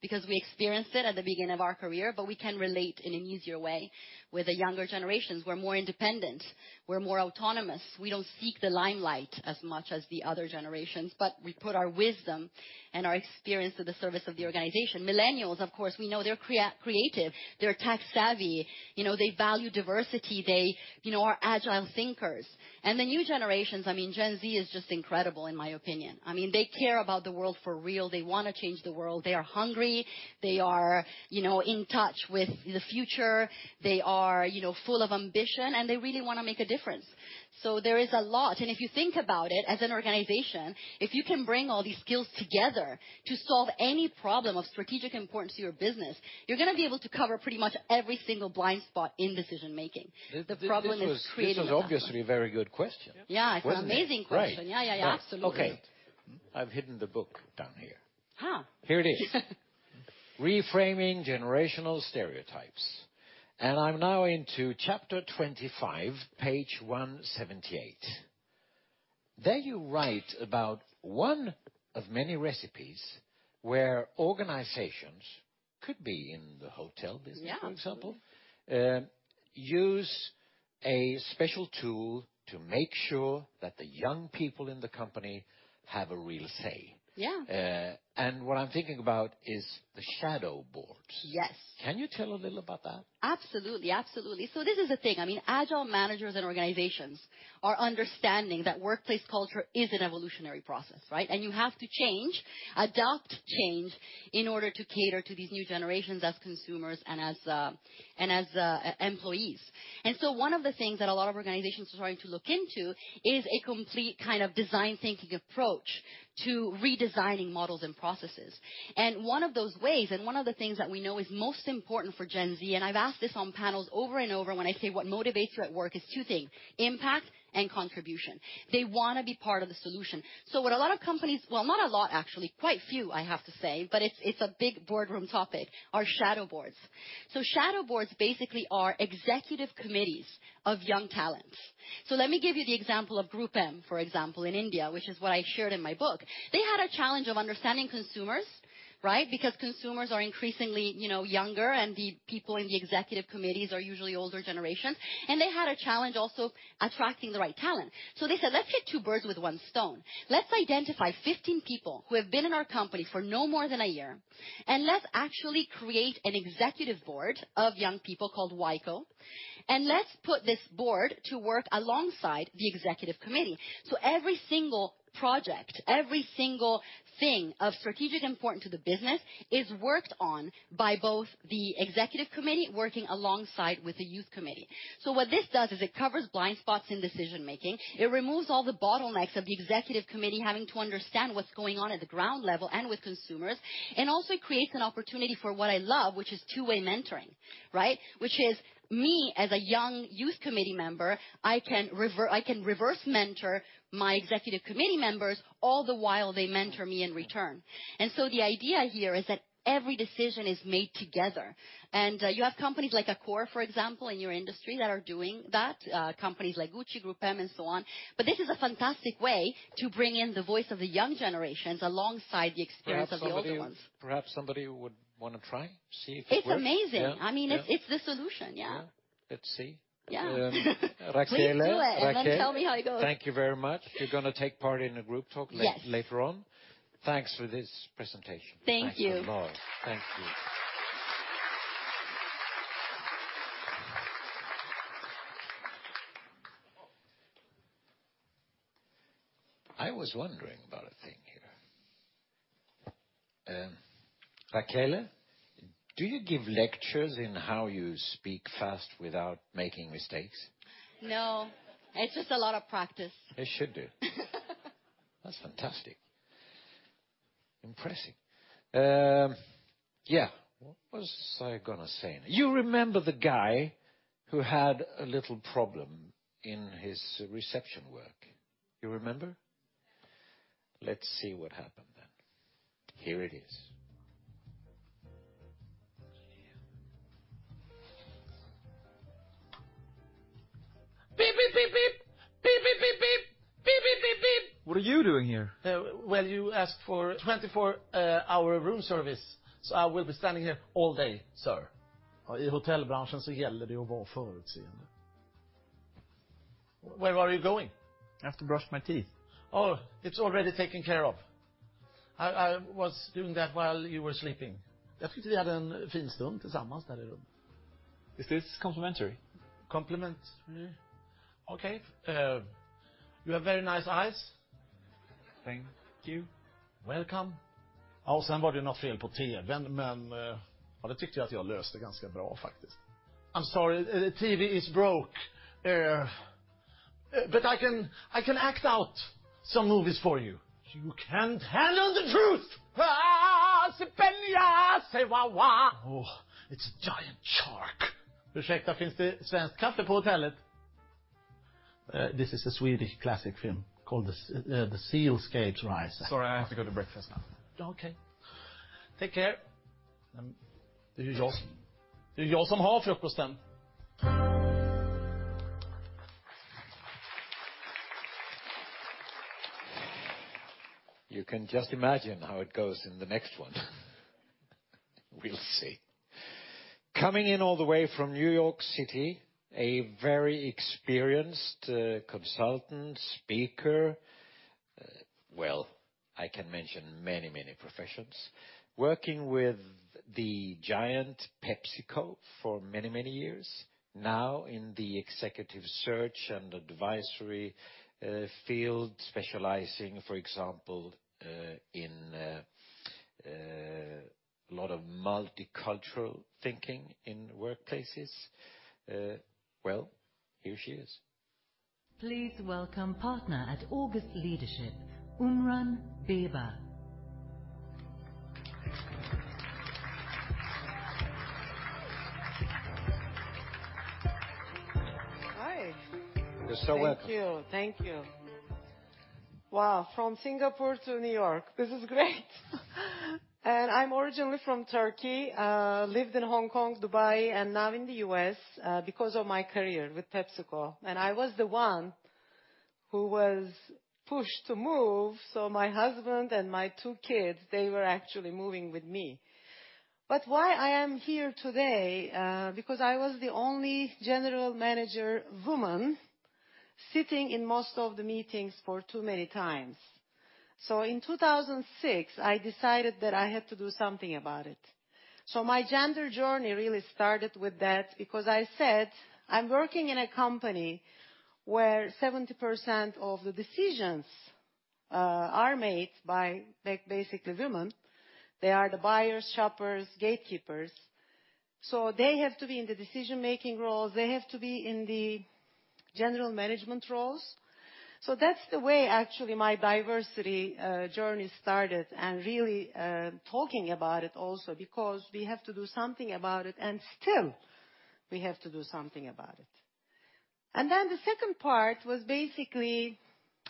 because we experienced it at the beginning of our career, but we can relate in an easier way with the younger generations. We're more independent. We're more autonomous. We don't seek the limelight as much as the other generations, but we put our wisdom and our experience to the service of the organization. Millennials, of course, we know they're creative, they're tech-savvy, you know, they value diversity. They, you know, are agile thinkers. The new generations, I mean, Gen Z is just incredible, in my opinion. I mean, they care about the world for real. They wanna change the world. They are hungry. They are, you know, in touch with the future. They are, you know, full of ambition, and they really wanna make a difference. There is a lot. If you think about it, as an organization, if you can bring all these skills together to solve any problem of strategic importance to your business, you're gonna be able to cover pretty much every single blind spot in decision-making. The problem is creating that map. This was obviously a very good question. Yeah. Wasn't it? It's an amazing question. Right. Yeah, yeah, absolutely. Okay. I've hidden the book down here. Ha. Here it is. Reframing Generational Stereotypes. I'm now into chapter 25, page 178. There you write about one of many recipes where organizations could be in the hotel business. Yeah ...For example, use a special tool to make sure that the young people in the company have a real say. Yeah. What I'm thinking about is the shadow board. Yes. Can you tell a little about that? Absolutely. This is the thing, I mean, agile managers and organizations are understanding that workplace culture is an evolutionary process, right? You have to change, adopt change in order to cater to these new generations as consumers and as employees. One of the things that a lot of organizations are starting to look into is a complete kind of design thinking approach to redesigning models and processes. One of those ways, and one of the things that we know is most important for Gen Z, and I've asked this on panels over and over, when I say, "What motivates you at work?" It's two things, impact and contribution. They wanna be part of the solution. What a lot of companies... Well, not a lot, actually, quite few, I have to say, but it's a big boardroom topic, are shadow boards. Shadow boards basically are executive committees of young talents. Let me give you the example of GroupM, for example, in India, which is what I shared in my book. They had a challenge of understanding consumers, right? Because consumers are increasingly, you know, younger, and the people in the executive committees are usually older generations. They had a challenge also attracting the right talent. They said, "Let's hit two birds with one stone. Let's identify 15 people who have been in our company for no more than a year, and let's actually create an executive board of young people called WICO, and let's put this board to work alongside the executive committee. Every single project, every single thing of strategic importance to the business is worked on by both the executive committee working alongside with the youth committee. What this does is it covers blind spots in decision-making. It removes all the bottlenecks of the executive committee having to understand what's going on at the ground level and with consumers, and also creates an opportunity for what I love, which is two-way mentoring, right? Which is me, as a young youth committee member, I can reverse mentor my executive committee members all the while they mentor me in return. The idea here is that every decision is made together. You have companies like Accor, for example, in your industry that are doing that, companies like Gucci, GroupM and so on. This is a fantastic way to bring in the voice of the young generations alongside the experience of the older ones. Perhaps somebody would wanna try, see if it works. It's amazing. Yeah. Yeah. I mean, it's the solution, yeah. Yeah. Let's see. Yeah. Rachele. Please do it and then tell me how it goes? Rachele, thank you very much. You're gonna take part in a group talk. Yes. Later on. Thanks for this presentation. Thank you. Thanks a lot. Thank you. I was wondering about a thing here. Rachele, do you give lectures in how you speak fast without making mistakes? No. It's just a lot of practice. It should do. That's fantastic. Impressive. Yeah. What was I gonna say? You remember the guy who had a little problem in his reception work. You remember? Let's see what happened then. Here it is. Beep, beep, beep, beep. Beep, beep, beep, beep. Beep, beep, beep, beep. What are you doing here? Well, you asked for 24-hour room service, so I will be standing here all day, sir. In the hotel business, you have to be able to foresee. Where are you going? I have to brush my teeth. Oh, it's already taken care of. I was doing that while you were sleeping. Is this complimentary? Complimentary? Okay. You have very nice eyes. Thank you. Welcome. I'm sorry, the TV is broke. I can act out some movies for you. You can't handle the truth. Oh, it's a giant shark. This is a Swedish classic film called Sällskapsresan. Sorry, I have to go to breakfast now. Okay. Take care. You can just imagine how it goes in the next one. We'll see. Coming in all the way from New York City, a very experienced consultant, speaker, well, I can mention many, many professions. Working with the giant PepsiCo for many, many years, now in the executive search and advisory field, specializing, for example, in a lot of multicultural thinking in workplaces. Well, here she is. Please welcome Partner at August Leadership, Umran Beba. Hi. You're so welcome. Thank you. Thank you. Wow, from Singapore to New York. This is great. I'm originally from Turkey, lived in Hong Kong, Dubai, and now in the U.S., because of my career with PepsiCo. I was the one who was pushed to move, so my husband and my two kids, they were actually moving with me. Why I am here today? because I was the only general manager woman sitting in most of the meetings for too many times. In 2006, I decided that I had to do something about it. My gender journey really started with that because I said, "I'm working in a company where 70% of the decisions are made by basically women. They are the buyers, shoppers, gatekeepers. So they have to be in the decision-making roles. They have to be in the general management roles." That's the way actually my diversity journey started and really talking about it also because we have to do something about it and still we have to do something about it. The second part was basically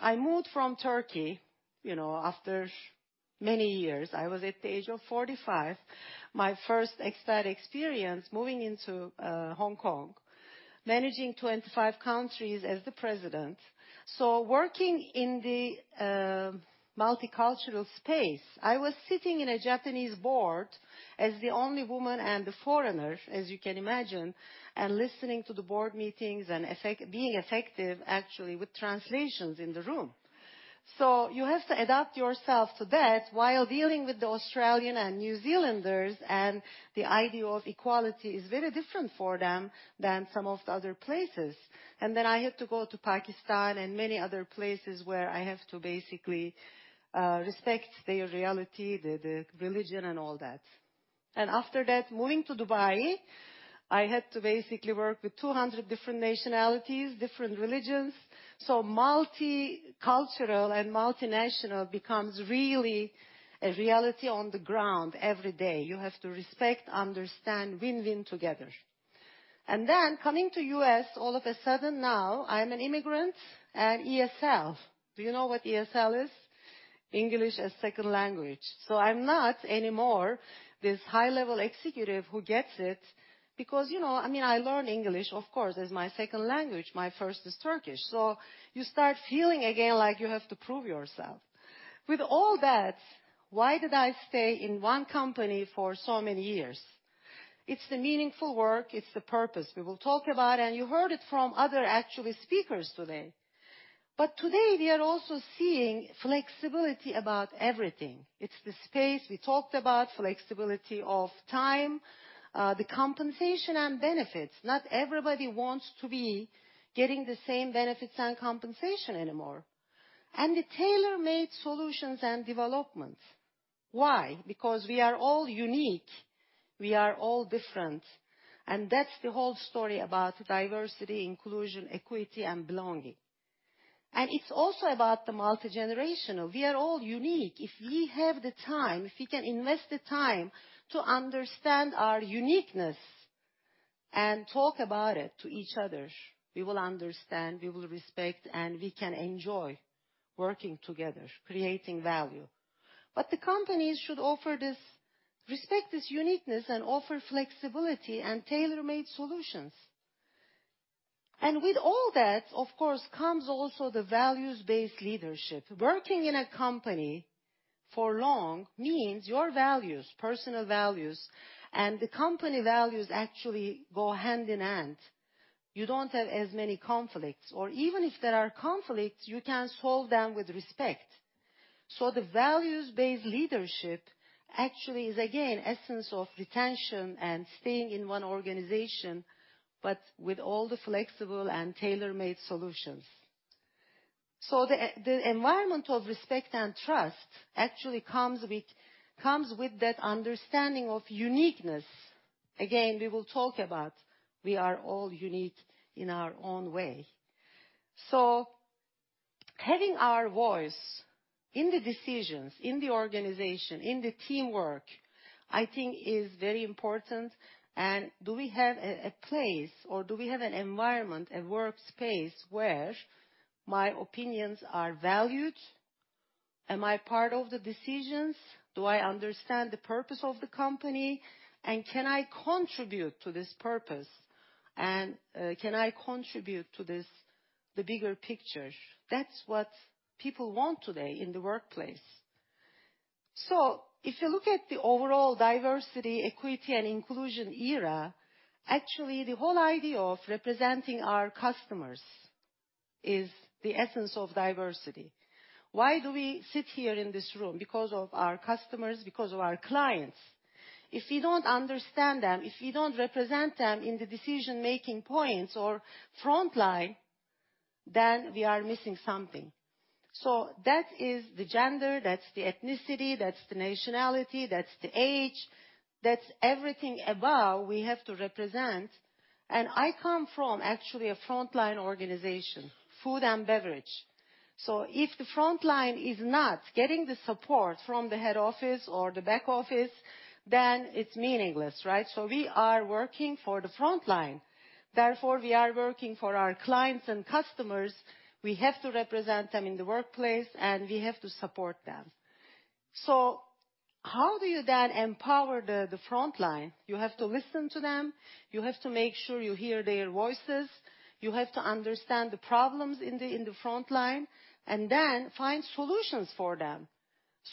I moved from Turkey, you know, after many years. I was at the age of 45. My first expat experience moving into Hong Kong, managing 25 countries as the president. Working in the multicultural space, I was sitting in a Japanese board as the only woman and a foreigner, as you can imagine, and listening to the board meetings and being effective actually with translations in the room. You have to adapt yourself to that while dealing with the Australian and New Zealanders, and the idea of equality is very different for them than some of the other places. I had to go to Pakistan and many other places where I have to basically respect their reality, the religion and all that. After that, moving to Dubai, I had to basically work with 200 different nationalities, different religions. Multicultural and multinational becomes really a reality on the ground every day. You have to respect, understand, win-win together. Coming to U.S., all of a sudden now, I'm an immigrant and ESL. Do you know what ESL is? English as second language. I'm not anymore this high-level executive who gets it because, you know, I mean, I learn English, of course, as my second language. My first is Turkish, so you start feeling again like you have to prove yourself. With all that, why did I stay in one company for so many years? It's the meaningful work, it's the purpose. We will talk about it, and you heard it from other actually speakers today. Today, we are also seeing flexibility about everything. It's the space we talked about, flexibility of time, the compensation and benefits. Not everybody wants to be getting the same benefits and compensation anymore. The tailor-made solutions and development. Why? Because we are all unique. We are all different. That's the whole story about diversity, inclusion, equity, and belonging. It's also about the multigenerational. We are all unique. If we have the time, if we can invest the time to understand our uniqueness and talk about it to each other, we will understand, we will respect, and we can enjoy working together, creating value. The companies should offer this, respect this uniqueness and offer flexibility and tailor-made solutions. With all that, of course, comes also the values-based leadership. Working in a company for long means your values, personal values, and the company values actually go hand in hand. You don't have as many conflicts, or even if there are conflicts, you can solve them with respect. The values-based leadership actually is again, essence of retention and staying in one organization, but with all the flexible and tailor-made solutions. The environment of respect and trust actually comes with that understanding of uniqueness. Again, we will talk about we are all unique in our own way. Having our voice in the decisions, in the organization, in the teamwork, I think is very important. Do we have a place or do we have an environment, a workspace where my opinions are valued? Am I part of the decisions? Do I understand the purpose of the company? Can I contribute to this purpose? Can I contribute to this, the bigger picture? That's what people want today in the workplace. If you look at the overall diversity, equity and inclusion era, actually the whole idea of representing our customers is the essence of diversity. Why do we sit here in this room? Because of our customers, because of our clients. If we don't understand them, if we don't represent them in the decision-making points or frontline, then we are missing something. That is the gender, that's the ethnicity, that's the nationality, that's the age, that's everything above we have to represent. I come from actually a frontline organization, food and beverage. If the frontline is not getting the support from the head office or the back office, then it's meaningless, right? We are working for the frontline, therefore we are working for our clients and customers. We have to represent them in the workplace and we have to support them. How do you then empower the frontline? You have to listen to them. You have to make sure you hear their voices. You have to understand the problems in the frontline and then find solutions for them.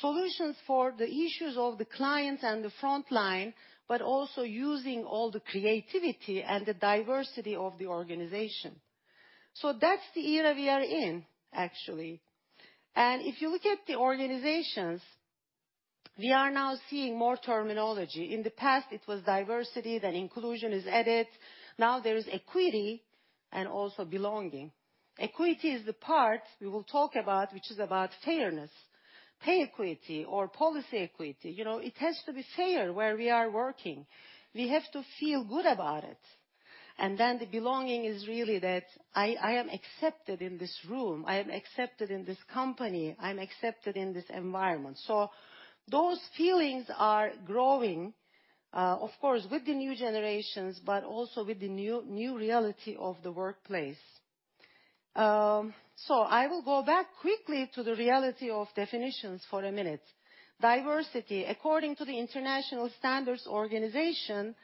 Solutions for the issues of the clients and the frontline, but also using all the creativity and the diversity of the organization. That's the era we are in actually. If you look at the organizations, we are now seeing more terminology. In the past it was diversity, then inclusion is added. Now there is equity and also belonging. Equity is the part we will talk about, which is about fairness, pay equity or policy equity. You know, it has to be fair where we are working. We have to feel good about it. Then the belonging is really that I am accepted in this room, I am accepted in this company, I'm accepted in this environment. Those feelings are growing, of course with the new generations, but also with the new reality of the workplace. I will go back quickly to the reality of definitions for a minute. Diversity. According to the International Organization for Standardization,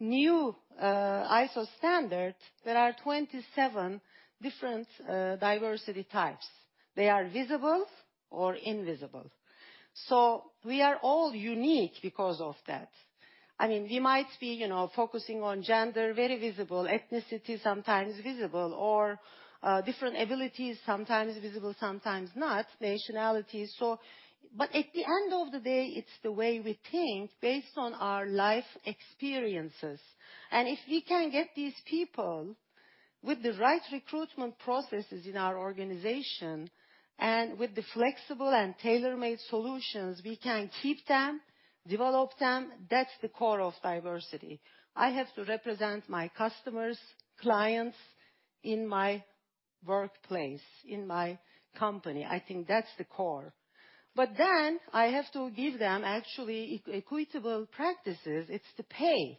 new ISO standard, there are 27 different diversity types. They are visible or invisible. We are all unique because of that. I mean, we might be, you know, focusing on gender, very visible, ethnicity sometimes visible, or different abilities sometimes visible, sometimes not, nationalities. But at the end of the day, it's the way we think based on our life experiences. If we can get these people with the right recruitment processes in our organization and with the flexible and tailor-made solutions, we can keep them, develop them. That's the core of diversity. I have to represent my customers, clients in my workplace, in my company. I think that's the core. Then I have to give them actually equitable practices. It's the pay.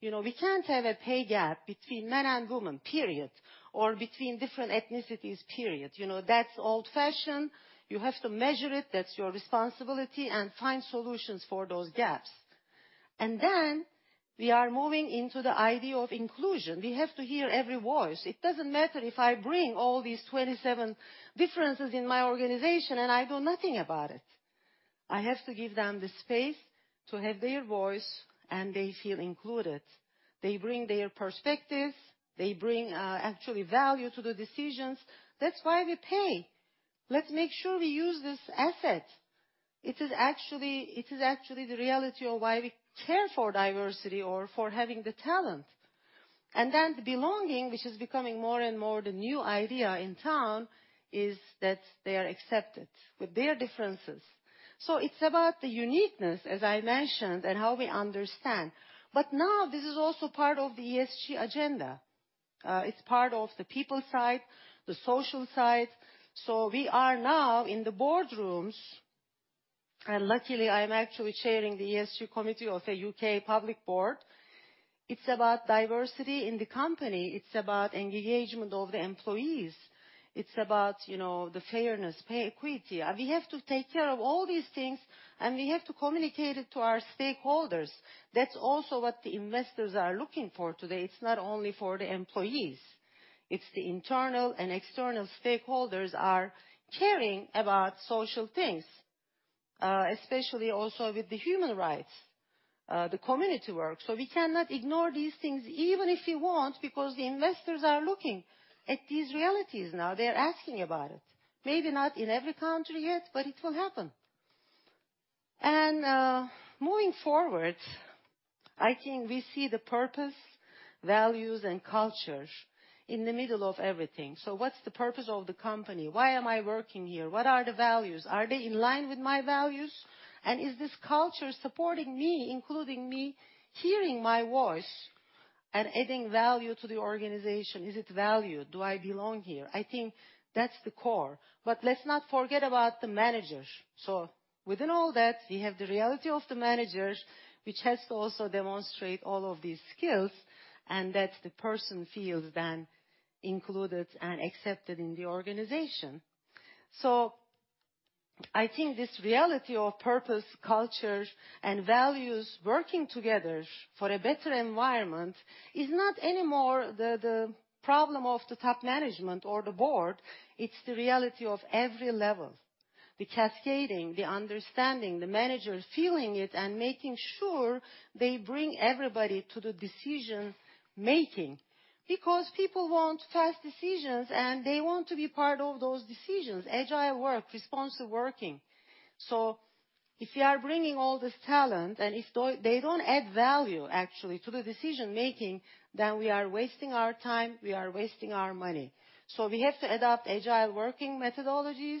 You know, we can't have a pay gap between men and women, period, or between different ethnicities, period. You know, that's old-fashioned. You have to measure it, that's your responsibility and find solutions for those gaps. We are moving into the idea of inclusion. We have to hear every voice. It doesn't matter if I bring all these 27 differences in my organization and I do nothing about it. I have to give them the space to have their voice and they feel included. They bring their perspectives, they bring, actually value to the decisions. That's why we pay. Let's make sure we use this asset. It is actually the reality of why we care for diversity or for having the talent. The belonging, which is becoming more and more the new idea in town, is that they are accepted with their differences. It's about the uniqueness, as I mentioned, and how we understand. Now this is also part of the ESG agenda. It's part of the people side, the social side. We are now in the boardrooms, and luckily I'm actually chairing the ESG committee of a U.K public board. It's about diversity in the company. It's about engagement of the employees. It's about, you know, the fairness, pay equity. We have to take care of all these things and we have to communicate it to our stakeholders. That's also what the investors are looking for today. It's not only for the employees. It's the internal and external stakeholders are caring about social things, especially also with the human rights, the community work. We cannot ignore these things, even if you want, because the investors are looking at these realities now. They're asking about it. Maybe not in every country yet, but it will happen. Moving forward, I think we see the purpose, values, and culture in the middle of everything. What's the purpose of the company? Why am I working here? What are the values? Are they in line with my values? Is this culture supporting me, including me, hearing my voice and adding value to the organization? Is it valued? Do I belong here? I think that's the core. Let's not forget about the managers. Within all that, we have the reality of the managers, which has to also demonstrate all of these skills, and that the person feels then included and accepted in the organization. I think this reality of purpose, culture, and values working together for a better environment is not any more the problem of the top management or the board, it's the reality of every level. The cascading, the understanding, the managers feeling it and making sure they bring everybody to the decision-making. Because people want fast decisions, and they want to be part of those decisions. Agile work, responsive working. If you are bringing all this talent, and if they don't add value actually to the decision-making, then we are wasting our time, we are wasting our money. We have to adopt agile working methodologies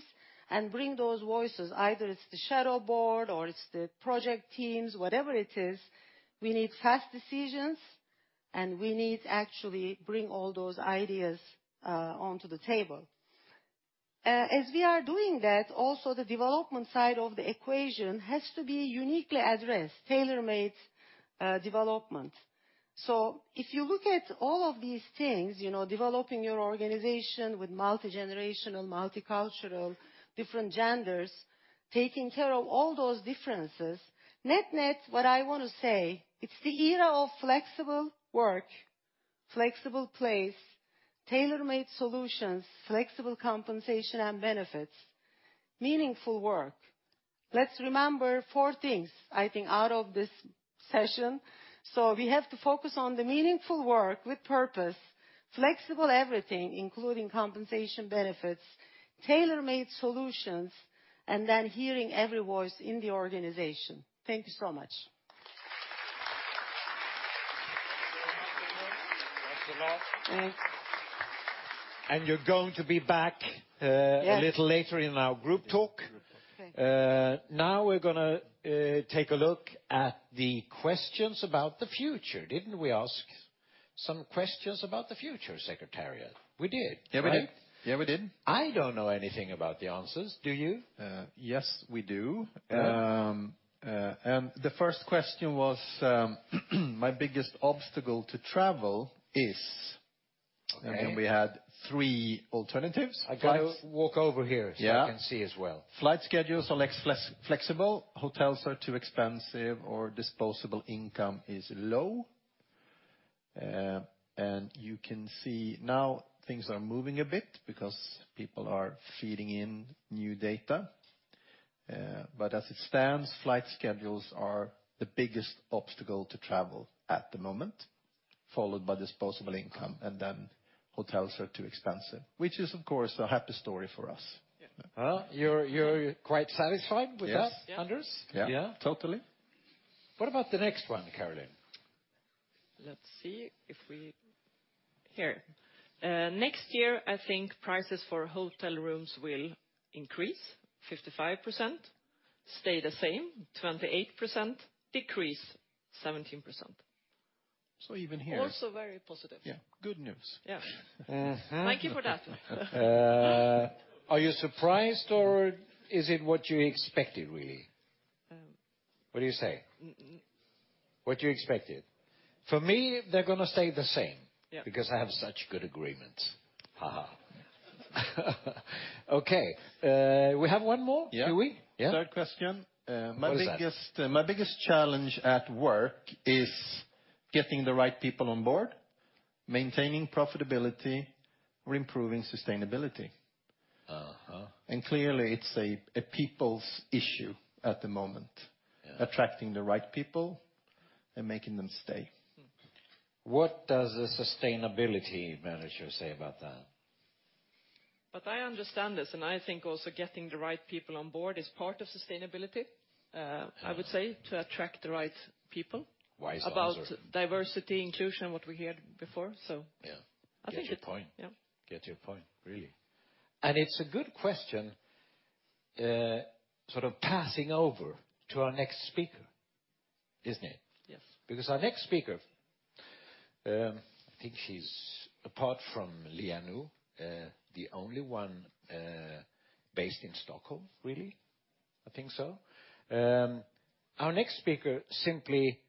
and bring those voices, either it's the shadow board or it's the project teams, whatever it is, we need fast decisions, and we need to actually bring all those ideas onto the table. As we are doing that, also the development side of the equation has to be uniquely addressed, tailor-made, development. If you look at all of these things, you know, developing your organization with multigenerational, multicultural, different genders, taking care of all those differences. Net-net, what I wanna say, it's the era of flexible work, flexible place, tailor-made solutions, flexible compensation and benefits, meaningful work. Let's remember four things, I think, out of this session. We have to focus on the meaningful work with purpose, flexible everything, including compensation benefits, tailor-made solutions, and then hearing every voice in the organization. Thank you so much. Thank you. Thanks a lot. You're going to be back. Yes. A little later in our group talk. Okay. Now we're gonna take a look at the questions about the future. Didn't we ask some questions about the future, secretariat? We did, right? Yeah, we did. Yeah, we did. I don't know anything about the answers. Do you? Yes, we do. Good. The first question was, my biggest obstacle to travel is. Okay. We had three alternatives. I got to walk over here. Yeah. I can see as well. Flight schedules are flexible, hotels are too expensive or disposable income is low. You can see now things are moving a bit because people are feeding in new data. As it stands, flight schedules are the biggest obstacle to travel at the moment, followed by disposable income, and then hotels are too expensive, which is, of course, a happy story for us. Yeah. You're quite satisfied with that. Yes. -Anders? Yeah. Yeah. Totally. What about the next one, Caroline? Next year, I think prices for hotel rooms will increase 55%, stay the same 28%, decrease 17%. Even here. Also very positive. Yeah. Good news. Yeah. Thank you for that. Are you surprised or is it what you expected, really? What do you say? What you expected? For me, they're gonna stay the same. Yeah. Because I have such good agreements. Ha ha. Okay. We have one more. Yeah. Do we? Yeah. Third question, What is that? My biggest challenge at work is getting the right people on board, maintaining profitability or improving sustainability. Clearly, it's a people's issue at the moment. Yeah. Attracting the right people and making them stay. What does a sustainability manager say about that? I understand this, and I think also getting the right people on board is part of sustainability, I would say, to attract the right people. Wise answer. About diversity, inclusion, what we heard before. Yeah. I think it. Get your point. Yeah. Get your point, really. It's a good question, sort of passing over to our next speaker, isn't it? Yes. Because our next speaker, I think she's apart from Liia Nõu, the only one based in Stockholm, really. I think so. Our next speaker simply,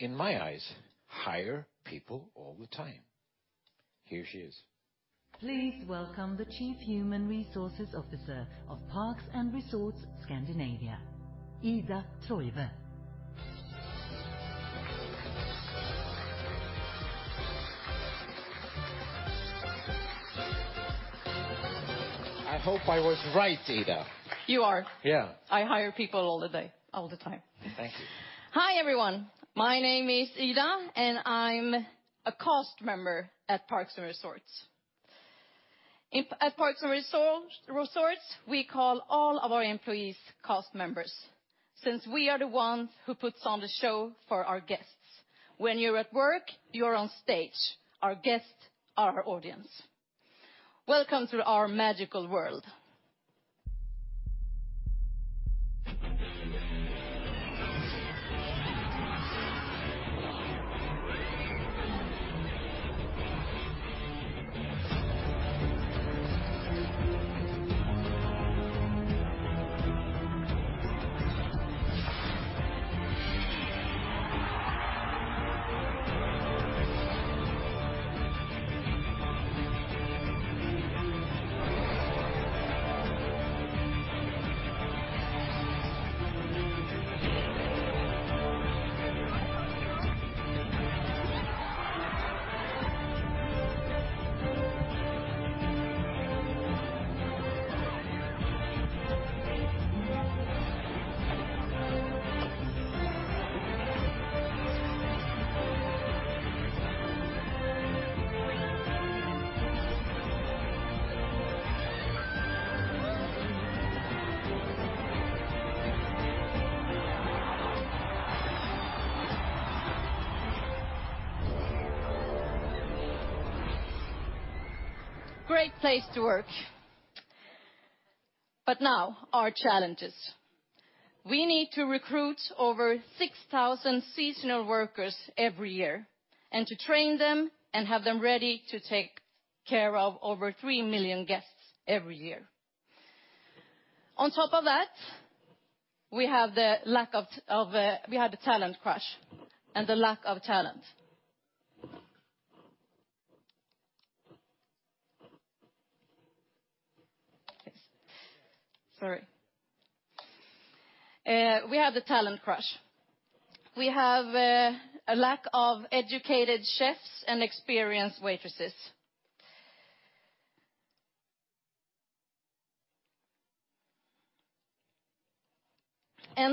in my eyes, hire people all the time. Here she is. Please welcome the Chief Human Resources Officer of Parks and Resorts Scandinavia, Ida Troive. I hope I was right, Ida. You are. Yeah. I hire people all day, all the time. Thank you. Hi, everyone. My name is Ida, and I'm a cast member at Parks and Resorts. At Parks and Resorts, we call all of our employees cast members since we are the ones who puts on the show for our guests. When you're at work, you're on stage. Our guests are our audience. Welcome to our magical world. Great place to work. Now, our challenges. We need to recruit over 6,000 seasonal workers every year and to train them and have them ready to take care of over 3 million guests every year. On top of that, we had a talent crunch and a lack of talent. We have a lack of educated chefs and experienced waitresses.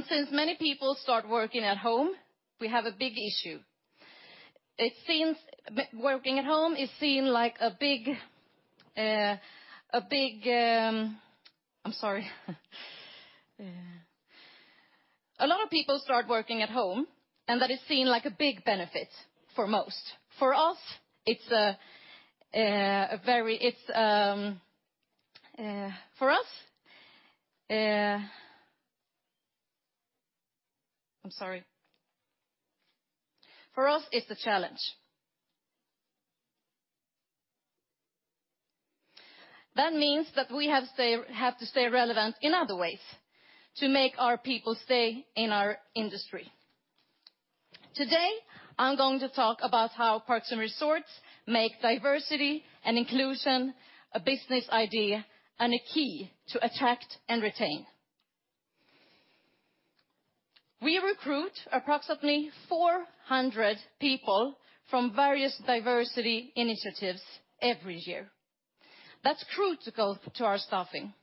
Since many people start working at home, we have a big issue. A lot of people start working at home, and that is seen like a big benefit for most. For us, it's a challenge. That means that we have to stay relevant in other ways to make our people stay in our industry. Today, I'm going to talk about how Parks and Resorts make diversity and inclusion a business idea and a key to attract and retain. We recruit approximately 400 people from various diversity initiatives every year. That's crucial to our staffing.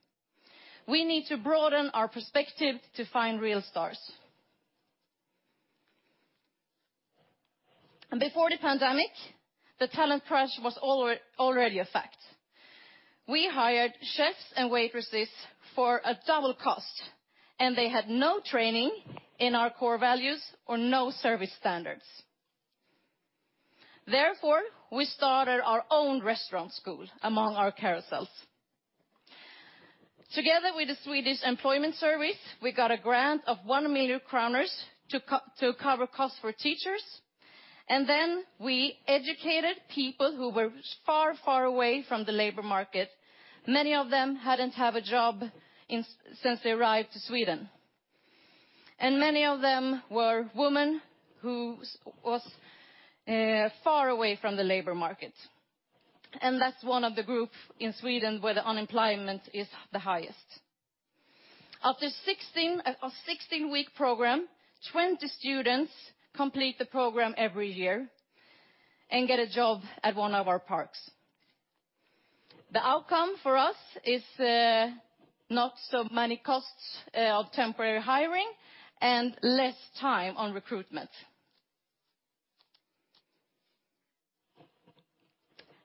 We need to broaden our perspective to find real stars. Before the pandemic, the talent crush was already a fact. We hired chefs and waitresses for a double cost, and they had no training in our core values or no service standards. Therefore, we started our own restaurant school among our hotels. Together with the Swedish Public Employment Service, we got a grant of 1 million kronor to cover costs for teachers, and then we educated people who were far, far away from the labor market. Many of them hadn't have a job since they arrived to Sweden. Many of them were women who was far away from the labor market, and that's one of the group in Sweden where the unemployment is the highest. After a 16-week program, 20 students complete the program every year and get a job at one of our parks. The outcome for us is not so many costs of temporary hiring and less time on recruitment.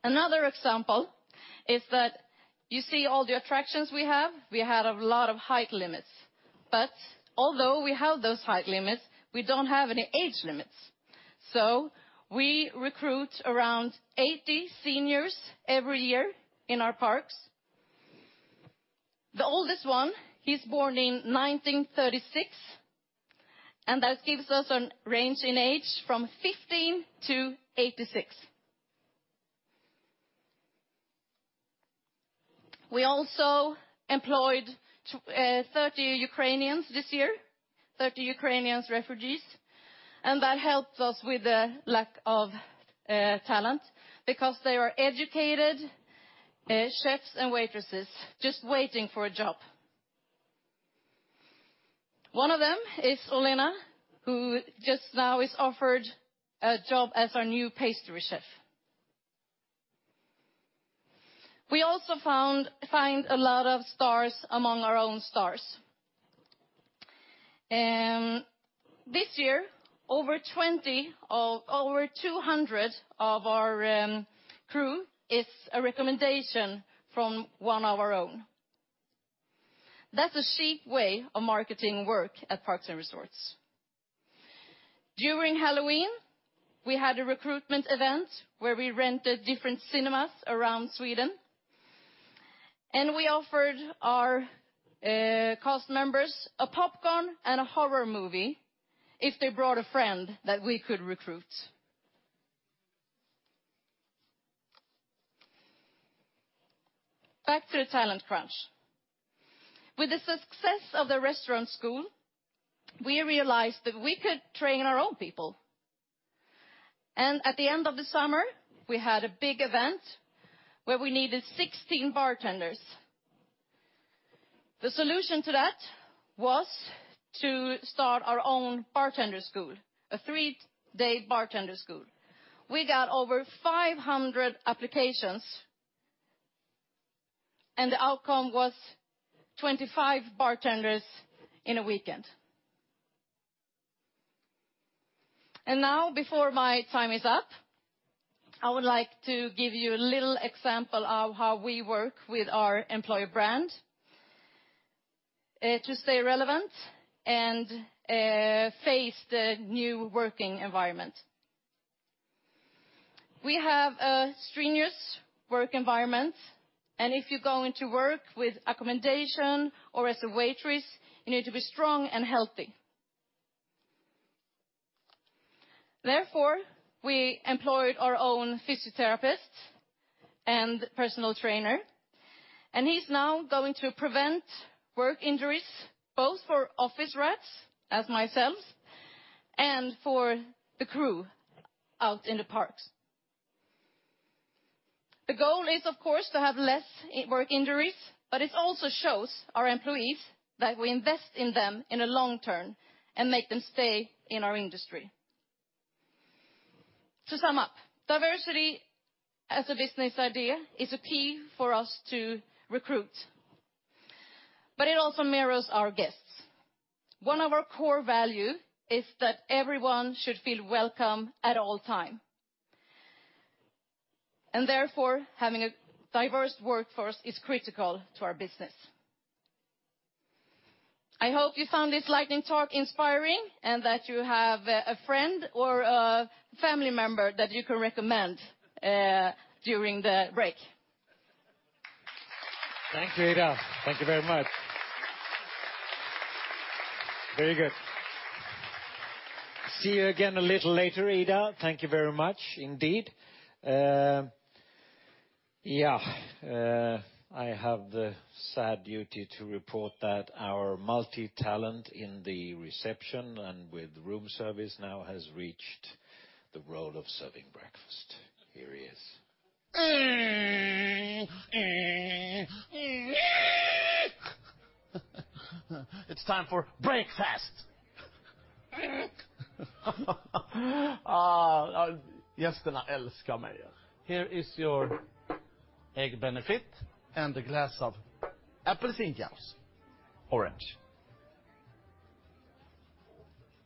Another example is that you see all the attractions we have. We have a lot of height limits. Although we have those height limits, we don't have any age limits. We recruit around 80 seniors every year in our parks. The oldest one, he's born in 1936, and that gives us a range in age from 15 to 86. We also employed 30 Ukrainians this year, 30 Ukrainian refugees, and that helped us with the lack of talent because they were educated chefs and waitresses just waiting for a job. One of them is Olena, who just now is offered a job as our new pastry chef. We also find a lot of stars among our own stars. This year, over 200 of our crew is a recommendation from one of our own. That's a chic way of marketing work at Parks and Resorts. During Halloween, we had a recruitment event where we rented different cinemas around Sweden, and we offered our cast members a popcorn and a horror movie if they brought a friend that we could recruit. Back to the talent crunch. With the success of the restaurant school, we realized that we could train our own people. At the end of the summer, we had a big event where we needed 16 bartenders. The solution to that was to start our own bartender school, a three-day bartender school. We got over 500 applications, and the outcome was 25 bartenders in a weekend. Now, before my time is up, I would like to give you a little example of how we work with our employer brand to stay relevant and face the new working environment. We have a strenuous work environment, and if you're going to work with accommodation or as a waitress, you need to be strong and healthy. Therefore, we employed our own physiotherapist and personal trainer, and he's now going to prevent work injuries, both for office rats, as myself, and for the crew out in the parks. The goal is, of course, to have less work injuries, but it also shows our employees that we invest in them in the long term and make them stay in our industry. To sum up, diversity as a business idea is a key for us to recruit, but it also mirrors our guests. One of our core value is that everyone should feel welcome at all time. Therefore, having a diverse workforce is critical to our business. I hope you found this lightning talk inspiring and that you have a friend or a family member that you can recommend during the break. Thank you, Ida. Thank you very much. Very good. See you again a little later, Ida. Thank you very much indeed. I have the sad duty to report that our multi-talent in the reception and with room service now has reached the role of serving breakfast. Here he is. It's time for breakfast. Here is your Eggs Benedict and a glass of orange juice. Orange.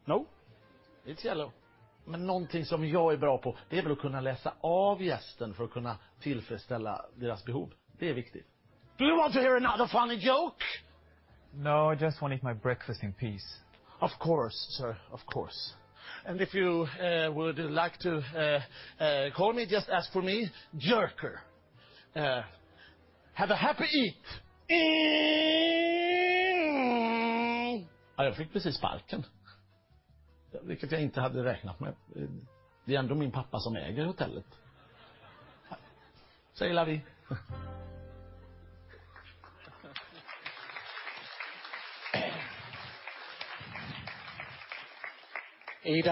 No? It's yellow. Do you want to hear another funny joke? No, I just want to eat my breakfast in peace. Of course, sir, of course. If you would like to call me, just ask for me, Jerker. Have a happy eat. Ida,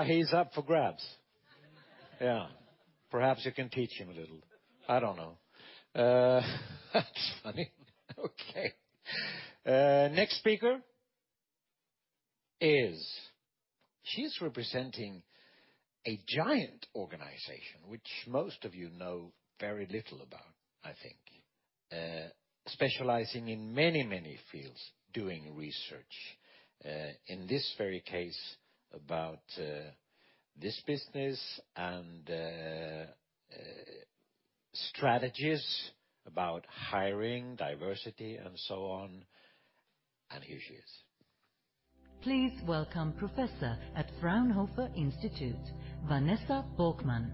he's up for grabs. Yeah. Perhaps you can teach him a little. I don't know. That's funny. Okay. Next speaker is. She's representing a giant organization which most of you know very little about, I think. Specializing in many, many fields, doing research, in this very case about this business and strategies about hiring, diversity, and so on. Here she is. Please welcome Professor at Fraunhofer Institute, Vanessa Borkmann.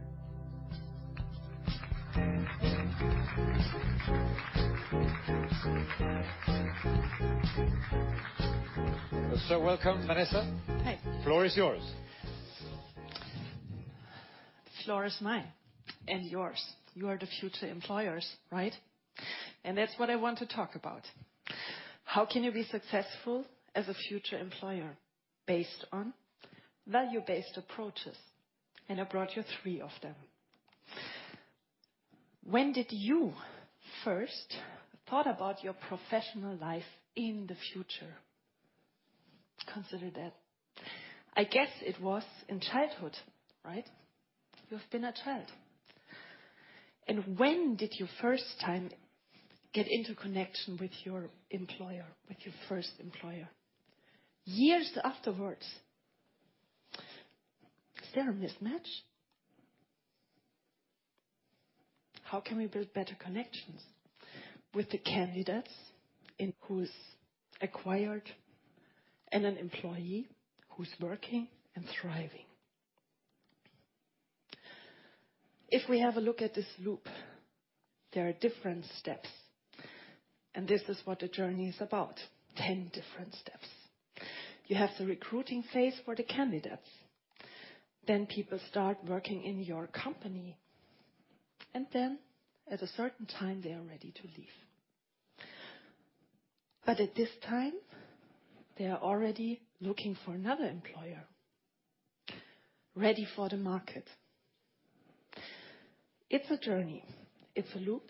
Welcome, Vanessa. Hi. Floor is yours. Floor is mine and yours. You are the future employers, right? That's what I want to talk about. How can you be successful as a future employer based on value-based approaches? I brought you three of them. When did you first thought about your professional life in the future? Consider that. I guess it was in childhood, right? You've been a child. When did you first time get into connection with your employer, with your first employer? Years afterwards. Is there a mismatch? How can we build better connections with the candidates in who's acquired and an employee who's working and thriving? If we have a look at this loop, there are different steps, and this is what the journey is about, 10 different steps. You have the recruiting phase for the candidates, then people start working in your company, and then at a certain time, they are ready to leave. At this time, they are already looking for another employer, ready for the market. It's a journey. It's a loop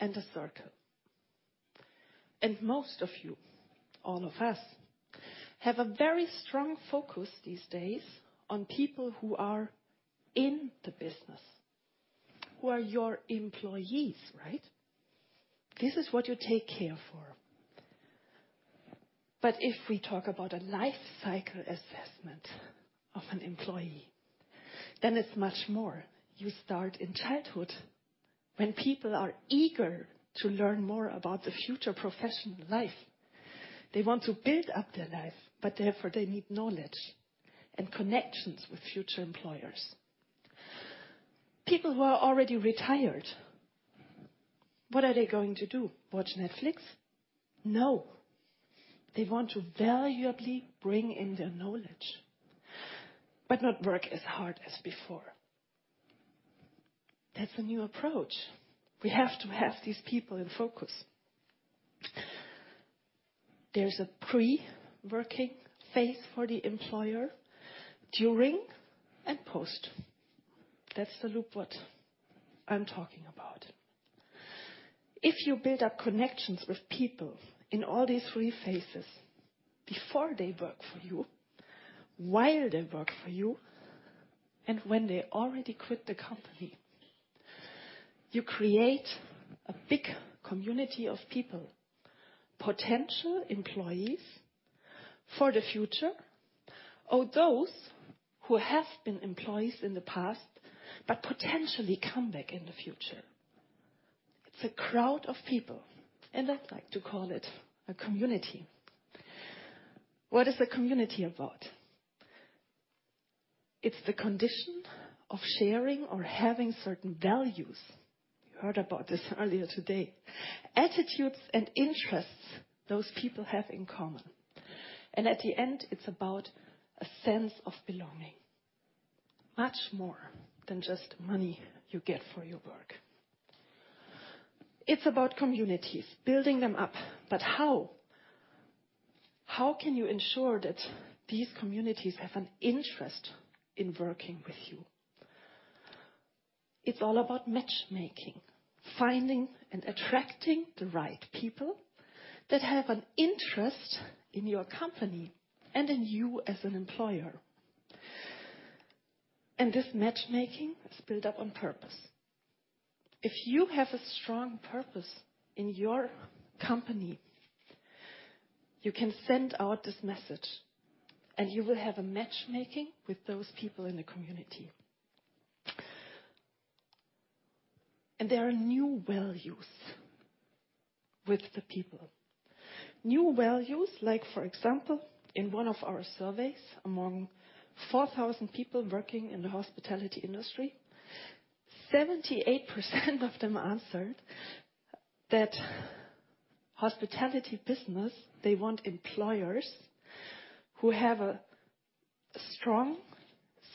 and a circle. Most of you, all of us, have a very strong focus these days on people who are in the business, who are your employees, right? This is what you take care for. If we talk about a life cycle assessment of an employee, then it's much more. You start in childhood when people are eager to learn more about the future professional life. They want to build up their life, but therefore they need knowledge and connections with future employers. People who are already retired, what are they going to do? Watch Netflix? No. They want to valuably bring in their knowledge, but not work as hard as before. That's a new approach. We have to have these people in focus. There's a pre-working phase for the employer, during, and post. That's the loop what I'm talking about. If you build up connections with people in all these three phases, before they work for you, while they work for you, and when they already quit the company, you create a big community of people, potential employees for the future, or those who have been employees in the past, but potentially come back in the future. It's a crowd of people, and I like to call it a community. What is a community about? It's the condition of sharing or having certain values. You heard about this earlier today. Attitudes and interests those people have in common. At the end, it's about a sense of belonging, much more than just money you get for your work. It's about communities, building them up. How? How can you ensure that these communities have an interest in working with you? It's all about matchmaking, finding and attracting the right people that have an interest in your company and in you as an employer. This matchmaking is built up on purpose. If you have a strong purpose in your company, you can send out this message, and you will have a matchmaking with those people in the community. There are new values with the people. New values, like for example, in one of our surveys, among 4,000 people working in the hospitality industry, 78% of them answered that hospitality business, they want employers who have a strong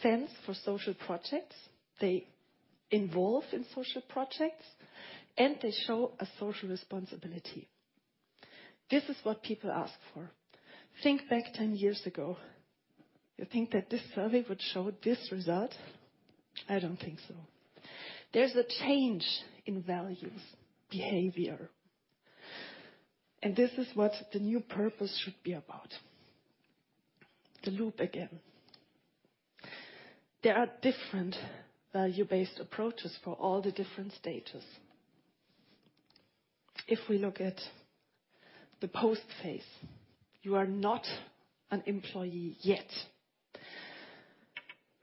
sense for social projects, they involve in social projects, and they show a social responsibility. This is what people ask for. Think back 10 years ago. You think that this survey would show this result? I don't think so. There's a change in values, behavior, and this is what the new purpose should be about. The loop again. There are different value-based approaches for all the different status. If we look at the post phase, you are not an employee yet.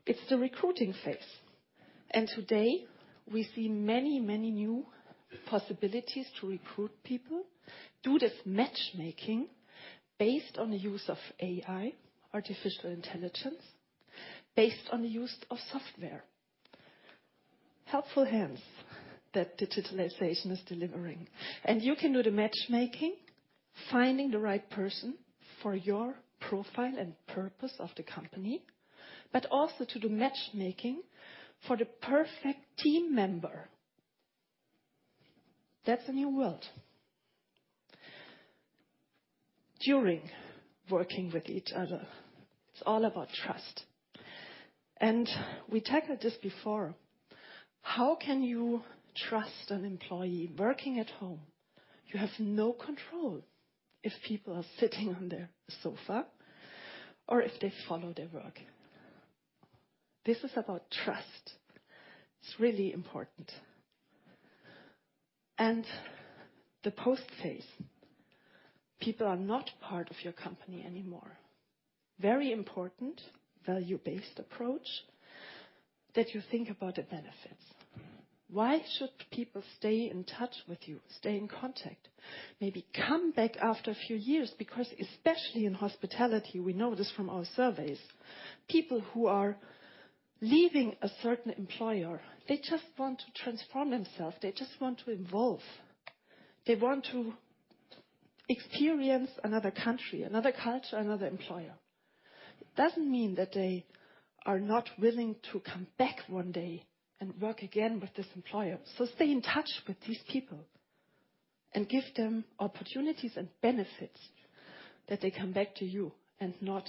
It's the recruiting phase. Today, we see many, many new possibilities to recruit people, do this matchmaking based on the use of AI, artificial intelligence, based on the use of software. Helpful hands that digitalization is delivering. You can do the matchmaking, finding the right person for your profile and purpose of the company, but also to do matchmaking for the perfect team member. That's a new world. During working with each other, it's all about trust. We tackled this before. How can you trust an employee working at home? You have no control if people are sitting on their sofa or if they follow their work. This is about trust. It's really important. The post phase, people are not part of your company anymore. Very important, value-based approach that you think about the benefits. Why should people stay in touch with you, stay in contact? Maybe come back after a few years, because especially in hospitality, we know this from our surveys, people who are leaving a certain employer, they just want to transform themselves, they just want to evolve, they want to experience another country, another culture, another employer. It doesn't mean that they are not willing to come back one day and work again with this employer. Stay in touch with these people and give them opportunities and benefits that they come back to you and not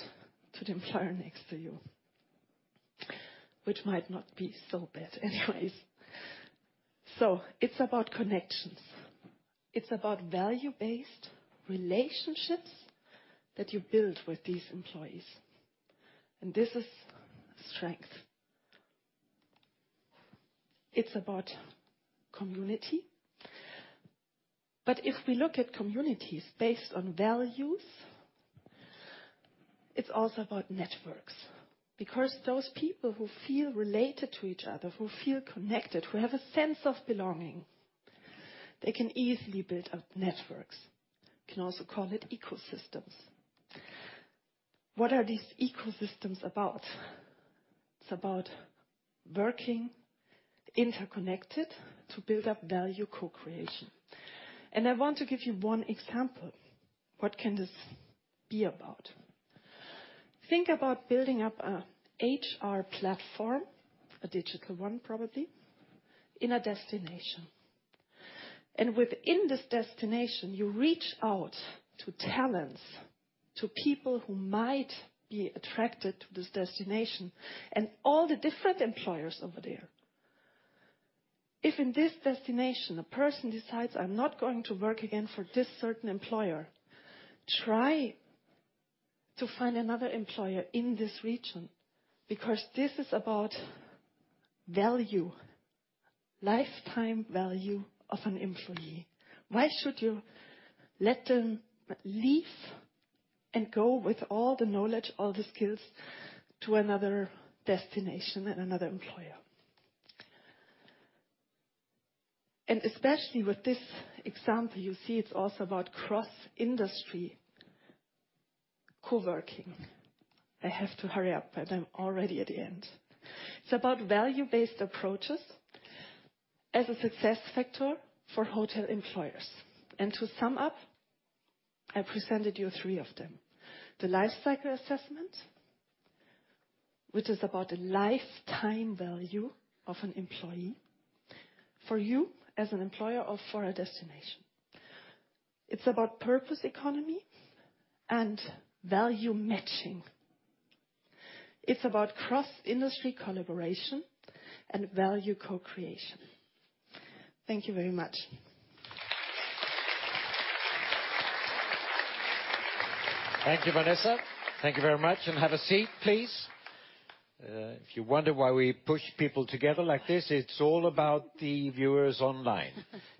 to the employer next to you, which might not be so bad anyways. It's about connections. It's about value-based relationships that you build with these employees, and this is strength. It's about community. If we look at communities based on values, it's also about networks. Because those people who feel related to each other, who feel connected, who have a sense of belonging, they can easily build up networks. You can also call it ecosystems. What are these ecosystems about? It's about working interconnected to build up value co-creation. I want to give you one example. What can this be about? Think about building up a HR platform, a digital one, probably, in a destination. Within this destination, you reach out to talents, to people who might be attracted to this destination and all the different employers over there. If in this destination, a person decides, I'm not going to work again for this certain employer, try to find another employer in this region, because this is about value, lifetime value of an employee. Why should you let them leave and go with all the knowledge, all the skills to another destination and another employer? Especially with this example, you see it's also about cross-industry co-working. I have to hurry up, but I'm already at the end. It's about value-based approaches as a success factor for hotel employers. To sum up, I presented you three of them. The life cycle assessment, which is about the lifetime value of an employee for you as an employer or for a destination. It's about purpose economy and value matching. It's about cross-industry collaboration and value co-creation. Thank you very much. Thank you, Vanessa. Thank you very much, and have a seat, please. If you wonder why we push people together like this, it's all about the viewers online.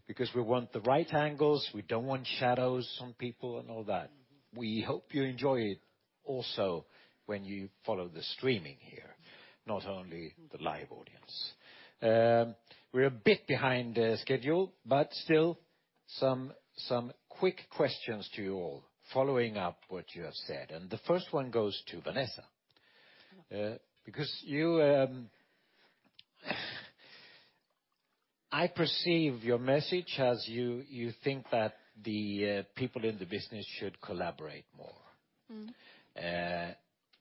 Because we want the right angles, we don't want shadows on people and all that. We hope you enjoy it also when you follow the streaming here, not only the live audience. We're a bit behind the schedule, but still some quick questions to you all following up what you have said, and the first one goes to Vanessa. Because you, I perceive your message as you think that the people in the business should collaborate more.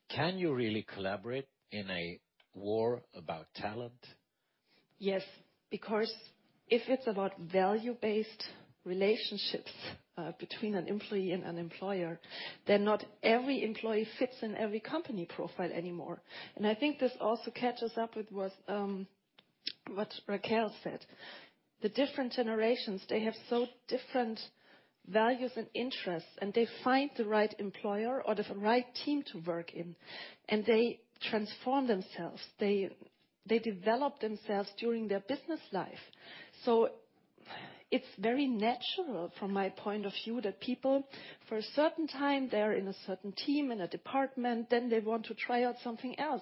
Can you really collaborate in a war about talent? Yes, because if it's about value-based relationships between an employee and an employer, then not every employee fits in every company profile anymore. I think this also catches up with what Rachele Focardi said. The different generations, they have so different values and interests, and they find the right employer or the right team to work in, and they transform themselves, they develop themselves during their business life. It's very natural from my point of view, that people, for a certain time, they're in a certain team, in a department, then they want to try out something else.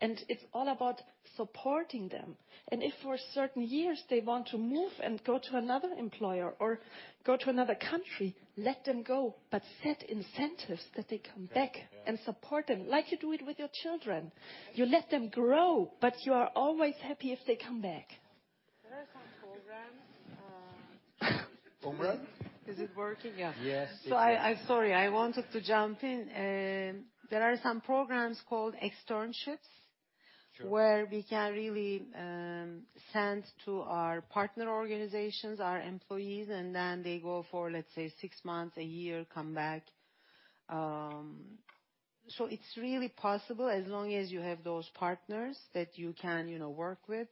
It's all about supporting them. If for certain years they want to move and go to another employer or go to another country, let them go, but set incentives that they come back and support them like you do it with your children. You let them grow, but you are always happy if they come back. There are some programs. Program? Is it working? Yeah. Yes, it is. Sorry, I wanted to jump in. There are some programs called externships where we can really send to our partner organizations our employees, and then they go for, let's say, six months, a year, come back. It's really possible as long as you have those partners that you can, you know, work with,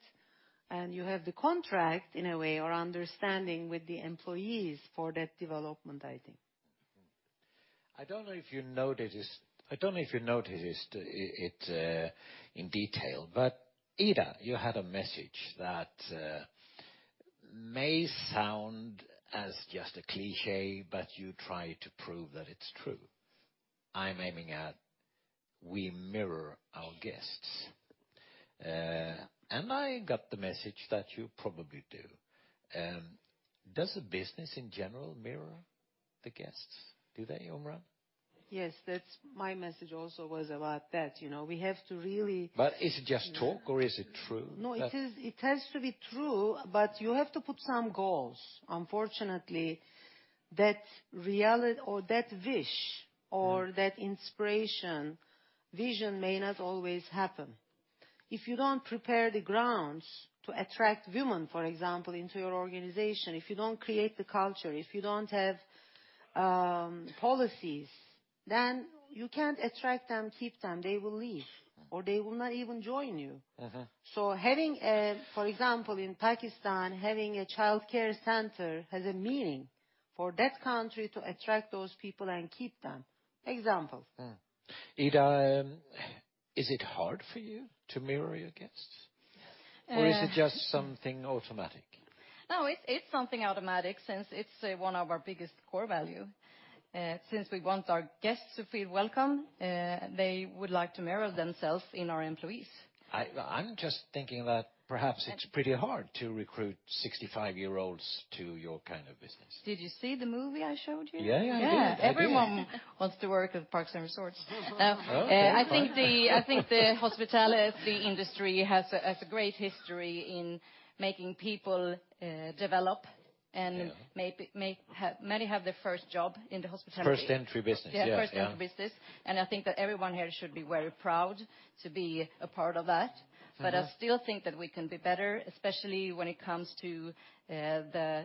and you have the contract in a way or understanding with the employees for that development, I think. I don't know if you noticed this in detail, but Ida, you had a message that may sound as just a cliché, but you try to prove that it's true. I'm aiming at we mirror our guests. I got the message that you probably do. Does the business in general mirror the guests? Do they, Umran? Yes. That's my message also was about that, you know. We have to really. Is it just talk or is it true? No, it has to be true, but you have to put some goals. Unfortunately, that reality or that wish or that inspiration, vision may not always happen. If you don't prepare the grounds to attract women, for example, into your organization, if you don't create the culture, if you don't have policies, then you can't attract them, keep them. They will leave or they will not even join you. For example, in Pakistan, having a childcare center has a meaning for that country to attract those people and keep them. Example. Yeah. Ida, is it hard for you to mirror your guests? Yes. Is it just something automatic? No, it's something automatic since it's one of our biggest core value. Since we want our guests to feel welcome, they would like to mirror themselves in our employees. I'm just thinking that perhaps it's pretty hard to recruit 65-year-olds to your kind of business. Did you see the movie I showed you? Yeah, yeah, I did. Yeah. Everyone wants to work at Parks and Resorts. Oh, okay, fine. I think the hospitality industry has a great history in making people develop. Yeah. Many have their first job in the hospitality. First entry business. Yeah, first entry business. Yeah, yeah. I think that everyone here should be very proud to be a part of that. I still think that we can be better, especially when it comes to the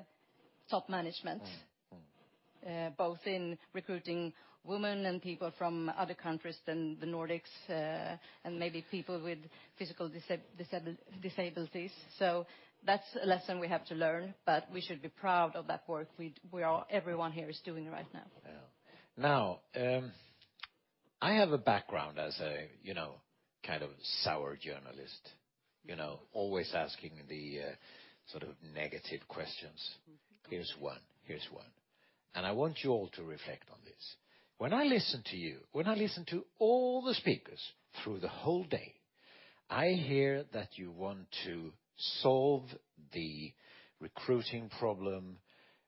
top management. Both in recruiting women and people from other countries than the Nordics, and maybe people with physical disabilities. That's a lesson we have to learn, but we should be proud of that work we all, everyone here is doing right now. Yeah. Now, I have a background as a, you know, kind of sour journalist, you know, always asking the sort of negative questions. Here's one. I want you all to reflect on this. When I listen to you, when I listen to all the speakers through the whole day, I hear that you want to solve the recruiting problem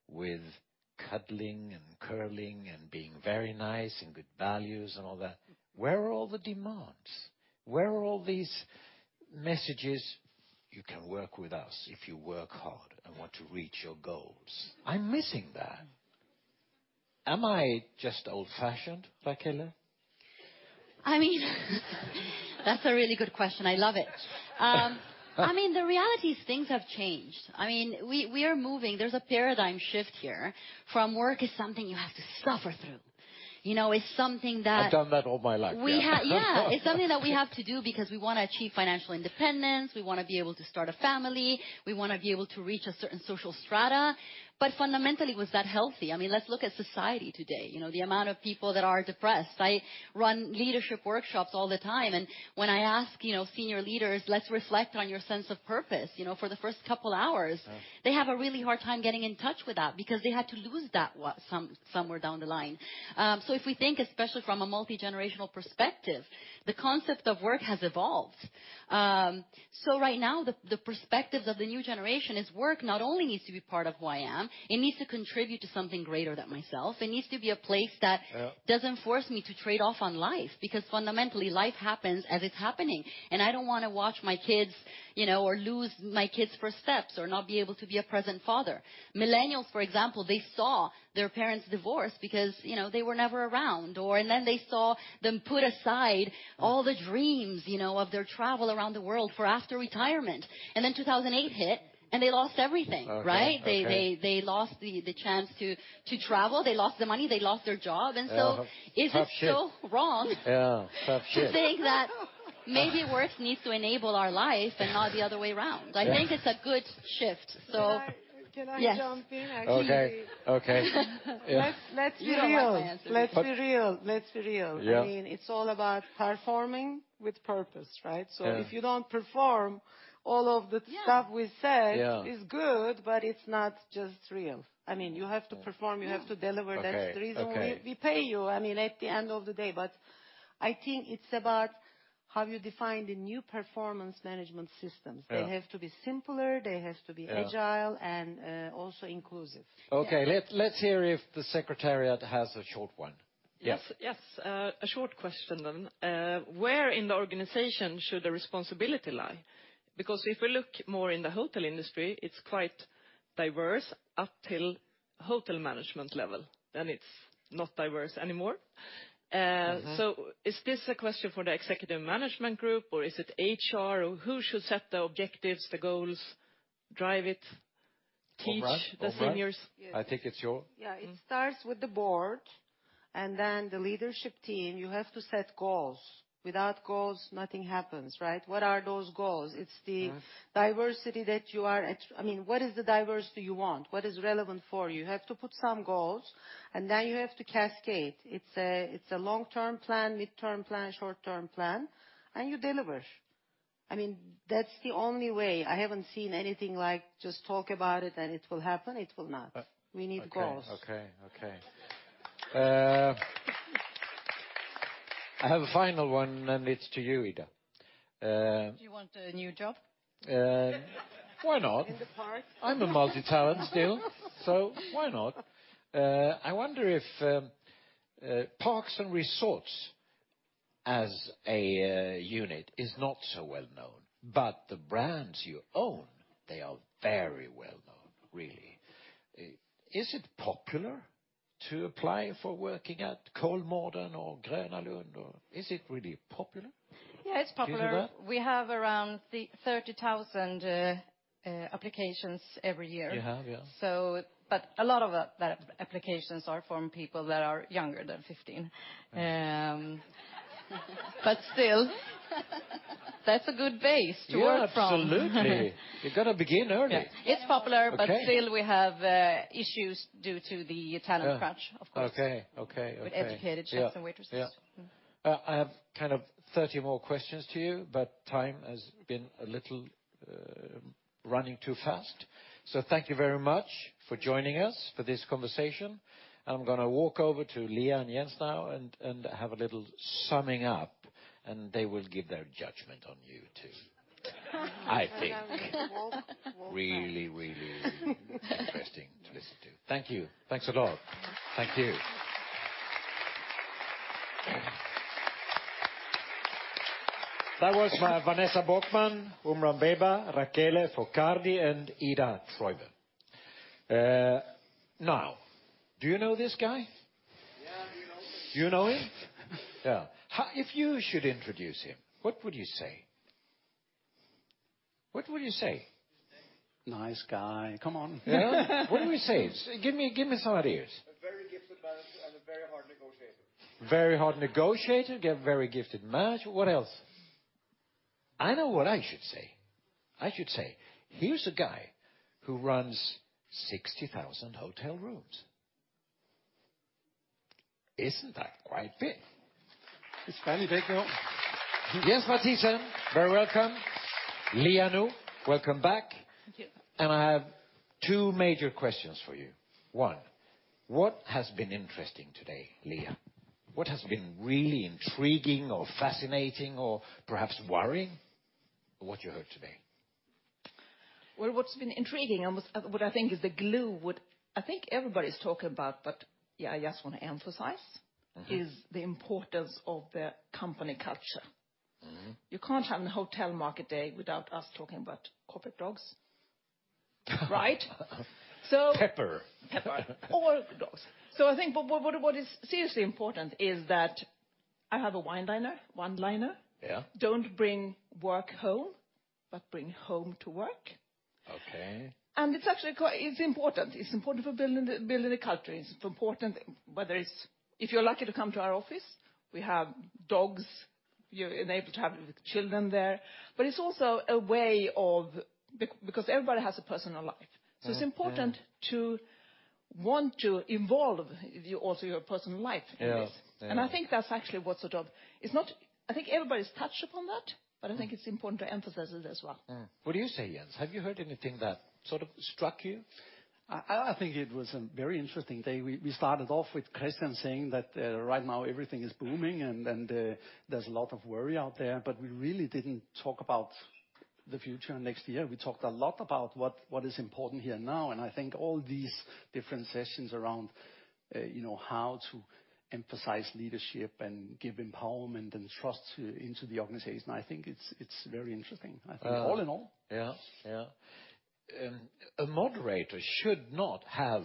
with cuddling and curling and being very nice and good values and all that. Where are all the demands? Where are all these messages, "You can work with us if you work hard and want to reach your goals"? I'm missing that. Am I just old-fashioned, Rachele? I mean, that's a really good question. I love it. I mean, the reality is things have changed. I mean, we are moving. There's a paradigm shift here from work is something you have to suffer through. You know, it's something that. I've done that all my life, yeah. Yeah. Of course. It's something that we have to do because we wanna achieve financial independence, we wanna be able to start a family, we wanna be able to reach a certain social strata. Fundamentally, was that healthy? I mean, let's look at society today, you know, the amount of people that are depressed. I run leadership workshops all the time, and when I ask, you know, senior leaders, "Let's reflect on your sense of purpose," you know, for the first couple hours. Yeah. They have a really hard time getting in touch with that because they had to lose that somewhere down the line. If we think especially from a multigenerational perspective, the concept of work has evolved. Right now, the perspectives of the new generation is work not only needs to be part of who I am, it needs to contribute to something greater than myself. It needs to be a place that. Yeah. Doesn't force me to trade off on life. Because fundamentally, life happens as it's happening, and I don't wanna watch my kids, you know, or lose my kids' first steps or not be able to be a present father. Millennials, for example, they saw their parents divorce because, you know, they were never around, and then they saw them put aside all the dreams, you know, of their travel around the world for after retirement. Then 2008 hit, and they lost everything, right? Okay. Okay. They lost the chance to travel. They lost the money. They lost their job. Yeah. And so- Tough shift. Is it so wrong? Yeah, tough shift. to think that maybe work needs to enable our life and not the other way around? Yeah. I think it's a good shift. Can I jump in actually? Yes. Okay. Yeah. Let's be real. You don't want my answer. But- Let's be real. Yeah. I mean, it's all about performing with purpose, right? Yeah. If you don't perform, all of the Yeah. Stuff we said. Yeah. This is good, but it's not just real. I mean, you have to perform. Yeah. You have to deliver. Okay. Okay. That's the reason we pay you, I mean, at the end of the day. I think it's about how you define the new performance management systems. Yeah. They have to be simpler. Yeah. Agile and also inclusive. Yeah. Okay. Let's hear if the secretariat has a short one. Yeah. Yes. Yes. A short question then. Where in the organization should the responsibility lie? Because if we look more in the hotel industry, it's quite diverse up till hotel management level, then it's not diverse anymore. Is this a question for the executive management group or is it HR or who should set the objectives, the goals, drive it? Umran? Teach the seniors? I think it's you. Yeah. It starts with the board, and then the leadership team, you have to set goals. Without goals, nothing happens, right? What are those goals? Yeah. I mean, what is the diversity you want? What is relevant for you? You have to put some goals, and now you have to cascade. It's a long-term plan, midterm plan, short-term plan, and you deliver. I mean, that's the only way. I haven't seen anything like just talk about it and it will happen. It will not. Uh. We need goals. Okay. I have a final one, and it's to you, Ida. Do you want a new job? Why not? In the park. I'm a multi-talent still, so why not? I wonder if Parks and Resorts as a unit is not so well-known, but the brands you own, they are very well-known, really. Is it popular to apply for working at Kolmården or Gröna Lund? Is it really popular? Yeah, it's popular. Is it that? We have around 30,000 applications every year. You have? Yeah. A lot of the applications are from people that are younger than 15. Right. Still, that's a good base to work from. Yeah, absolutely. You gotta begin early. Yeah. Yeah. It's popular. Okay. Still we have issues due to the talent crunch. Yeah. Of course. Okay. With educated chefs and waitresses. Yeah. Yeah. I have kind of 30 more questions to you, but time has been a little running too fast. Thank you very much for joining us for this conversation. I'm gonna walk over to Liia and Jens now and have a little summing up, and they will give their judgment on you two. I think. Walk now. Really interesting to listen to. Thank you. Thanks a lot. Thank you. That was Vanessa Borkmann, Umran Beba, Rachele Focardi, and Ida Troive. Now, do you know this guy? Yeah, we know him. Do you know him? Yeah. If you should introduce him, what would you say? What would you say? Nice guy. Come on. Yeah. What do we say? Give me some ideas. A very gifted manager and a very hard negotiator. Very hard negotiator. Yeah, very gifted manager. What else? I know what I should say. I should say, "Here's a guy who runs 60,000 hotel rooms." Isn't that quite big? It's fairly big, yeah. Jens Mathiesen, very welcome. Liia Nõu, welcome back. Thank you. I have two major questions for you. One, what has been interesting today, Liia Nõu? What has been really intriguing or fascinating or perhaps worrying of what you heard today? Well, what's been intriguing and was what I think is the glue, what I think everybody's talking about, but yeah, I just wanna emphasize- Is the importance of the company culture. You can't have a hotel market day without us talking about corporate ESG. Right? Pepper. Pepper. All the dogs. I think what is seriously important is that I have a wine dinner one-liner. Yeah. Don't bring work home, but bring home to work. Okay. It's actually important. It's important for building the culture. It's important whether it's. If you're lucky to come to our office, we have dogs. You're enabled to have the children there. It's also a way of. Because everybody has a personal life. Yeah. It's important to want to involve your, also your personal life in this. Yeah. Yeah, yeah. I think everybody's touched upon that, but I think it's important to emphasize it as well. What do you say, Jens? Have you heard anything that sort of struck you? I think it was a very interesting day. We started off with Christian saying that right now everything is booming and there's a lot of worry out there, but we really didn't talk about the future next year. We talked a lot about what is important here now, and I think all these different sessions around you know how to emphasize leadership and give empowerment and trust into the organization. I think it's very interesting. I think all in all. Yeah. A moderator should not have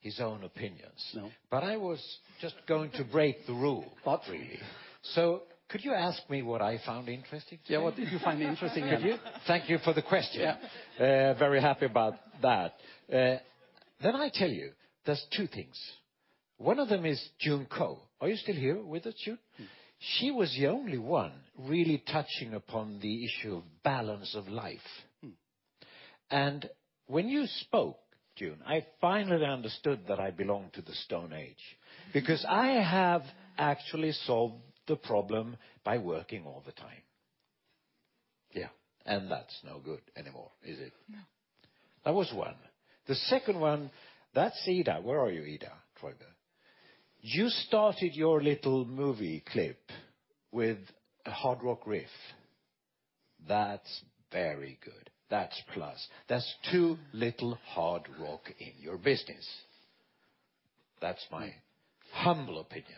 his own opinions. No. I was just going to break the rule. Oh, dear. Could you ask me what I found interesting today? Yeah, what did you find interesting, Anders? Thank you for the question. Yeah. Very happy about that. I tell you, there's two things. One of them is June Koh. Are you still here with us, June? She was the only one really touching upon the issue of balance of life. When you spoke, June, I finally understood that I belong to the Stone Age because I have actually solved the problem by working all the time. Yeah. That's no good anymore, is it? No. That was one. The second one, that's Ida. Where are you, Ida Troive? You started your little movie clip with a hard rock riff. That's very good. That's plus. There's too little hard rock in your business. That's my humble opinion.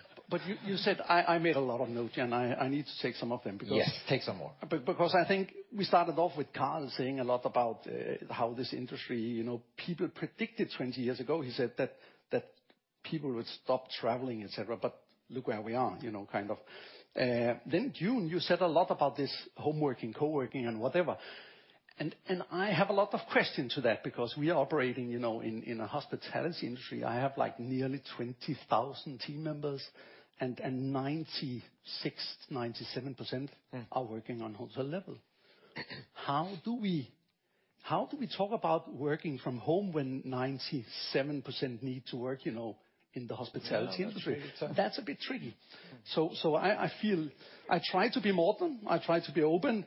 You said. I made a lot of notes, and I need to take some of them because. Yes, take some more. Because I think we started off with Carl saying a lot about how this industry, you know, people predicted 20 years ago, he said that people would stop traveling, et cetera. Look where we are, you know, kind of. June, you said a lot about this hybrid work and co-working and whatever. I have a lot of questions to that because we are operating, you know, in a hospitality industry. I have, like, nearly 20,000 team members, and 96%-97% Are working on hotel level? How do we talk about working from home when 97% need to work, you know, in the hospitality industry? Yeah, that's a bit tricky. That's a bit tricky. I feel I try to be modern, I try to be open,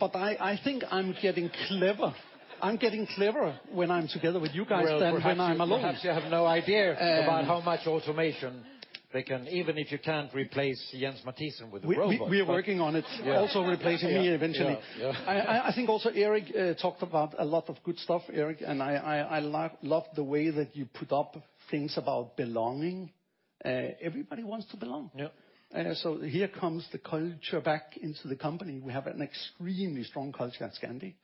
but I think I'm getting clever when I'm together with you guys than when I'm alone. Well, perhaps you have no idea. And- About how much automation they can. Even if you can't replace Jens Mathiesen with a robot. We are working on it. Yeah. Also replacing me eventually. Yeah. Yeah. I think also Eric talked about a lot of good stuff, Eric, and I love the way that you put up things about belonging. Everybody wants to belong. Yeah. Here comes the culture back into the company. We have an extremely strong culture at Scandic.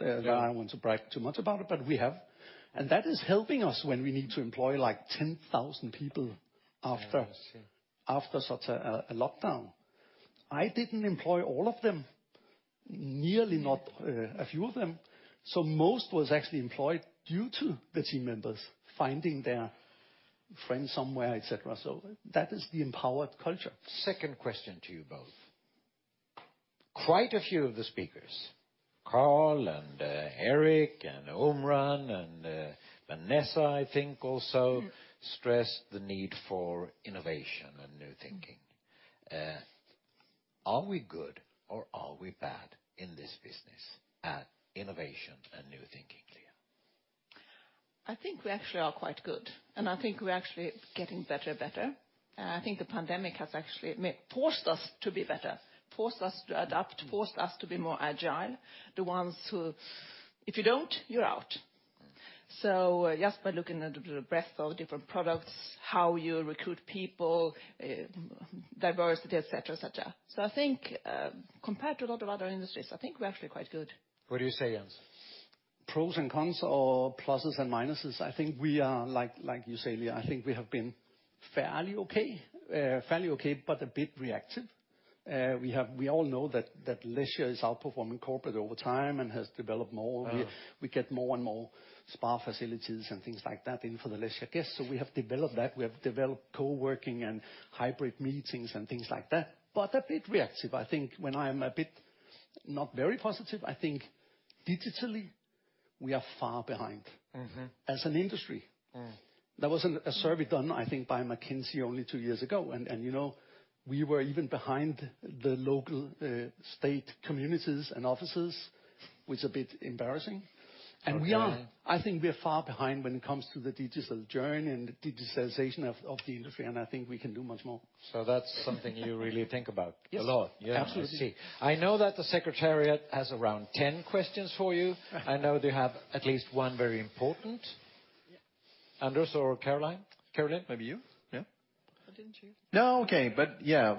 Yeah. I want to brag too much about it, but we have. That is helping us when we need to employ, like, 10,000 people after- Yeah. That's it. After such a lockdown. I didn't employ all of them. Nearly not, a few of them. Most was actually employed due to the team members finding their friends somewhere, et cetera. That is the empowered culture. Second question to you both. Quite a few of the speakers, Carl and Erik and Umran and Vanessa, I think also. Stressed the need for innovation and new thinking. Are we good or are we bad in this business at innovation and new thinking, Liia Nõu? I think we actually are quite good, and I think we're actually getting better and better. I think the pandemic has actually forced us to be better, forced us to adapt, forced us to be more agile. If you don't, you're out. Just by looking at the breadth of different products, how you recruit people, diversity, et cetera, et cetera. I think, compared to a lot of other industries, I think we're actually quite good. What do you say, Jens? Pros and cons or pluses and minuses, I think we are, like, you say, Liia Nõu, I think we have been fairly okay, but a bit reactive. We all know that leisure is outperforming corporate over time and has developed more. Yeah. We get more and more spa facilities and things like that in for the leisure guests. We have developed that. We have developed co-working and hybrid meetings and things like that. A bit reactive. I think when I'm a bit not very positive, digitally, we are far behind. As an industry. There was a survey done, I think, by McKinsey only two years ago, and you know, we were even behind the local state communities and offices, which is a bit embarrassing. Okay. We are, I think we're far behind when it comes to the digital journey and digitalization of the industry, and I think we can do much more. That's something you really think about- Yes a lot. Absolutely. I see. I know that the secretariat has around 10 questions for you. I know they have at least one very important. Yeah. Anders or Caroline? Caroline, maybe you? Yeah. Why don't you? No. Okay. Yeah,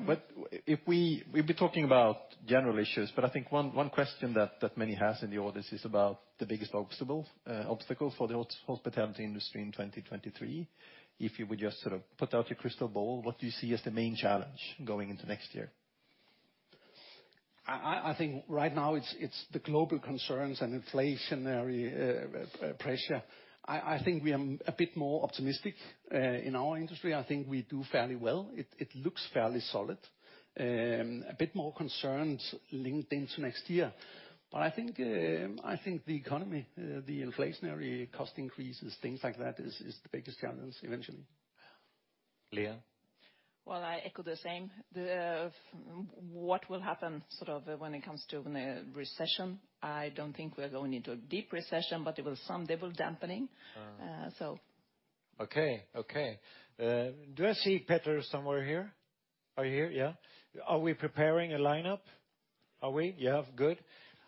we've been talking about general issues, but I think one question that many has in the audience is about the biggest obstacle for the hospitality industry in 2023. If you would just sort of put out your crystal ball, what do you see as the main challenge going into next year? I think right now it's the global concerns and inflationary pressure. I think we are a bit more optimistic in our industry. I think we do fairly well. It looks fairly solid. A bit more concerns linked into next year. I think the economy, the inflationary cost increases, things like that is the biggest challenge eventually. Lea? Well, I echo the same. What will happen sort of when it comes to the recession? I don't think we are going into a deep recession, but there will dampening. Uh. Uh, so. Okay. Do I see Petter somewhere here? Are you here? Yeah. Are we preparing a lineup? Yeah. Good.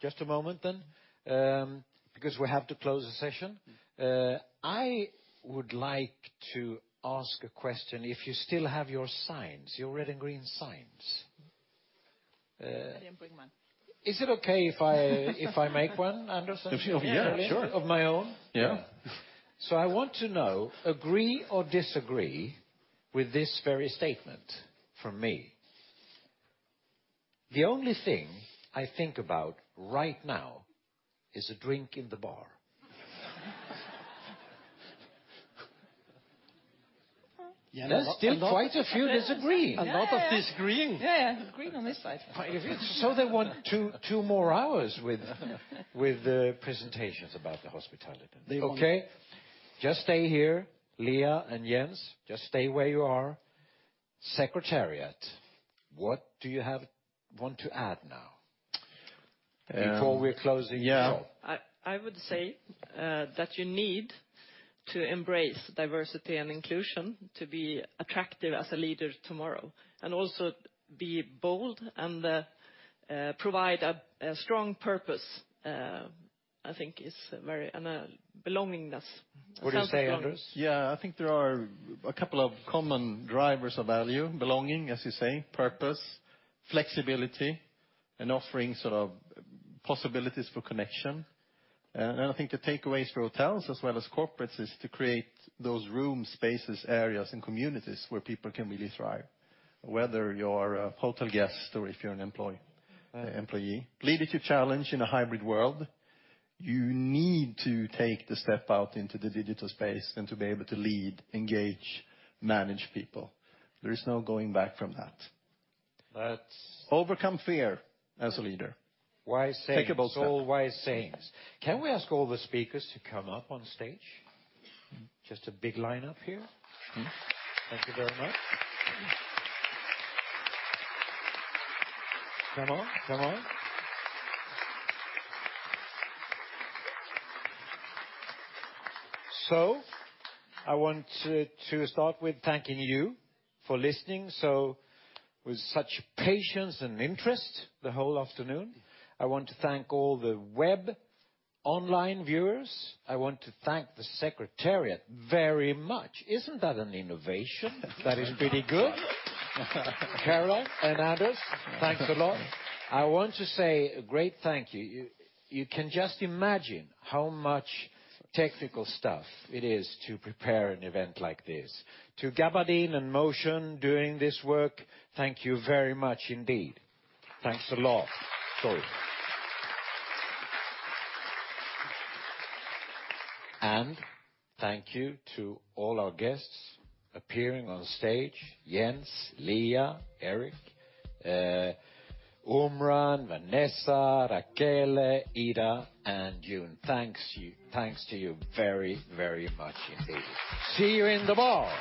Just a moment then, because we have to close the session. I would like to ask a question, if you still have your signs, your red and green signs. I didn't bring mine. Is it okay if I make one, Anders? Yeah, sure. Of my own? Yeah. I want to know, agree or disagree with this very statement from me: The only thing I think about right now is a drink in the bar. There's still quite a few disagree. A lot of disagreeing. Yeah. Green on this side. They want two more hours with presentations about the hospitality. Okay. Just stay here, Lea and Jens. Just stay where you are. Secretariat, what do you have want to add now before we're closing the show? Yeah. I would say that you need to embrace diversity and inclusion to be attractive as a leader tomorrow, and also be bold and provide a strong purpose and a belongingness. What do you say, Anders? Yeah. I think there are a couple of common drivers of value, belonging, as you say, purpose, flexibility, and offering sort of possibilities for connection. I think the takeaways for hotels as well as corporates is to create those room spaces, areas and communities where people can really thrive, whether you're a hotel guest or if you're an employ- Uh. Employee. Leadership challenge in a hybrid world, you need to take the step out into the digital space and to be able to lead, engage, manage people. There is no going back from that. That's- Overcome fear as a leader. Wise sayings. Take a bold step. It's all wise sayings. Can we ask all the speakers to come up on stage? Just a big line up here. Thank you very much. Come on. I want to start with thanking you for listening with such patience and interest the whole afternoon. I want to thank all the web online viewers. I want to thank the secretariat very much. Isn't that an innovation? That is pretty good. Caroline Tivéus and others, thanks a lot. I want to say a great thank you. You can just imagine how much technical stuff it is to prepare an event like this. To Gabadeen and Motion doing this work, thank you very much indeed. Thanks a lot. Sorry. Thank you to all our guests appearing on stage, Jens Mathiesen, Liia Nõu, Eric Jafari, Umran Beba, Vanessa Borkmann, Rachele Focardi, Ida Troive, and June Koh. Thanks to you very, very much indeed. See you in the ball.